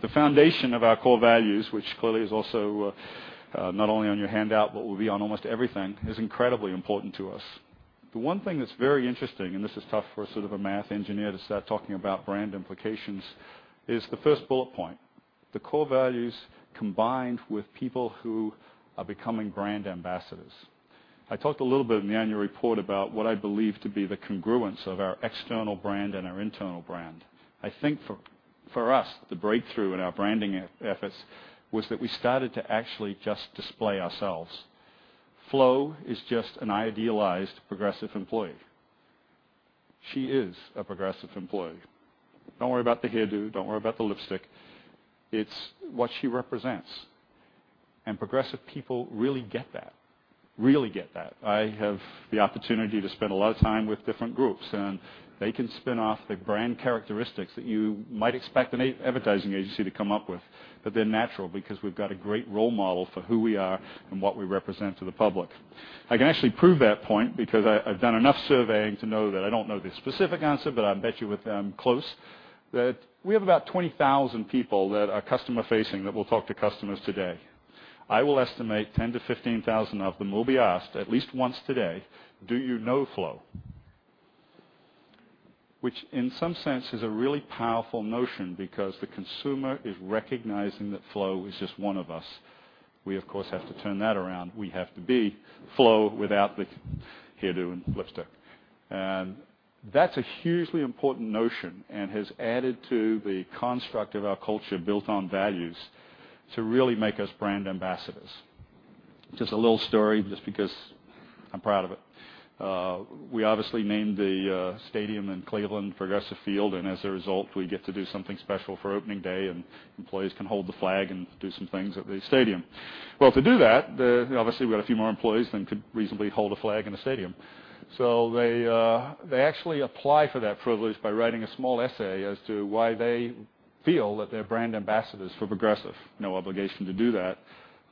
The foundation of our core values, which clearly is also not only on your handout, but will be on almost everything, is incredibly important to us. The one thing that's very interesting, this is tough for sort of a math engineer to start talking about brand implications, is the first bullet point. The core values combined with people who are becoming brand ambassadors. I talked a little bit in the annual report about what I believe to be the congruence of our external brand and our internal brand. I think for us, the breakthrough in our branding efforts was that we started to actually just display ourselves. Flo is just an idealized Progressive employee. She is a Progressive employee. Don't worry about the hairdo. Don't worry about the lipstick. It's what she represents. Progressive people really get that. Really get that. I have the opportunity to spend a lot of time with different groups, and they can spin off the brand characteristics that you might expect an advertising agency to come up with. They're natural because we've got a great role model for who we are and what we represent to the public. I can actually prove that point because I've done enough surveying to know that I don't know the specific answer, but I bet you I'm close, that we have about 20,000 people that are customer facing that will talk to customers today. I will estimate 10,000 to 15,000 of them will be asked at least once today, "Do you know Flo?" Which in some sense is a really powerful notion because the consumer is recognizing that Flo is just one of us. We, of course, have to turn that around. We have to be Flo without the hairdo and lipstick. That's a hugely important notion and has added to the construct of our culture built on values to really make us brand ambassadors. Just a little story, just because I'm proud of it. We obviously named the stadium in Cleveland Progressive Field. As a result, we get to do something special for opening day, and employees can hold the flag and do some things at the stadium. Well, to do that, obviously, we've got a few more employees than could reasonably hold a flag in a stadium. They actually apply for that privilege by writing a small essay as to why they feel that they're brand ambassadors for Progressive. No obligation to do that.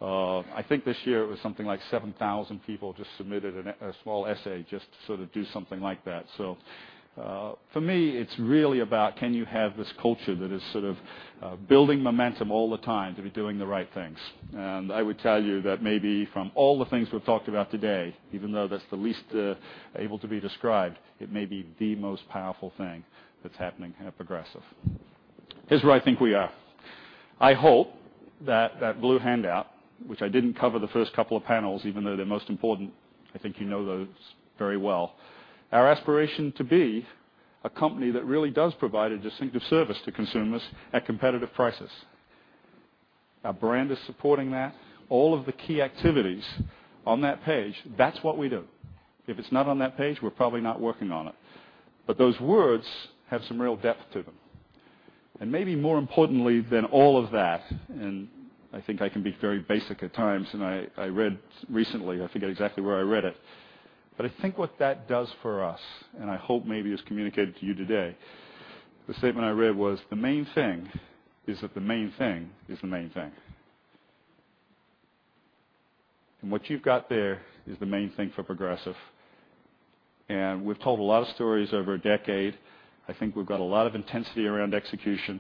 I think this year it was something like 7,000 people just submitted a small essay just to do something like that. For me, it's really about can you have this culture that is sort of building momentum all the time to be doing the right things. I would tell you that maybe from all the things we've talked about today, even though that's the least able to be described, it may be the most powerful thing that's happening at Progressive. Here's where I think we are. I hope that that blue handout, which I didn't cover the first couple of panels, even though they're most important, I think you know those very well. Our aspiration to be a company that really does provide a distinctive service to consumers at competitive prices. Our brand is supporting that. All of the key activities on that page, that's what we do. If it's not on that page, we're probably not working on it. Those words have some real depth to them. Maybe more importantly than all of that, and I think I can be very basic at times, and I read recently, I forget exactly where I read it. I think what that does for us, and I hope maybe is communicated to you today, the statement I read was, "The main thing is that the main thing is the main thing." What you've got there is the main thing for Progressive. We've told a lot of stories over a decade. I think we've got a lot of intensity around execution.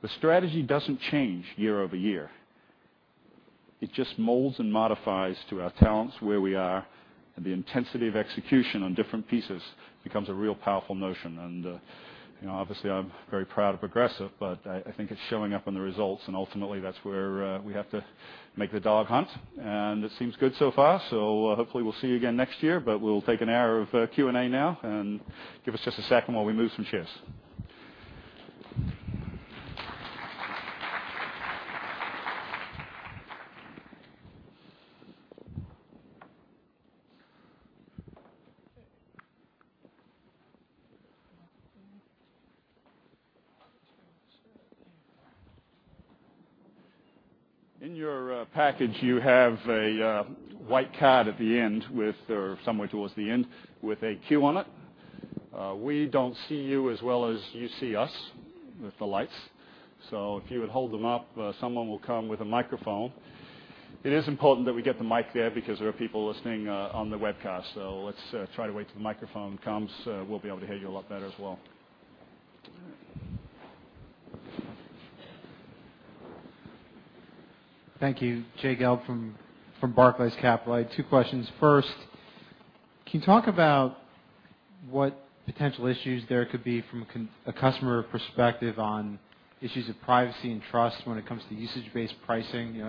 The strategy doesn't change year-over-year. It just molds and modifies to our talents, where we are, and the intensity of execution on different pieces becomes a real powerful notion. Obviously, I'm very proud of Progressive, I think it's showing up in the results, ultimately, that's where we have to make the dog hunt. It seems good so far. Hopefully we'll see you again next year. We'll take an hour of Q&A now, give us just a second while we move some chairs. In your package, you have a white card at the end with, or somewhere towards the end, with a Q on it. We don't see you as well as you see us with the lights. If you would hold them up, someone will come with a microphone. It is important that we get the mic there because there are people listening on the webcast. Let's try to wait till the microphone comes. We'll be able to hear you a lot better as well. All right. Thank you. Jay Gelb from Barclays Capital. I have two questions. First, can you talk about what potential issues there could be from a customer perspective on issues of privacy and trust when it comes to usage-based pricing?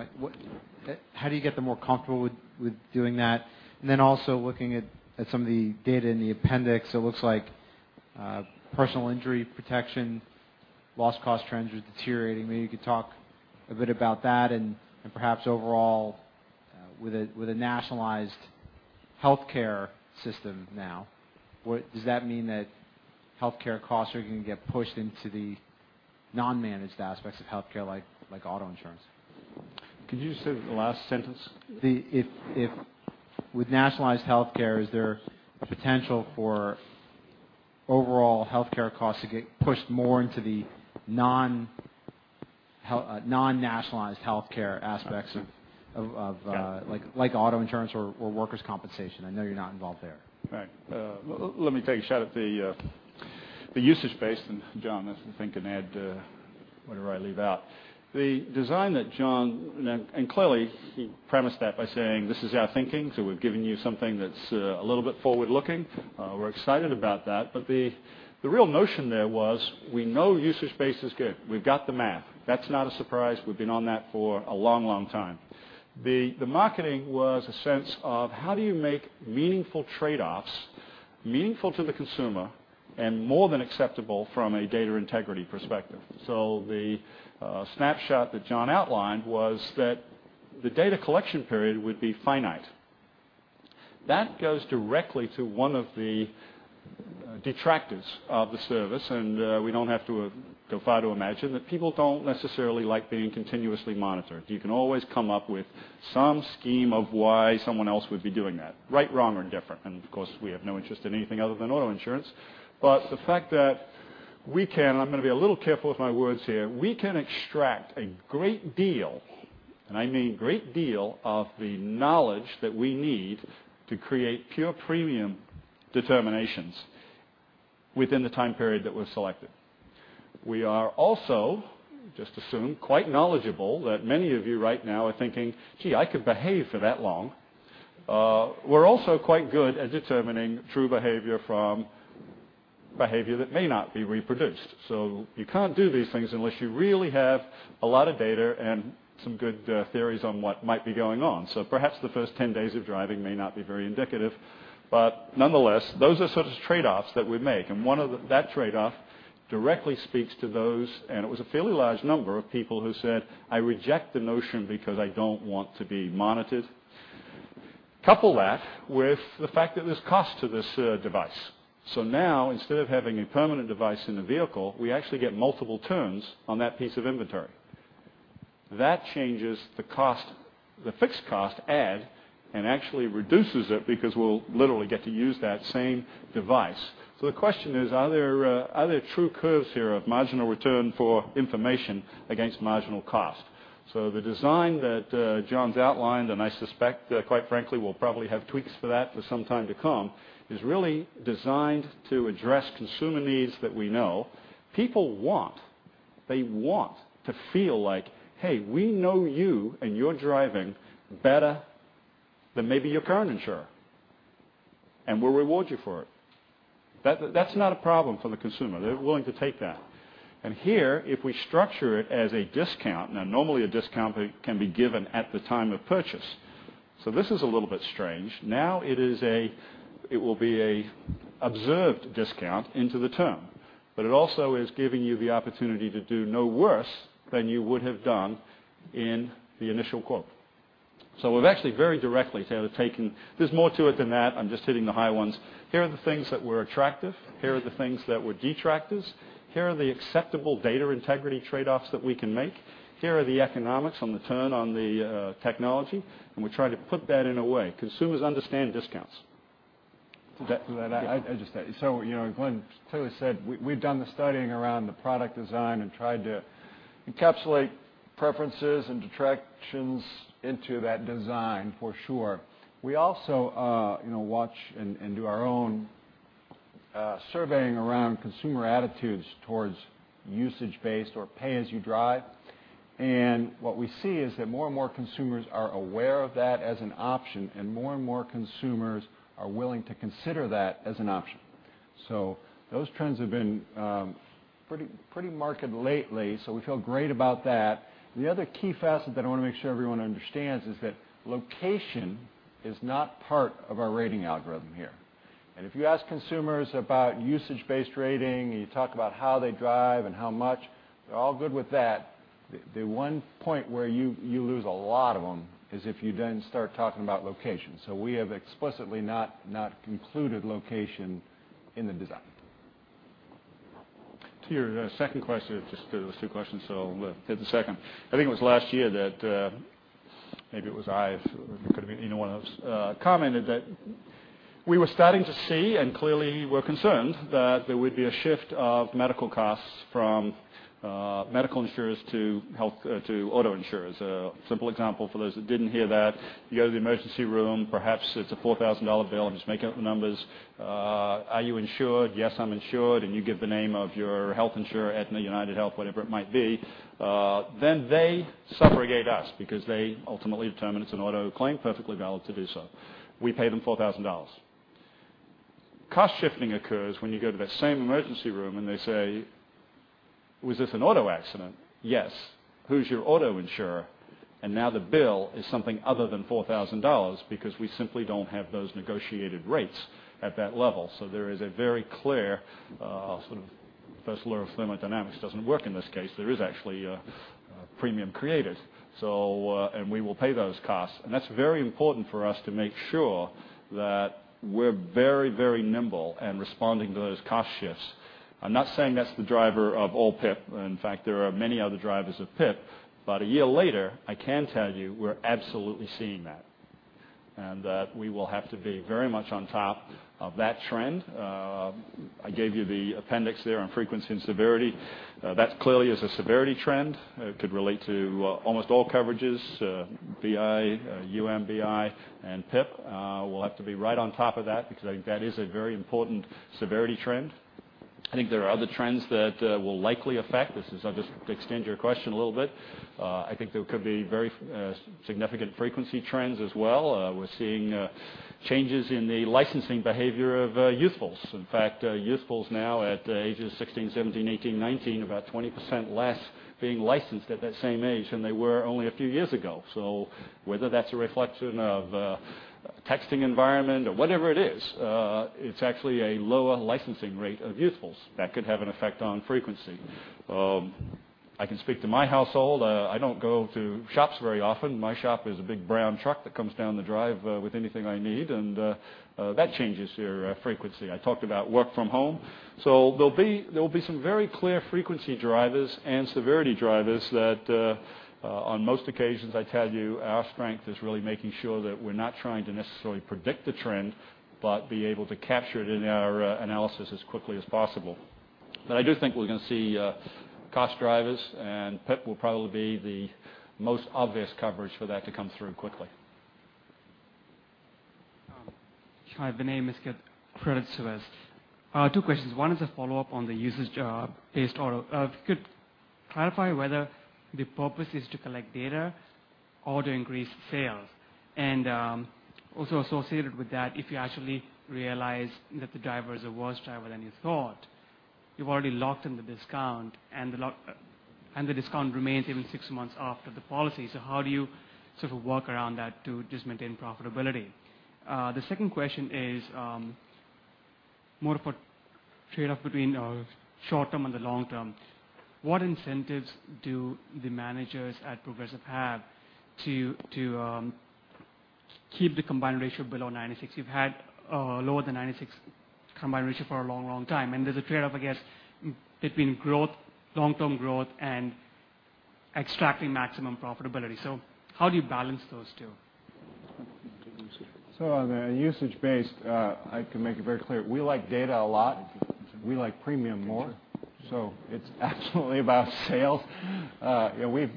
How do you get them more comfortable with doing that? Then also looking at some of the data in the appendix, it looks like personal injury protection, loss cost trends are deteriorating. Maybe you could talk a bit about that and perhaps overall, with a nationalized healthcare system now, does that mean that healthcare costs are going to get pushed into the non-managed aspects of healthcare like auto insurance? Could you just say the last sentence? With nationalized healthcare, is there a potential for overall healthcare costs to get pushed more into the non-nationalized healthcare aspects of- Got it. Like auto insurance or workers' compensation? I know you're not involved there. Right. Let me take a shot at the usage base. John, I was thinking to add whatever I leave out. Clearly, he premised that by saying, "This is our thinking, so we've given you something that's a little bit forward-looking." We're excited about that. The real notion there was we know usage base is good. We've got the math. That's not a surprise. We've been on that for a long time. The marketing was a sense of how do you make meaningful trade-offs, meaningful to the consumer, and more than acceptable from a data integrity perspective? The Snapshot that John outlined was that the data collection period would be finite. That goes directly to one of the detractors of the service, and we don't have to go far to imagine that people don't necessarily like being continuously monitored. You can always come up with some scheme of why someone else would be doing that, right, wrong, or indifferent. Of course, we have no interest in anything other than auto insurance. The fact that we can, I'm going to be a little careful with my words here. We can extract a great deal, and I mean great deal of the knowledge that we need to create pure premium determinations within the time period that was selected. We are also, just assume, quite knowledgeable that many of you right now are thinking, "Gee, I could behave for that long." We're also quite good at determining true behavior from behavior that may not be reproduced. You can't do these things unless you really have a lot of data and some good theories on what might be going on. Perhaps the first 10 days of driving may not be very indicative. Nonetheless, those are sort of trade-offs that we make. That trade-off directly speaks to those, and it was a fairly large number of people who said, "I reject the notion because I don't want to be monitored." Couple that with the fact that there's cost to this device. Now, instead of having a permanent device in the vehicle, we actually get multiple turns on that piece of inventory. That changes the fixed cost add and actually reduces it because we'll literally get to use that same device. The question is, are there true curves here of marginal return for information against marginal cost? The design that John's outlined, and I suspect, quite frankly, we'll probably have tweaks for that for some time to come, is really designed to address consumer needs that we know people want. They want to feel like, hey, we know you and your driving better than maybe your current insurer, and we'll reward you for it. That's not a problem for the consumer. They're willing to take that. Here, if we structure it as a discount, now normally a discount can be given at the time of purchase. This is a little bit strange. Now it will be a observed discount into the term. It also is giving you the opportunity to do no worse than you would have done in the initial quote. We've actually very directly taken. There's more to it than that. I'm just hitting the high ones. Here are the things that were attractive. Here are the things that were detractors. Here are the acceptable data integrity trade-offs that we can make. Here are the economics on the turn on the technology, we try to put that in a way consumers understand discounts. To that, Glenn clearly said we've done the studying around the product design and tried to encapsulate preferences and detractions into that design, for sure. We also watch and do our own surveying around consumer attitudes towards usage-based or pay-as-you-drive. What we see is that more and more consumers are aware of that as an option, and more and more consumers are willing to consider that as an option. Those trends have been pretty marked lately, so we feel great about that. The other key facet that I want to make sure everyone understands is that location is not part of our rating algorithm here. If you ask consumers about usage-based rating, you talk about how they drive and how much, they're all good with that. The one point where you lose a lot of them is if you start talking about location. We have explicitly not included location in the design. To your second question, there was two questions, hit the second. I think it was last year that, maybe it was I, it could have been any one of us, commented that we were starting to see and clearly were concerned that there would be a shift of medical costs from medical insurers to auto insurers. A simple example for those that didn't hear that, you go to the emergency room, perhaps it's a $4,000 bill, I'm just making up the numbers. Are you insured? Yes, I'm insured, and you give the name of your health insurer, Aetna, UnitedHealth, whatever it might be. They subrogate us because they ultimately determine it's an auto claim, perfectly valid to do so. We pay them $4,000. Cost shifting occurs when you go to that same emergency room, and they say, "Was this an auto accident?" Yes. Who's your auto insurer? Now the bill is something other than $4,000 because we simply don't have those negotiated rates at that level. There is a very clear sort of first law of thermodynamics doesn't work in this case. There is actually a premium created. We will pay those costs. That's very important for us to make sure that we're very, very nimble in responding to those cost shifts. I'm not saying that's the driver of all PIP. In fact, there are many other drivers of PIP. A year later, I can tell you we're absolutely seeing that, and that we will have to be very much on top of that trend. I gave you the appendix there on frequency and severity. That clearly is a severity trend. It could relate to almost all coverages, BI, UMBI, and PIP. We'll have to be right on top of that because I think that is a very important severity trend. I think there are other trends that will likely affect this, as I just extend your question a little bit. I think there could be very significant frequency trends as well. We're seeing changes in the licensing behavior of youthfulness. In fact, youthfulness now at ages 16, 17, 18, 19, about 20% less being licensed at that same age than they were only a few years ago. Whether that's a reflection of a texting environment or whatever it is, it's actually a lower licensing rate of youthfulness that could have an effect on frequency. I can speak to my household. I don't go to shops very often. My shop is a big brown truck that comes down the drive with anything I need, and that changes your frequency. I talked about work from home. There'll be some very clear frequency drivers and severity drivers that on most occasions, I tell you our strength is really making sure that we're not trying to necessarily predict the trend, but be able to capture it in our analysis as quickly as possible. I do think we're going to see cost drivers, and PIP will probably be the most obvious coverage for that to come through quickly. Hi, my name is [Keith] Credit Suisse. Two questions. One is a follow-up on the usage-based auto. If you could clarify whether the purpose is to collect data or to increase sales. Also associated with that, if you actually realize that the driver is a worse driver than you thought, you've already locked in the discount, and the discount remains even six months after the policy. How do you sort of work around that to just maintain profitability? The second question is More of a trade-off between short-term and the long term. What incentives do the managers at Progressive have to keep the combined ratio below 96? You've had lower than 96 combined ratio for a long time, and there's a trade-off, I guess, between long-term growth and extracting maximum profitability. How do you balance those two? On the usage base, I can make it very clear. We like data a lot. We like premium more. It's absolutely about sales.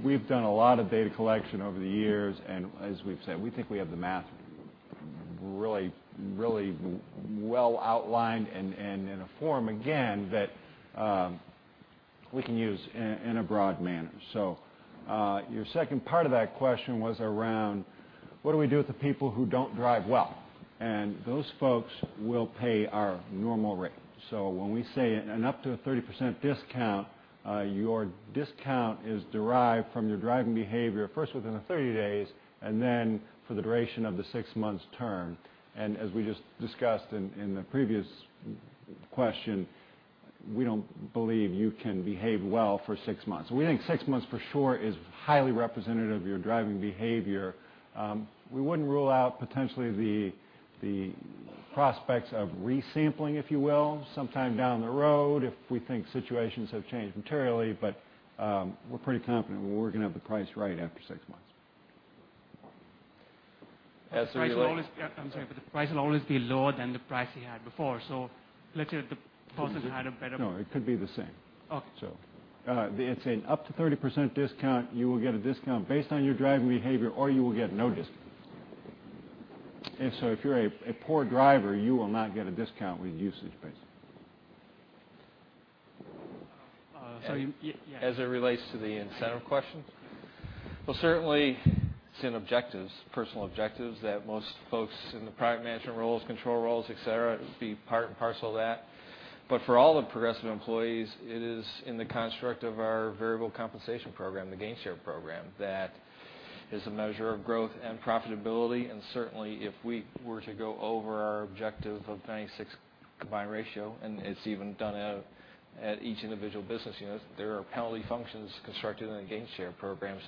We've done a lot of data collection over the years, and as we've said, we think we have the math really well outlined and in a form, again, that we can use in a broad manner. Your second part of that question was around what do we do with the people who don't drive well? Those folks will pay our normal rate. When we say up to a 30% discount, your discount is derived from your driving behavior, first within the 30 days, and then for the duration of the six months' term. As we just discussed in the previous question, we don't believe you can behave well for six months. We think six months for sure is highly representative of your driving behavior. We wouldn't rule out potentially the prospects of resampling, if you will, sometime down the road if we think situations have changed materially. We're pretty confident we're working out the price right after six months. As it relates- The price will always, I'm sorry, but the price will always be lower than the price he had before. Let's say that the person had a better- No, it could be the same. Okay. It's an up to 30% discount. You will get a discount based on your driving behavior, or you will get no discount. If you're a poor driver, you will not get a discount with usage-based. Oh. Sorry. Yeah. As it relates to the incentive question? Well, certainly it's in objectives, personal objectives, that most folks in the product management roles, control roles, et cetera, be part and parcel of that. But for all of Progressive employees, it is in the construct of our variable compensation program, the Gainshare program, that is a measure of growth and profitability. Certainly, if we were to go over our objective of 96 combined ratio, and it's even done at each individual business unit, there are penalty functions constructed in the Gainshare programs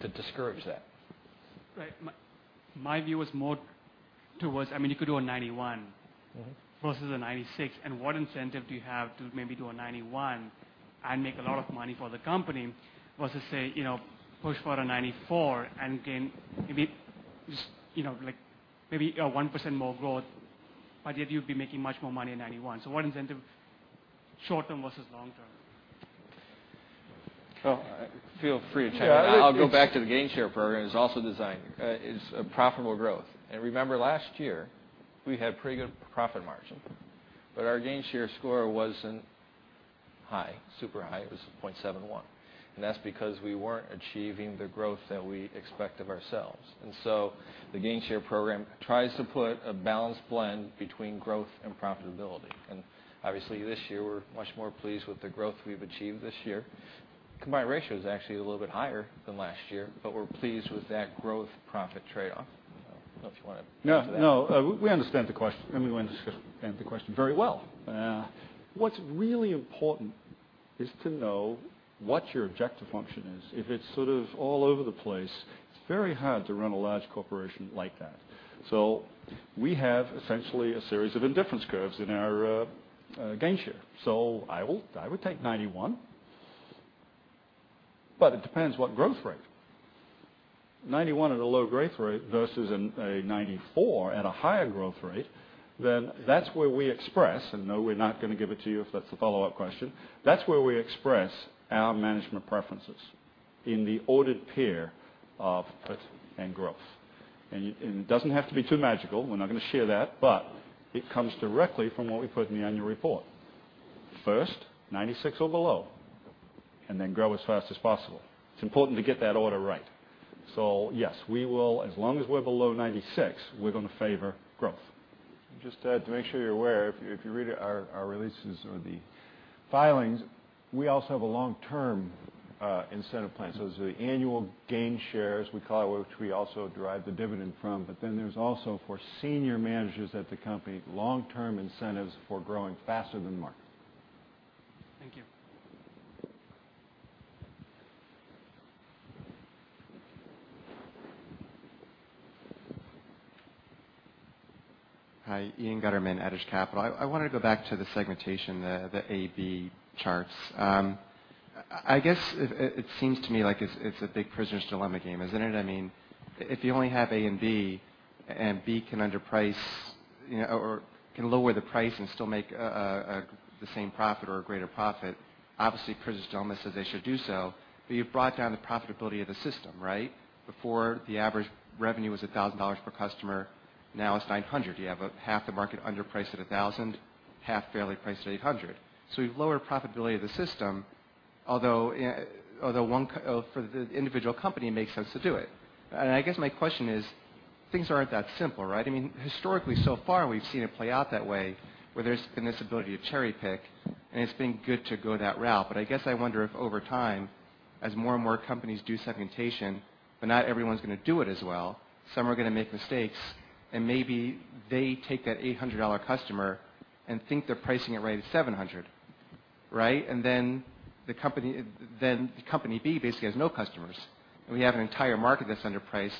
to discourage that. Right. My view is more towards, you could do a 91- versus a 96, what incentive do you have to maybe do a 91 and make a lot of money for the company versus, say, push for a 94 and gain maybe a 1% more growth, yet you'd be making much more money in 91. What incentive, short term versus long term? Feel free to chime in. Yeah. I'll go back to the Gainshare program is also designed as profitable growth. Remember last year, we had pretty good profit margin, but our Gainshare score wasn't high, super high. It was 0.71, that's because we weren't achieving the growth that we expect of ourselves. The Gainshare program tries to put a balanced blend between growth and profitability. Obviously, this year, we're much more pleased with the growth we've achieved this year. Combined ratio is actually a little bit higher than last year, but we're pleased with that growth profit trade-off. I don't know if you want to add to that. No. We understand the question, we understand the question very well. What's really important is to know what your objective function is. If it's sort of all over the place, it's very hard to run a large corporation like that. We have essentially a series of indifference curves in our Gainshare. I would take 91, but it depends what growth rate. 91 at a low growth rate versus a 94 at a higher growth rate, then that's where we express, no, we're not going to give it to you if that's the follow-up question. That's where we express our management preferences in the ordered pair of put and growth. It doesn't have to be too magical. We're not going to share that, but it comes directly from what we put in the annual report. First, 96 or below, then grow as fast as possible. It's important to get that order right. Yes, as long as we're below 96, we're going to favor growth. Just to add, to make sure you're aware, if you read our releases or the filings, we also have a long-term incentive plan. There's the annual Gainshare, we call it, which we also derive the dividend from, there's also, for senior managers at the company, long-term incentives for growing faster than the market. Thank you. Hi. Ian Gutterman, Edge Capital. I want to go back to the segmentation, the A, B charts. It seems to me like it's a big prisoner's dilemma game, isn't it? If you only have A and B, and B can underprice or can lower the price and still make the same profit or a greater profit, obviously prisoner's dilemma says they should do so, you've brought down the profitability of the system, right? Before the average revenue was $1,000 per customer. Now it's $900. You have half the market underpriced at $1,000, half fairly priced at $800. You've lowered profitability of the system, although for the individual company, it makes sense to do it. My question is, things aren't that simple, right? Historically, so far, we've seen it play out that way, where there's been this ability to cherry-pick, it's been good to go that route. As more and more companies do segmentation, not everyone's going to do it as well. Some are going to make mistakes, and maybe they take that $800 customer and think they're pricing it right at $700. Right? Then the company B basically has no customers. We have an entire market that's underpriced,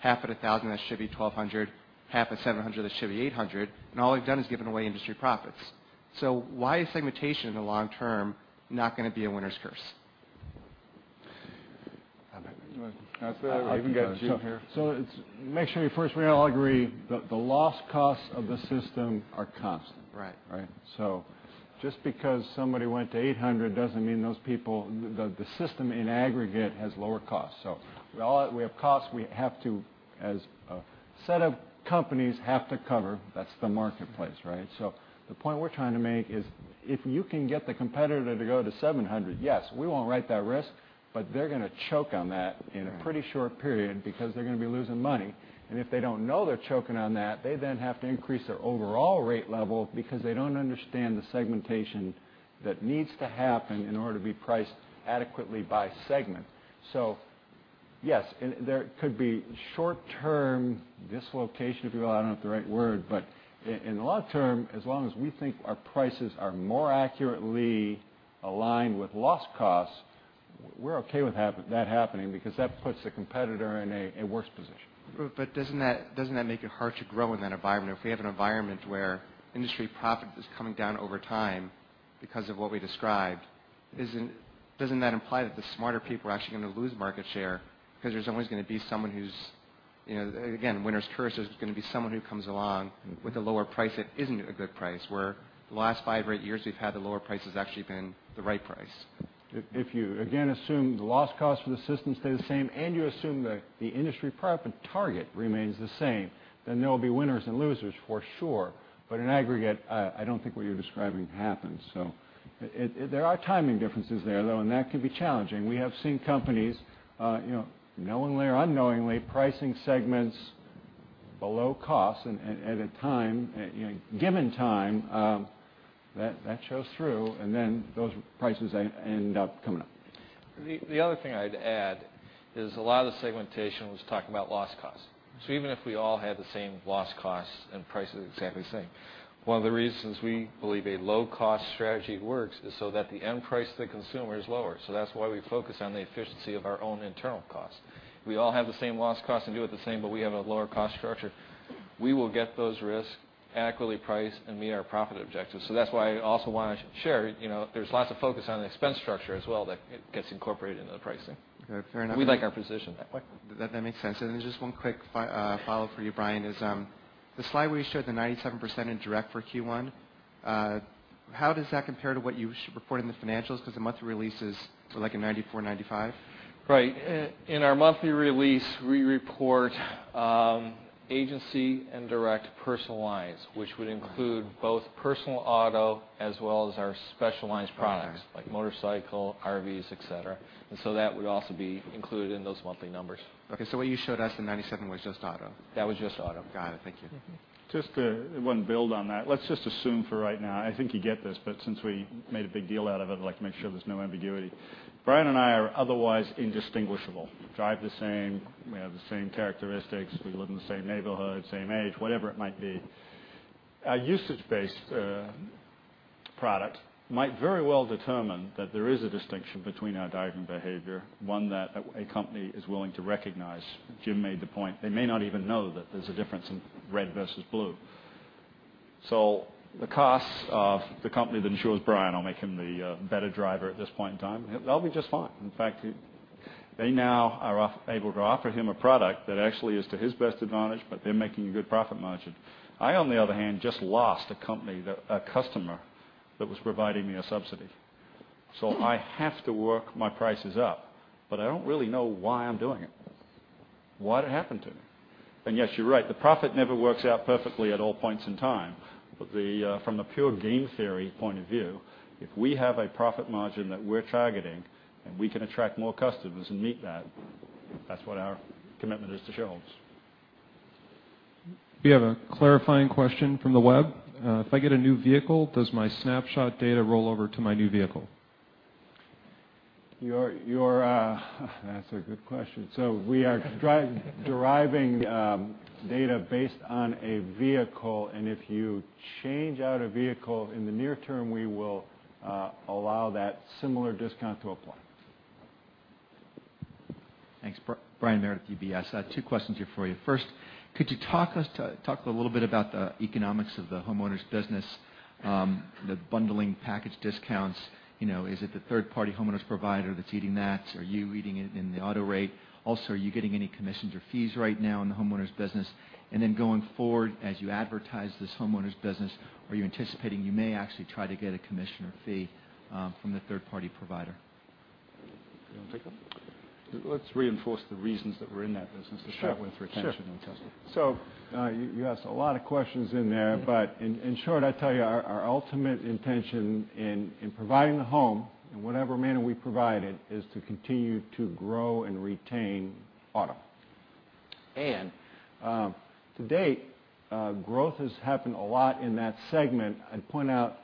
half at $1,000 that should be $1,200, half at $700 that should be $800, and all we've done is given away industry profits. Why is segmentation, in the long term, not going to be a winner's curse? You want to answer that? You can go, Jim, here. Make sure we first we all agree that the loss costs of the system are constant. Right. Right. Just because somebody went to $800 doesn't mean the system in aggregate has lower costs. We have costs we, as a set of companies, have to cover. That's the marketplace, right? The point we're trying to make is if you can get the competitor to go to $700, yes, we won't write that risk, but they're going to choke on that in a pretty short period because they're going to be losing money. If they don't know they're choking on that, they then have to increase their overall rate level because they don't understand the segmentation that needs to happen in order to be priced adequately by segment. Yes, there could be short-term dislocation, if you will. I don't know if it's the right word, in the long term, as long as we think our prices are more accurately aligned with loss costs, we're okay with that happening because that puts the competitor in a worse position. Doesn't that make it hard to grow in that environment? If we have an environment where industry profit is coming down over time because of what we described, doesn't that imply that the smarter people are actually going to lose market share? There's always going to be someone who's, again, winner's curse, there's going to be someone who comes along with a lower price that isn't a good price, where the last five or eight years we've had the lower price has actually been the right price. If you again assume the loss cost for the system stay the same and you assume that the industry profit target remains the same, then there will be winners and losers for sure. In aggregate, I don't think what you're describing happens. There are timing differences there, though, and that can be challenging. We have seen companies, knowingly or unknowingly, pricing segments below cost, and at a given time, that shows through, and then those prices end up coming up. The other thing I'd add is a lot of the segmentation was talking about loss costs. Even if we all had the same loss costs and price is exactly the same, one of the reasons we believe a low-cost strategy works is so that the end price to the consumer is lower. That's why we focus on the efficiency of our own internal costs. We all have the same loss costs and do it the same, but we have a lower cost structure. We will get those risks accurately priced and meet our profit objectives. That's why I also want to share, there's lots of focus on the expense structure as well that gets incorporated into the pricing. Okay, fair enough. We like our position that way. That makes sense. Just one quick follow for you, Brian, is the slide where you showed the 97% in direct for Q1, how does that compare to what you report in the financials? Because the monthly release is sort of like a 94%, 95%. Right. In our monthly release, we report agency and direct personal lines, which would include both personal auto as well as our specialized products. Okay Like motorcycle, RVs, et cetera. That would also be included in those monthly numbers. Okay, what you showed us, the 97, was just auto. That was just auto. Got it. Thank you. Just one build on that. Let's just assume for right now, I think you get this, since we made a big deal out of it, I'd like to make sure there's no ambiguity. Brian and I are otherwise indistinguishable. Drive the same, we have the same characteristics, we live in the same neighborhood, same age, whatever it might be. A usage-based product might very well determine that there is a distinction between our driving behavior, one that a company is willing to recognize. Jim made the point, they may not even know that there's a difference in red versus blue. The costs of the company that insures Brian will make him the better driver at this point in time. That'll be just fine. In fact, they now are able to offer him a product that actually is to his best advantage, they're making a good profit margin. I, on the other hand, just lost a customer that was providing me a subsidy. I have to work my prices up, I don't really know why I'm doing it. Why did it happen to me? Yes, you're right, the profit never works out perfectly at all points in time. From a pure game theory point of view, if we have a profit margin that we're targeting and we can attract more customers and meet that's what our commitment is to shareholders. We have a clarifying question from the web. If I get a new vehicle, does my Snapshot data roll over to my new vehicle? That's a good question. We are deriving data based on a vehicle, and if you change out a vehicle, in the near term, we will allow that similar discount to apply. Thanks. Brian Meredith, UBS. Two questions here for you. First, could you talk a little bit about the economics of the homeowners business, the bundling package discounts? Is it the third-party homeowners provider that's eating that? Are you eating it in the auto rate? Also, are you getting any commissions or fees right now in the homeowners business? Going forward, as you advertise this homeowners business, are you anticipating you may actually try to get a commission or fee from the third-party provider? You want to take that? Let's reinforce the reasons that we're in that business to start with. Sure for retention and testing. You asked a lot of questions in there, but in short, I tell you, our ultimate intention in providing the home in whatever manner we provide it is to continue to grow and retain auto. To date, growth has happened a lot in that segment. I'd point out,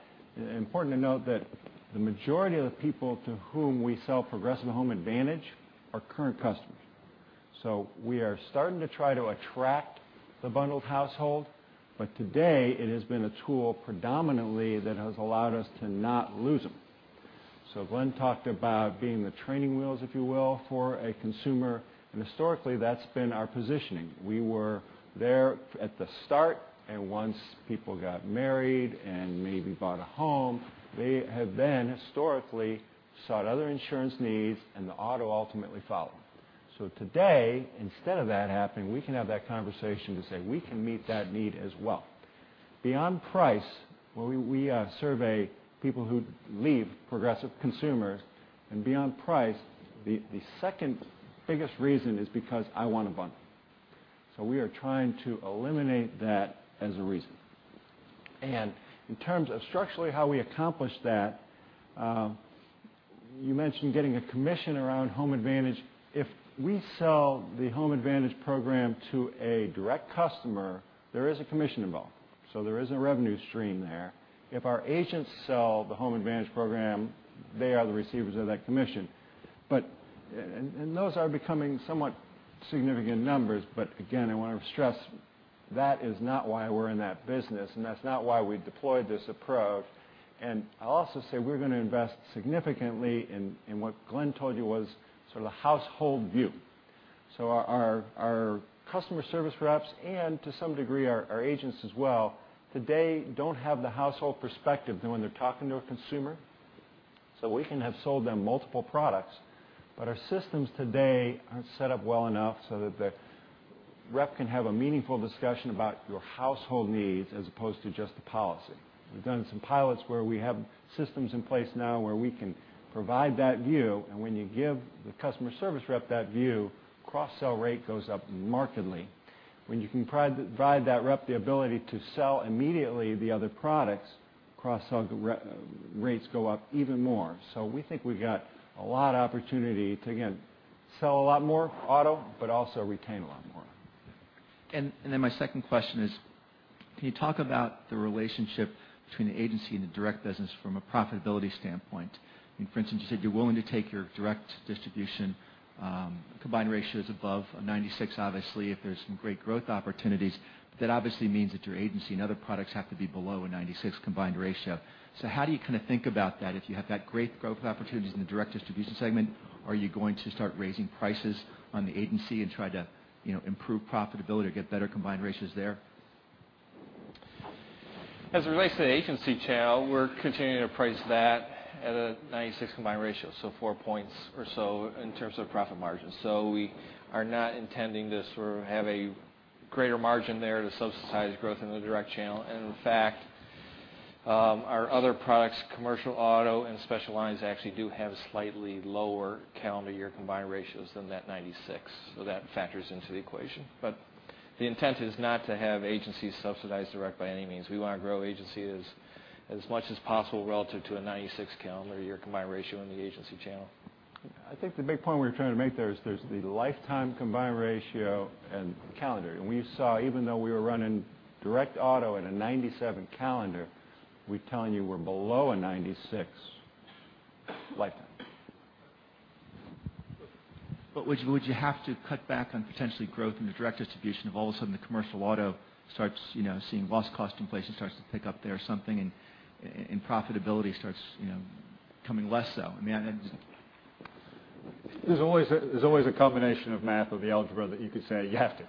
important to note that the majority of the people to whom we sell Progressive Home Advantage are current customers. We are starting to try to attract the bundled household, but today it has been a tool predominantly that has allowed us to not lose them. Glenn talked about being the training wheels, if you will, for a consumer, and historically, that's been our positioning. We were there at the start, and once people got married and maybe bought a home, they have then historically sought other insurance needs, and the auto ultimately followed. Today, instead of that happening, we can have that conversation to say, we can meet that need as well. Beyond price, we survey people who leave Progressive consumers, and beyond price, the second biggest reason is because I want to bundle. We are trying to eliminate that as a reason. In terms of structurally how we accomplish that, you mentioned getting a commission around Home Advantage. If we sell the Home Advantage program to a direct customer, there is a commission involved, so there is a revenue stream there. If our agents sell the Home Advantage program, they are the receivers of that commission. Those are becoming somewhat significant numbers, but again, I want to stress that is not why we're in that business, and that's not why we deployed this approach. I'll also say we're going to invest significantly in what Glenn told you was sort of the household view. Our customer service reps and to some degree our agents as well, today don't have the household perspective when they're talking to a consumer. We can have sold them multiple products, but our systems today aren't set up well enough so that the rep can have a meaningful discussion about your household needs as opposed to just the policy. We've done some pilots where we have systems in place now where we can provide that view, and when you give the customer service rep that view, cross-sell rate goes up markedly. When you can provide that rep the ability to sell immediately the other products, cross-sell rates go up even more. We think we've got a lot of opportunity to, again, sell a lot more auto, but also retain a lot more. My second question is, can you talk about the relationship between the agency and the direct business from a profitability standpoint? For instance, you said you're willing to take your direct distribution combined ratio is above a 96 obviously, if there's some great growth opportunities. That obviously means that your agency and other products have to be below a 96 combined ratio. How do you think about that? If you have that great growth opportunities in the direct distribution segment, are you going to start raising prices on the agency and try to improve profitability or get better combined ratios there? As it relates to the agency channel, we're continuing to price that at a 96 combined ratio, so four points or so in terms of profit margin. We are not intending to sort of have a greater margin there to subsidize growth in the direct channel. In fact, our other products, commercial auto and specialized, actually do have slightly lower calendar year combined ratios than that 96. That factors into the equation. The intent is not to have agencies subsidize direct by any means. We want to grow agency as much as possible relative to a 96 calendar year combined ratio in the agency channel. I think the big point we were trying to make there is there's the lifetime combined ratio and calendar. We saw even though we were running direct auto at a 97 calendar, we're telling you we're below a 96 lifetime. Would you have to cut back on potentially growth in the direct distribution if all of a sudden the commercial auto starts seeing loss cost inflation starts to pick up there or something and profitability starts coming less so? There's always a combination of math or the algebra that you could say you have to.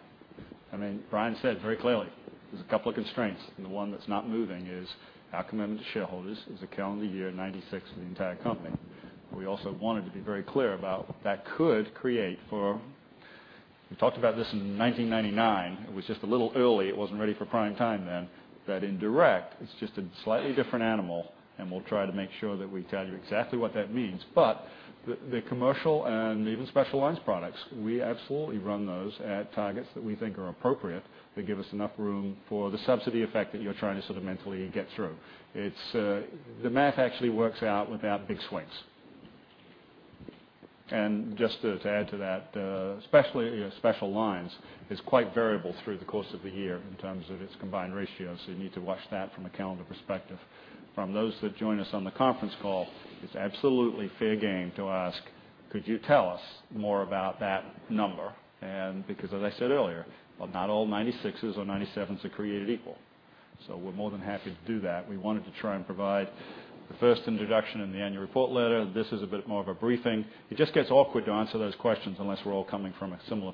I mean, Brian said very clearly there's a couple of constraints, the one that's not moving is our commitment to shareholders is a calendar year 96% for the entire company. We also wanted to be very clear about what that could create for We talked about this in 1999. It was just a little early. It wasn't ready for prime time then, that in direct, it's just a slightly different animal, and we'll try to make sure that we tell you exactly what that means. The commercial and even specialized products, we absolutely run those at targets that we think are appropriate that give us enough room for the subsidy effect that you're trying to sort of mentally get through. The math actually works out without big swings. Just to add to that, especially special lines is quite variable through the course of the year in terms of its combined ratio. You need to watch that from a calendar perspective. From those that join us on the conference call, it's absolutely fair game to ask, could you tell us more about that number? Because, as I said earlier, not all 96%s or 97%s are created equal. We're more than happy to do that. We wanted to try and provide the first introduction in the annual report letter. This is a bit more of a briefing. It just gets awkward to answer those questions unless we're all coming from a similar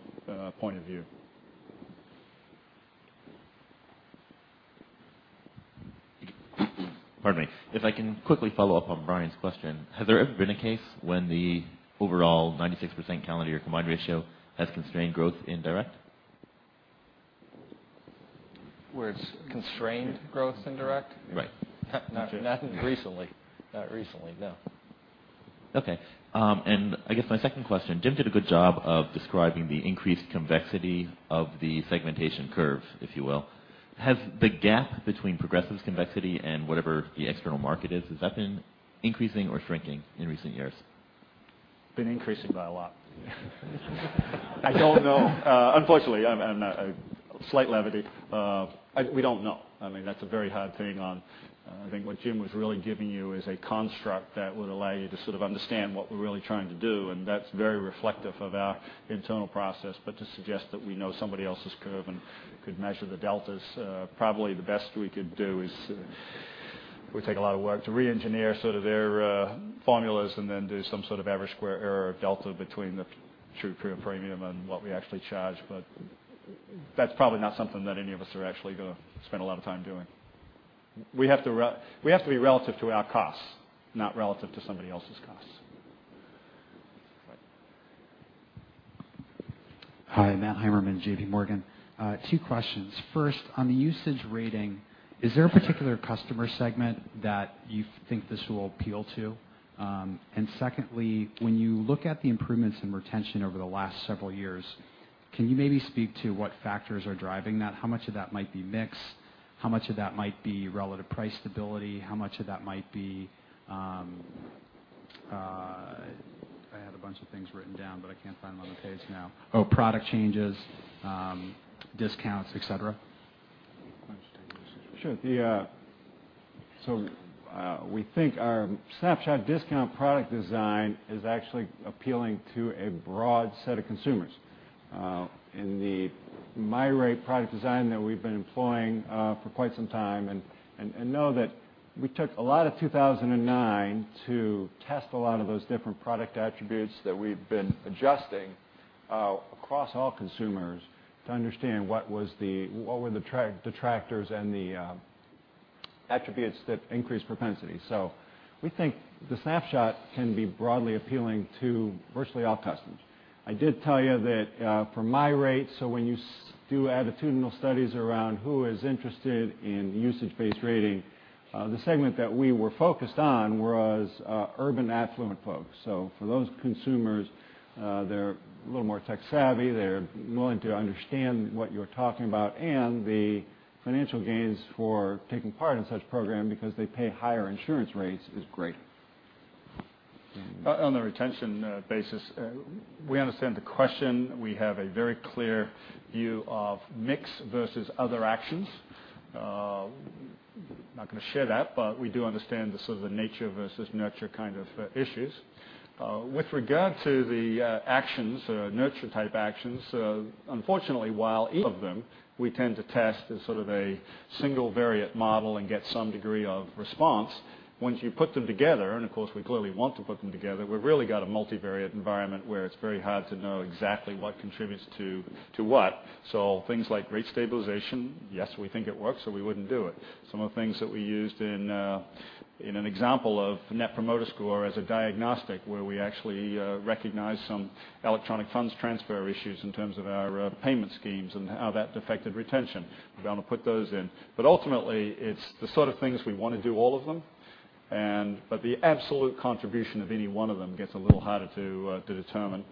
point of view. Pardon me. If I can quickly follow up on Brian's question, has there ever been a case when the overall 96% calendar year combined ratio has constrained growth in direct? Where it's constrained growth in direct? Right. Not recently. Not recently, no. I guess my second question, Jim Haas did a good job of describing the increased convexity of the segmentation curve, if you will. Has the gap between Progressive's convexity and whatever the external market is, has that been increasing or shrinking in recent years? Been increasing by a lot. I don't know. Unfortunately, slight levity. We don't know. That's a very hard thing on. I think what Jim Haas was really giving you is a construct that would allow you to sort of understand what we're really trying to do, and that's very reflective of our internal process. To suggest that we know somebody else's curve and could measure the deltas, probably the best we could do is it would take a lot of work to re-engineer sort of their formulas and then do some sort of average square error of delta between the true premium and what we actually charge. That's probably not something that any of us are actually going to spend a lot of time doing. We have to be relative to our costs, not relative to somebody else's costs. Right. Hi, Matthew Heimermann, JP Morgan. Two questions. First, on the usage rating, is there a particular customer segment that you think this will appeal to? Secondly, when you look at the improvements in retention over the last several years, can you maybe speak to what factors are driving that? How much of that might be mix, how much of that might be relative price stability, how much of that might be— I had a bunch of things written down, but I can't find them on the page now. Oh, product changes, discounts, et cetera. Why don't you take this? Sure. We think our Snapshot discount product design is actually appealing to a broad set of consumers. In the MyRate product design that we've been employing for quite some time, know that we took a lot of 2009 to test a lot of those different product attributes that we've been adjusting across all consumers to understand what were the detractors and the attributes that increase propensity. We think the Snapshot can be broadly appealing to virtually all customers. I did tell you that for MyRate, when you do attitudinal studies around who is interested in usage-based rating, the segment that we were focused on was urban affluent folks. For those consumers, they're a little more tech savvy. They're willing to understand what you're talking about, and the financial gains for taking part in such a program because they pay higher insurance rates is great. On the retention basis, we understand the question. We have a very clear view of mix versus other actions. Not going to share that, but we do understand the sort of nature versus nurture kind of issues. With regard to the nurture type actions, unfortunately, while each of them we tend to test as sort of a single variant model and get some degree of response, once you put them together, and of course, we clearly want to put them together, we've really got a multivariate environment where it's very hard to know exactly what contributes to what. Things like rate stabilization, yes, we think it works, or we wouldn't do it. Some of the things that we used in an example of Net Promoter Score as a diagnostic where we actually recognized some electronic funds transfer issues in terms of our payment schemes and how that affected retention. We're going to put those in. Ultimately, it's the sort of things we want to do all of them, but the absolute contribution of any one of them gets a little harder to determine.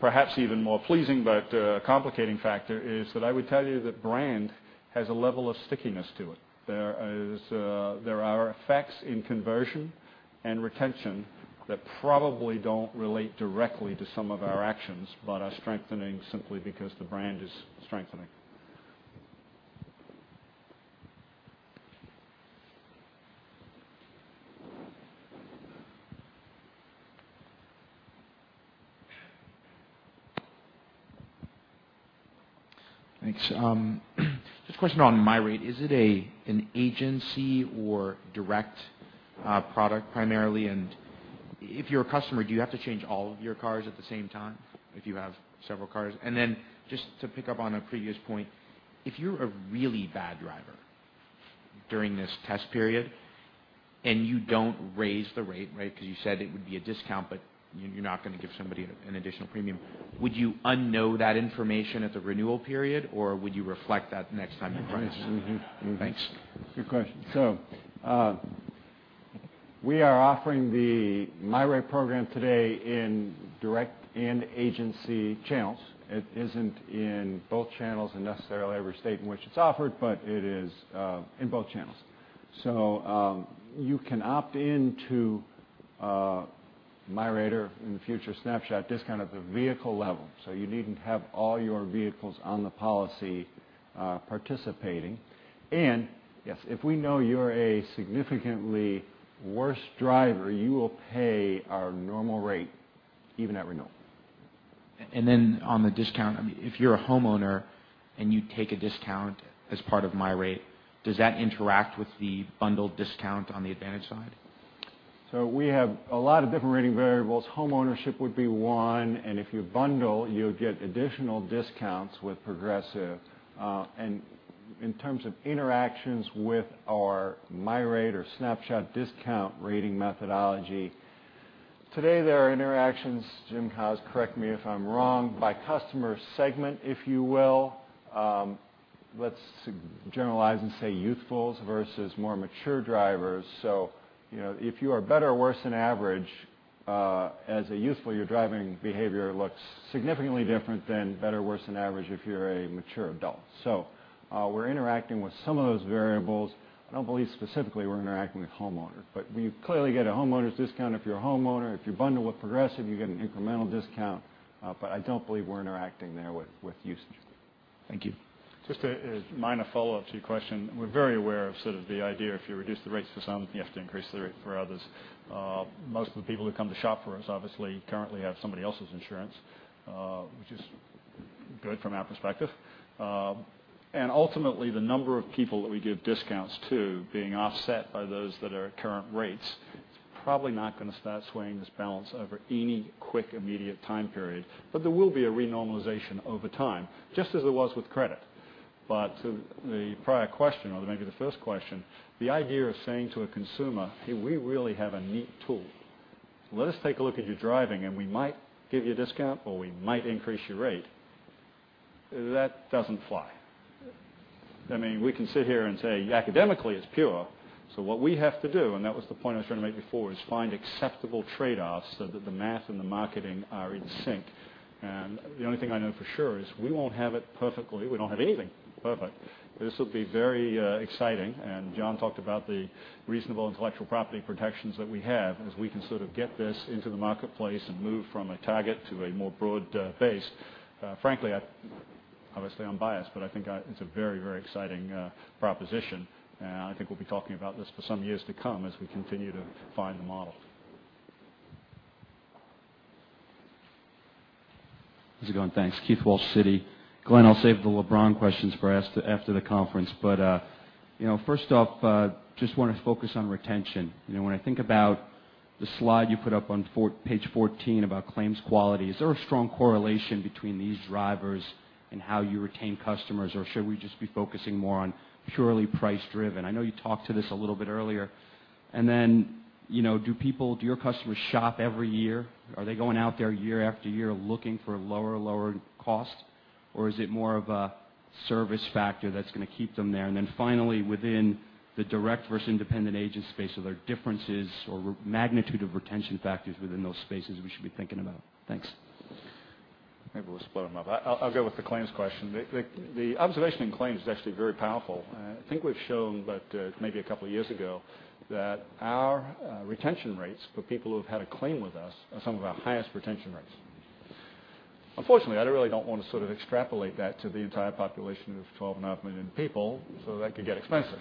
Perhaps even more pleasing but complicating factor is that I would tell you that brand has a level of stickiness to it. There are effects in conversion and retention that probably don't relate directly to some of our actions but are strengthening simply because the brand is strengthening. Thanks. Just a question on MyRate. Is it an agency or direct product primarily? If you're a customer, do you have to change all of your cars at the same time if you have several cars? Just to pick up on a previous point, if you're a really bad driver during this test period, and you don't raise the rate, right? Because you said it would be a discount, but you're not going to give somebody an additional premium. Would you un-know that information at the renewal period, or would you reflect that next time you price? Thanks. Good question. We are offering the MyRate program today in direct and agency channels. It isn't in both channels in necessarily every state in which it's offered, but it is in both channels. You can opt in to MyRate or in the future Snapshot discount at the vehicle level. You needn't have all your vehicles on the policy participating. Yes, if we know you're a significantly worse driver, you will pay our normal rate even at renewal. On the discount, if you're a homeowner and you take a discount as part of MyRate, does that interact with the bundled discount on the advantage side? We have a lot of different rating variables. Home ownership would be one, and if you bundle, you would get additional discounts with Progressive. In terms of interactions with our MyRate or Snapshot discount rating methodology, today, there are interactions, Jim Haas, correct me if I'm wrong, by customer segment, if you will. Let's generalize and say youthfuls versus more mature drivers. If you are better or worse than average as a youthful, your driving behavior looks significantly different than better or worse than average if you're a mature adult. We're interacting with some of those variables. I don't believe specifically we're interacting with homeowner, but you clearly get a homeowner's discount if you're a homeowner. If you bundle with Progressive, you get an incremental discount. I don't believe we're interacting there with usage. Thank you. Just a minor follow-up to your question. We are very aware of the idea if you reduce the rates for some, you have to increase the rate for others. Most of the people who come to shop for us obviously currently have somebody else's insurance, which is good from our perspective. Ultimately, the number of people that we give discounts to being offset by those that are at current rates is probably not going to start swaying this balance over any quick, immediate time period. There will be a renormalization over time, just as it was with credit. To the prior question, or maybe the first question, the idea of saying to a consumer, "Hey, we really have a neat tool. Let us take a look at your driving, and we might give you a discount, or we might increase your rate." That doesn't fly. We can sit here and say academically it's pure. What we have to do, and that was the point I was trying to make before, is find acceptable trade-offs so that the math and the marketing are in sync. The only thing I know for sure is we won't have it perfectly. We don't have anything perfect. This will be very exciting, and John talked about the reasonable intellectual property protections that we have as we can sort of get this into the marketplace and move from a target to a more broad base. Frankly, obviously, I'm biased, I think it's a very exciting proposition, I think we will be talking about this for some years to come as we continue to find the model. How's it going? Thanks. Keith Walsh, Citi. Glenn, I will save the LeBron questions for after the conference. First off, just want to focus on retention. When I think about the slide you put up on page 14 about claims quality, is there a strong correlation between these drivers and how you retain customers, or should we just be focusing more on purely price driven? I know you talked to this a little bit earlier. Then, do your customers shop every year? Are they going out there year after year looking for lower cost, or is it more of a service factor that's going to keep them there? Then finally, within the direct versus independent agent space, are there differences or magnitude of retention factors within those spaces we should be thinking about? Thanks. Maybe we'll split them up. I'll go with the claims question. The observation in claims is actually very powerful. I think we've shown, but maybe a couple of years ago, that our retention rates for people who have had a claim with us are some of our highest retention rates. Unfortunately, I really don't want to extrapolate that to the entire population of 12.5 million people, that could get expensive.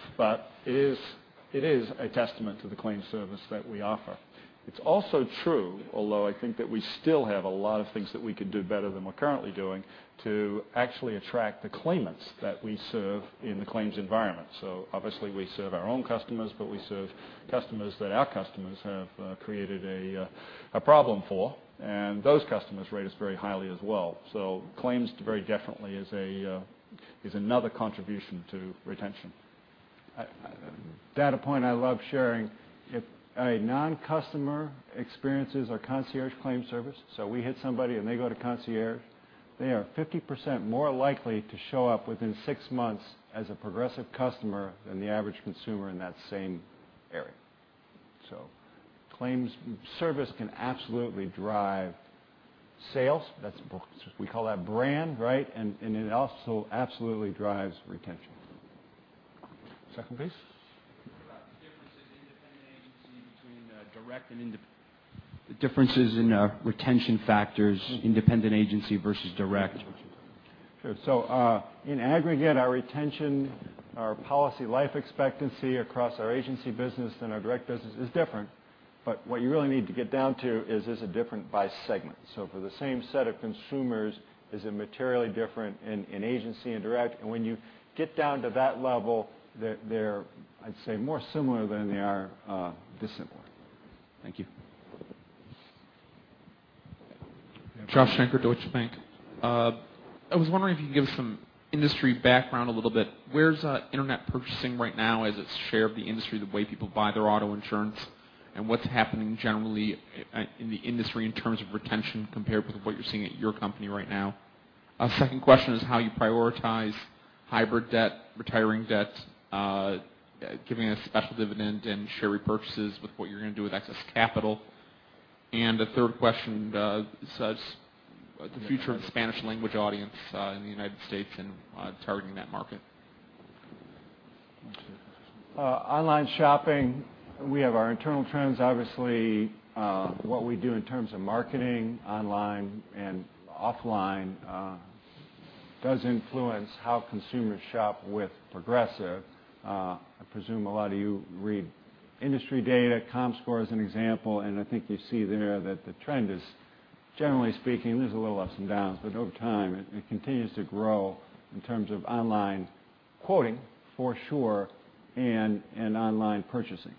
It is a testament to the claims service that we offer. It's also true, although I think that we still have a lot of things that we could do better than we're currently doing to actually attract the claimants that we serve in the claims environment. Obviously, we serve our own customers, but we serve customers that our customers have created a problem for, and those customers rate us very highly as well. Claims very definitely is another contribution to retention. Data point I love sharing. If a non-customer experiences our Concierge Claims Service, we hit somebody and they go to concierge, they are 50% more likely to show up within six months as a Progressive customer than the average consumer in that same area. Claims service can absolutely drive sales. We call that brand, right? It also absolutely drives retention. Second, please. What about the differences independent agency between direct and independent? The differences in retention factors, independent agency versus direct. Sure. In aggregate, our retention, our policy life expectancy across our agency business and our direct business is different. What you really need to get down to is it different by segment? For the same set of consumers, is it materially different in agency and direct? When you get down to that level, they're, I'd say, more similar than they are dissimilar. Thank you. Joshua Shanker, Deutsche Bank. I was wondering if you could give us some industry background a little bit. Where's internet purchasing right now as its share of the industry, the way people buy their auto insurance, and what's happening generally in the industry in terms of retention compared with what you're seeing at your company right now? A second question is how you prioritize hybrid debt, retiring debt, giving a special dividend, and share repurchases with what you're going to do with excess capital. A third question, the future of the Spanish language audience in the U.S. and targeting that market. Online shopping, we have our internal trends. Obviously what we do in terms of marketing online and offline does influence how consumers shop with Progressive. I presume a lot of you read industry data. Comscore is an example, and I think you see there that the trend is, generally speaking, there is a little ups and downs, but over time, it continues to grow in terms of online quoting for sure and in online purchasing.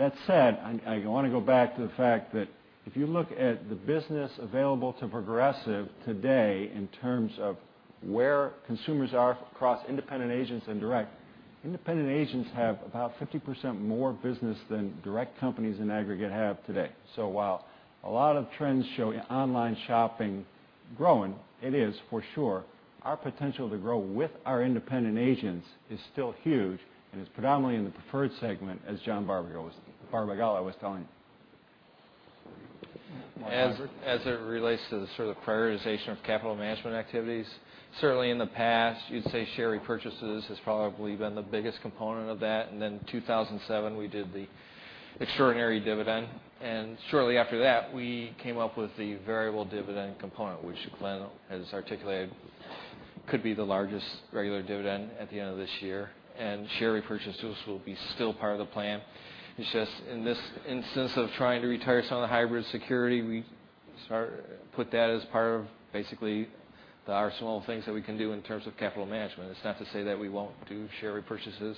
That said, I want to go back to the fact that if you look at the business available to Progressive today in terms of where consumers are across independent agents and direct, independent agents have about 50% more business than direct companies in aggregate have today. While a lot of trends show online shopping Growing, it is for sure. Our potential to grow with our independent agents is still huge and is predominantly in the preferred segment as John Barbagallo was telling you. Mike Hudson? As it relates to the prioritization of capital management activities. Certainly, in the past, you'd say share repurchases has probably been the biggest component of that. Then 2007, we did the extraordinary dividend. Shortly after that, we came up with the variable dividend component, which Glenn has articulated could be the largest regular dividend at the end of this year. Share repurchases will be still part of the plan. It's just in this instance of trying to retire some of the hybrid security, we put that as part of basically there are some little things that we can do in terms of capital management. It's not to say that we won't do share repurchases.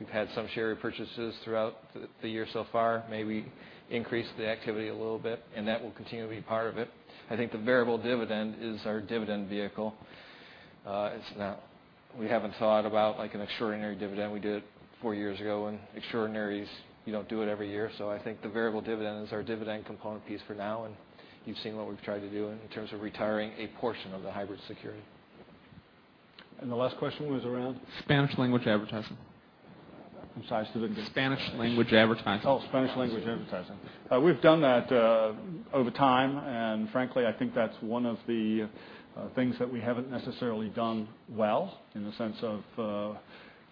We've had some share repurchases throughout the year so far. Maybe increase the activity a little bit, and that will continue to be part of it. I think the variable dividend is our dividend vehicle. We haven't thought about an extraordinary dividend. We did it four years ago, and extraordinaries, you don't do it every year. I think the variable dividend is our dividend component piece for now, and you've seen what we've tried to do in terms of retiring a portion of the hybrid security. The last question was around? Spanish language advertising. I'm sorry, say it again. Spanish language advertising. Oh, Spanish language advertising. We've done that over time, and frankly, I think that's one of the things that we haven't necessarily done well in the sense of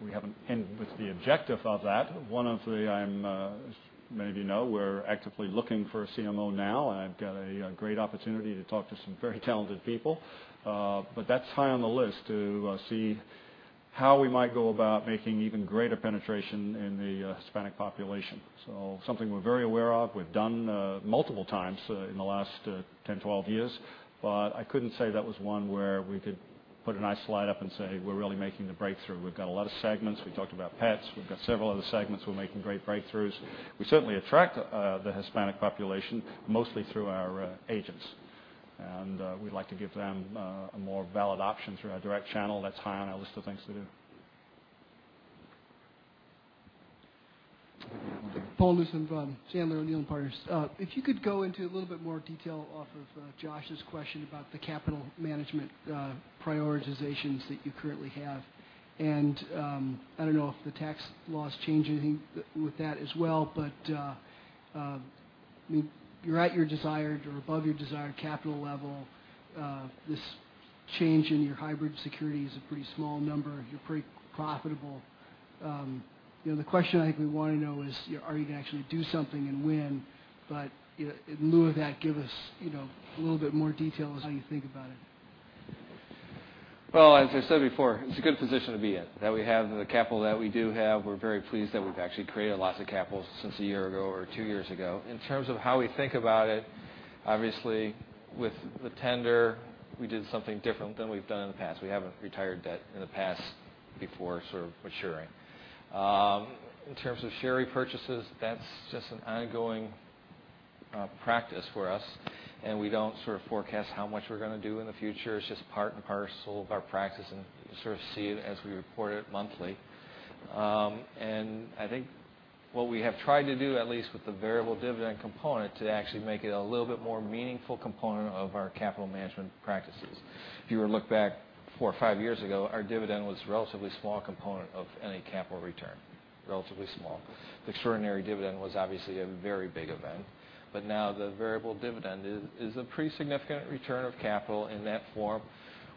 we haven't ended with the objective of that. As many of you know, we're actively looking for a CMO now. I've got a great opportunity to talk to some very talented people. That's high on the list to see how we might go about making even greater penetration in the Hispanic population. Something we're very aware of. We've done multiple times in the last 10, 12 years. I couldn't say that was one where we could put a nice slide up and say, we're really making the breakthrough. We've got a lot of segments. We talked about pets. We've got several other segments. We're making great breakthroughs. We certainly attract the Hispanic population, mostly through our agents. We'd like to give them a more valid option through our direct channel. That's high on our list of things to do. Paul Lushin from Sandler O'Neill + Partners. If you could go into a little bit more detail off of Josh's question about the capital management prioritizations that you currently have. I don't know if the tax laws change anything with that as well, but you're at your desired or above your desired capital level. This change in your hybrid security is a pretty small number. You're pretty profitable. The question I think we want to know is, are you going to actually do something and when? In lieu of that, give us a little bit more detail as how you think about it. Well, as I said before, it's a good position to be in. That we have the capital that we do have, we're very pleased that we've actually created lots of capital since a year ago or two years ago. In terms of how we think about it, obviously, with the tender, we did something different than we've done in the past. We haven't retired debt in the past before maturing. In terms of share repurchases, that's just an ongoing practice for us, and we don't forecast how much we're going to do in the future. It's just part and parcel of our practice and you sort of see it as we report it monthly. I think what we have tried to do, at least with the variable dividend component, to actually make it a little bit more meaningful component of our capital management practices. If you were to look back four or five years ago, our dividend was a relatively small component of any capital return, relatively small. The extraordinary dividend was obviously a very big event. Now the variable dividend is a pretty significant return of capital in that form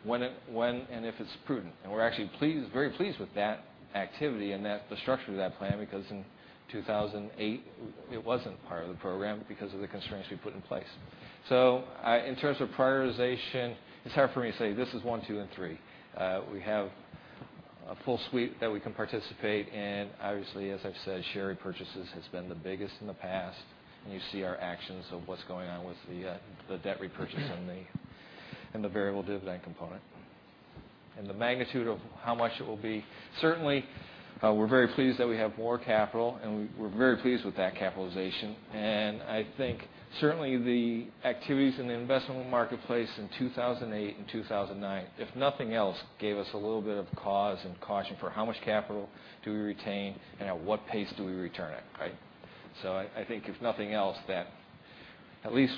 when and if it's prudent. We're actually very pleased with that activity and the structure of that plan because in 2008, it wasn't part of the program because of the constraints we put in place. In terms of prioritization, it's hard for me to say this is one, two, and three. We have a full suite that we can participate in. Obviously, as I've said, share repurchases has been the biggest in the past, and you see our actions of what's going on with the debt repurchase and the variable dividend component. The magnitude of how much it will be. Certainly, we're very pleased that we have more capital, and we're very pleased with that capitalization. I think certainly the activities in the investment marketplace in 2008 and 2009, if nothing else, gave us a little bit of cause and caution for how much capital do we retain and at what pace do we return it, right? I think if nothing else, that at least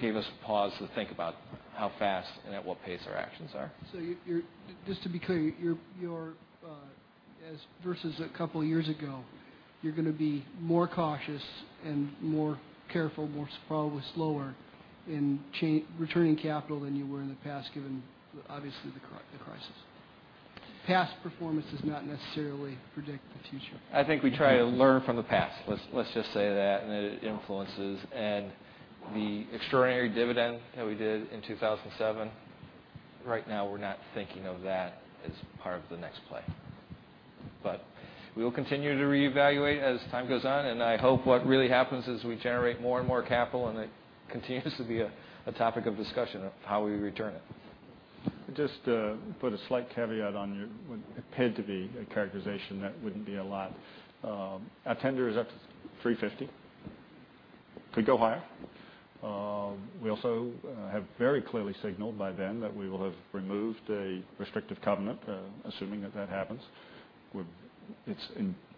gave us pause to think about how fast and at what pace our actions are. Just to be clear, versus a couple of years ago, you're going to be more cautious and more careful, more probably slower in returning capital than you were in the past, given obviously the crisis. Past performance does not necessarily predict the future. I think we try to learn from the past. Let's just say that, and it influences. The extraordinary dividend that we did in 2007, right now we're not thinking of that as part of the next play. We will continue to reevaluate as time goes on, and I hope what really happens is we generate more and more capital and it continues to be a topic of discussion of how we return it. Just to put a slight caveat on what appeared to be a characterization that wouldn't be a lot. Our tender is up to $350. Could go higher. We also have very clearly signaled by then that we will have removed a restrictive covenant, assuming that that happens. It's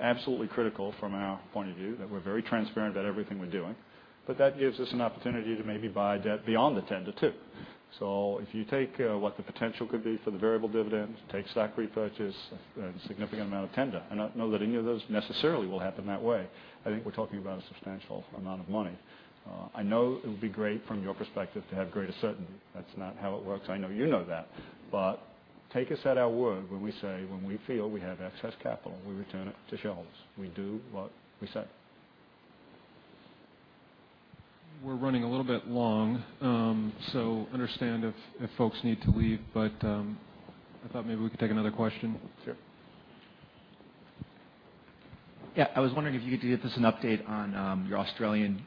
absolutely critical from our point of view that we're very transparent about everything we're doing, but that gives us an opportunity to maybe buy debt beyond the tender too. If you take what the potential could be for the variable dividend, take stock repurchase, and a significant amount of tender. I don't know that any of those necessarily will happen that way. I think we're talking about a substantial amount of money. I know it would be great from your perspective to have greater certainty. That's not how it works. I know you know that. Take us at our word when we say, when we feel we have excess capital, we return it to shareholders. We do what we say. We're running a little bit long, understand if folks need to leave. I thought maybe we could take another question. Sure. I was wondering if you could give us an update on your Australian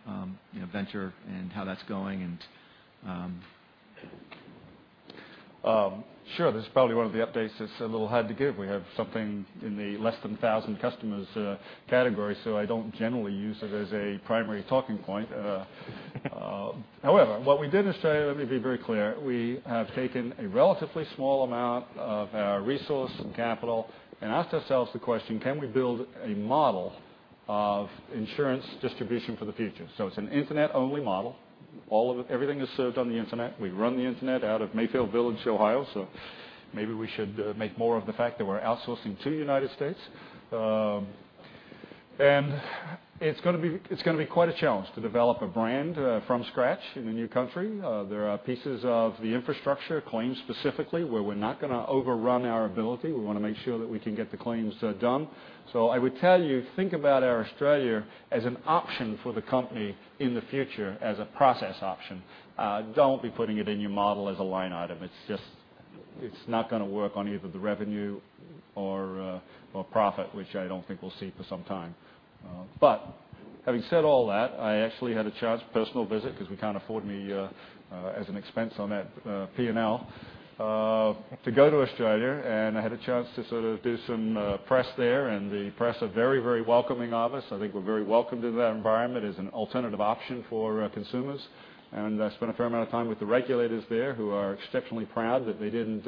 venture and how that's going and Sure. This is probably one of the updates that's a little hard to give. We have something in the less than 1,000 customers category. I don't generally use it as a primary talking point. However, what we did in Australia, let me be very clear, we have taken a relatively small amount of our resource and capital and asked ourselves the question, can we build a model of insurance distribution for the future? It's an internet-only model. Everything is served on the internet. We run the internet out of Mayfield Village, Ohio. Maybe we should make more of the fact that we're outsourcing to the United States. It's going to be quite a challenge to develop a brand from scratch in a new country. There are pieces of the infrastructure claims specifically where we're not going to overrun our ability. We want to make sure that we can get the claims done. I would tell you, think about our Australia as an option for the company in the future as a process option. Don't be putting it in your model as a line item. It's not going to work on either the revenue or profit, which I don't think we'll see for some time. Having said all that, I actually had a chance, personal visit, because we can't afford me as an expense on that P&L to go to Australia, and I had a chance to sort of do some press there, and the press are very, very welcoming of us. I think we're very welcome to that environment as an alternative option for consumers. I spent a fair amount of time with the regulators there who are exceptionally proud that they didn't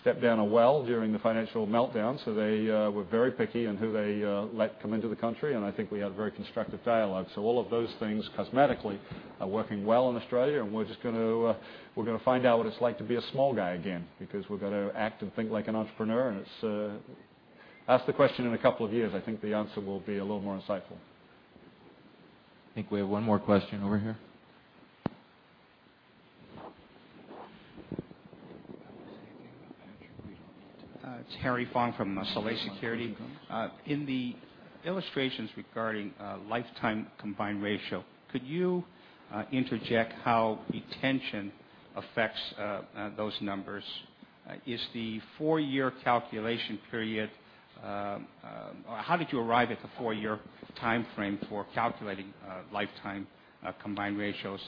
step down a well during the financial meltdown. They were very picky in who they let come into the country, and I think we had very constructive dialogue. All of those things cosmetically are working well in Australia, and we're just going to find out what it's like to be a small guy again because we've got to act and think like an entrepreneur, and ask the question in a couple of years. I think the answer will be a little more insightful. I think we have one more question over here. It's Harry Fong from Roth MKM. In the illustrations regarding lifetime combined ratio, could you interject how retention affects those numbers? How did you arrive at the 4-year timeframe for calculating lifetime combined ratios?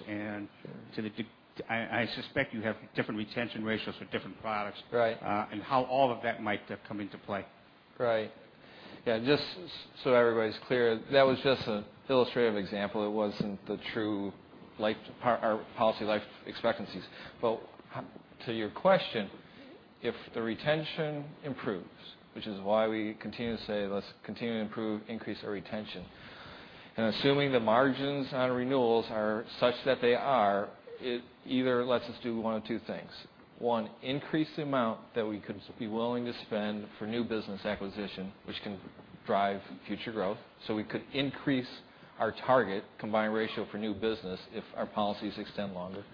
I suspect you have different retention ratios for different products. Right. How all of that might come into play. Right. Yeah, just so everybody's clear, that was just an illustrative example. It wasn't the true policy life expectancies. To your question, if the retention improves, which is why we continue to say let's continue to improve, increase our retention, and assuming the margins on renewals are such that they are, it either lets us do one of two things. One, increase the amount that we could be willing to spend for new business acquisition, which can drive future growth. We could increase our target combined ratio for new business if our policies extend longer.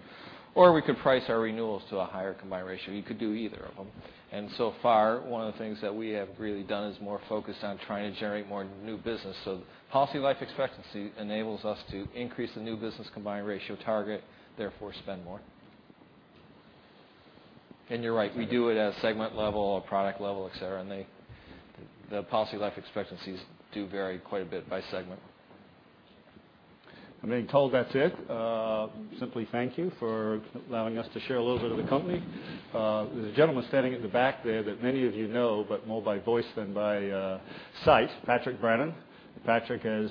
We could price our renewals to a higher combined ratio. You could do either of them. So far, one of the things that we have really done is more focused on trying to generate more new business. Policy life expectancy enables us to increase the new business combined ratio target, therefore spend more. You're right, we do it at a segment level or product level, et cetera, and the policy life expectancies do vary quite a bit by segment. I'm being told that's it. Simply thank you for allowing us to share a little bit of the company. There's a gentleman standing at the back there that many of you know, but more by voice than by sight, Pat Callahan. Patrick has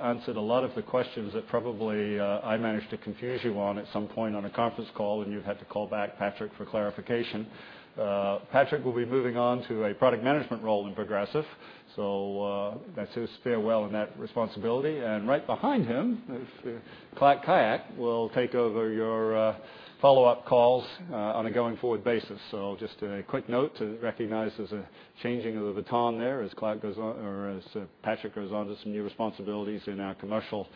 answered a lot of the questions that probably I managed to confuse you on at some point on a conference call, and you've had to call back Patrick for clarification. Patrick will be moving on to a product management role in Progressive. That's his farewell in that responsibility. Right behind him is Clark Khayat will take over your follow-up calls on a going-forward basis. Just a quick note to recognize there's a changing of the baton there as Patrick goes on to some new responsibilities in our commercial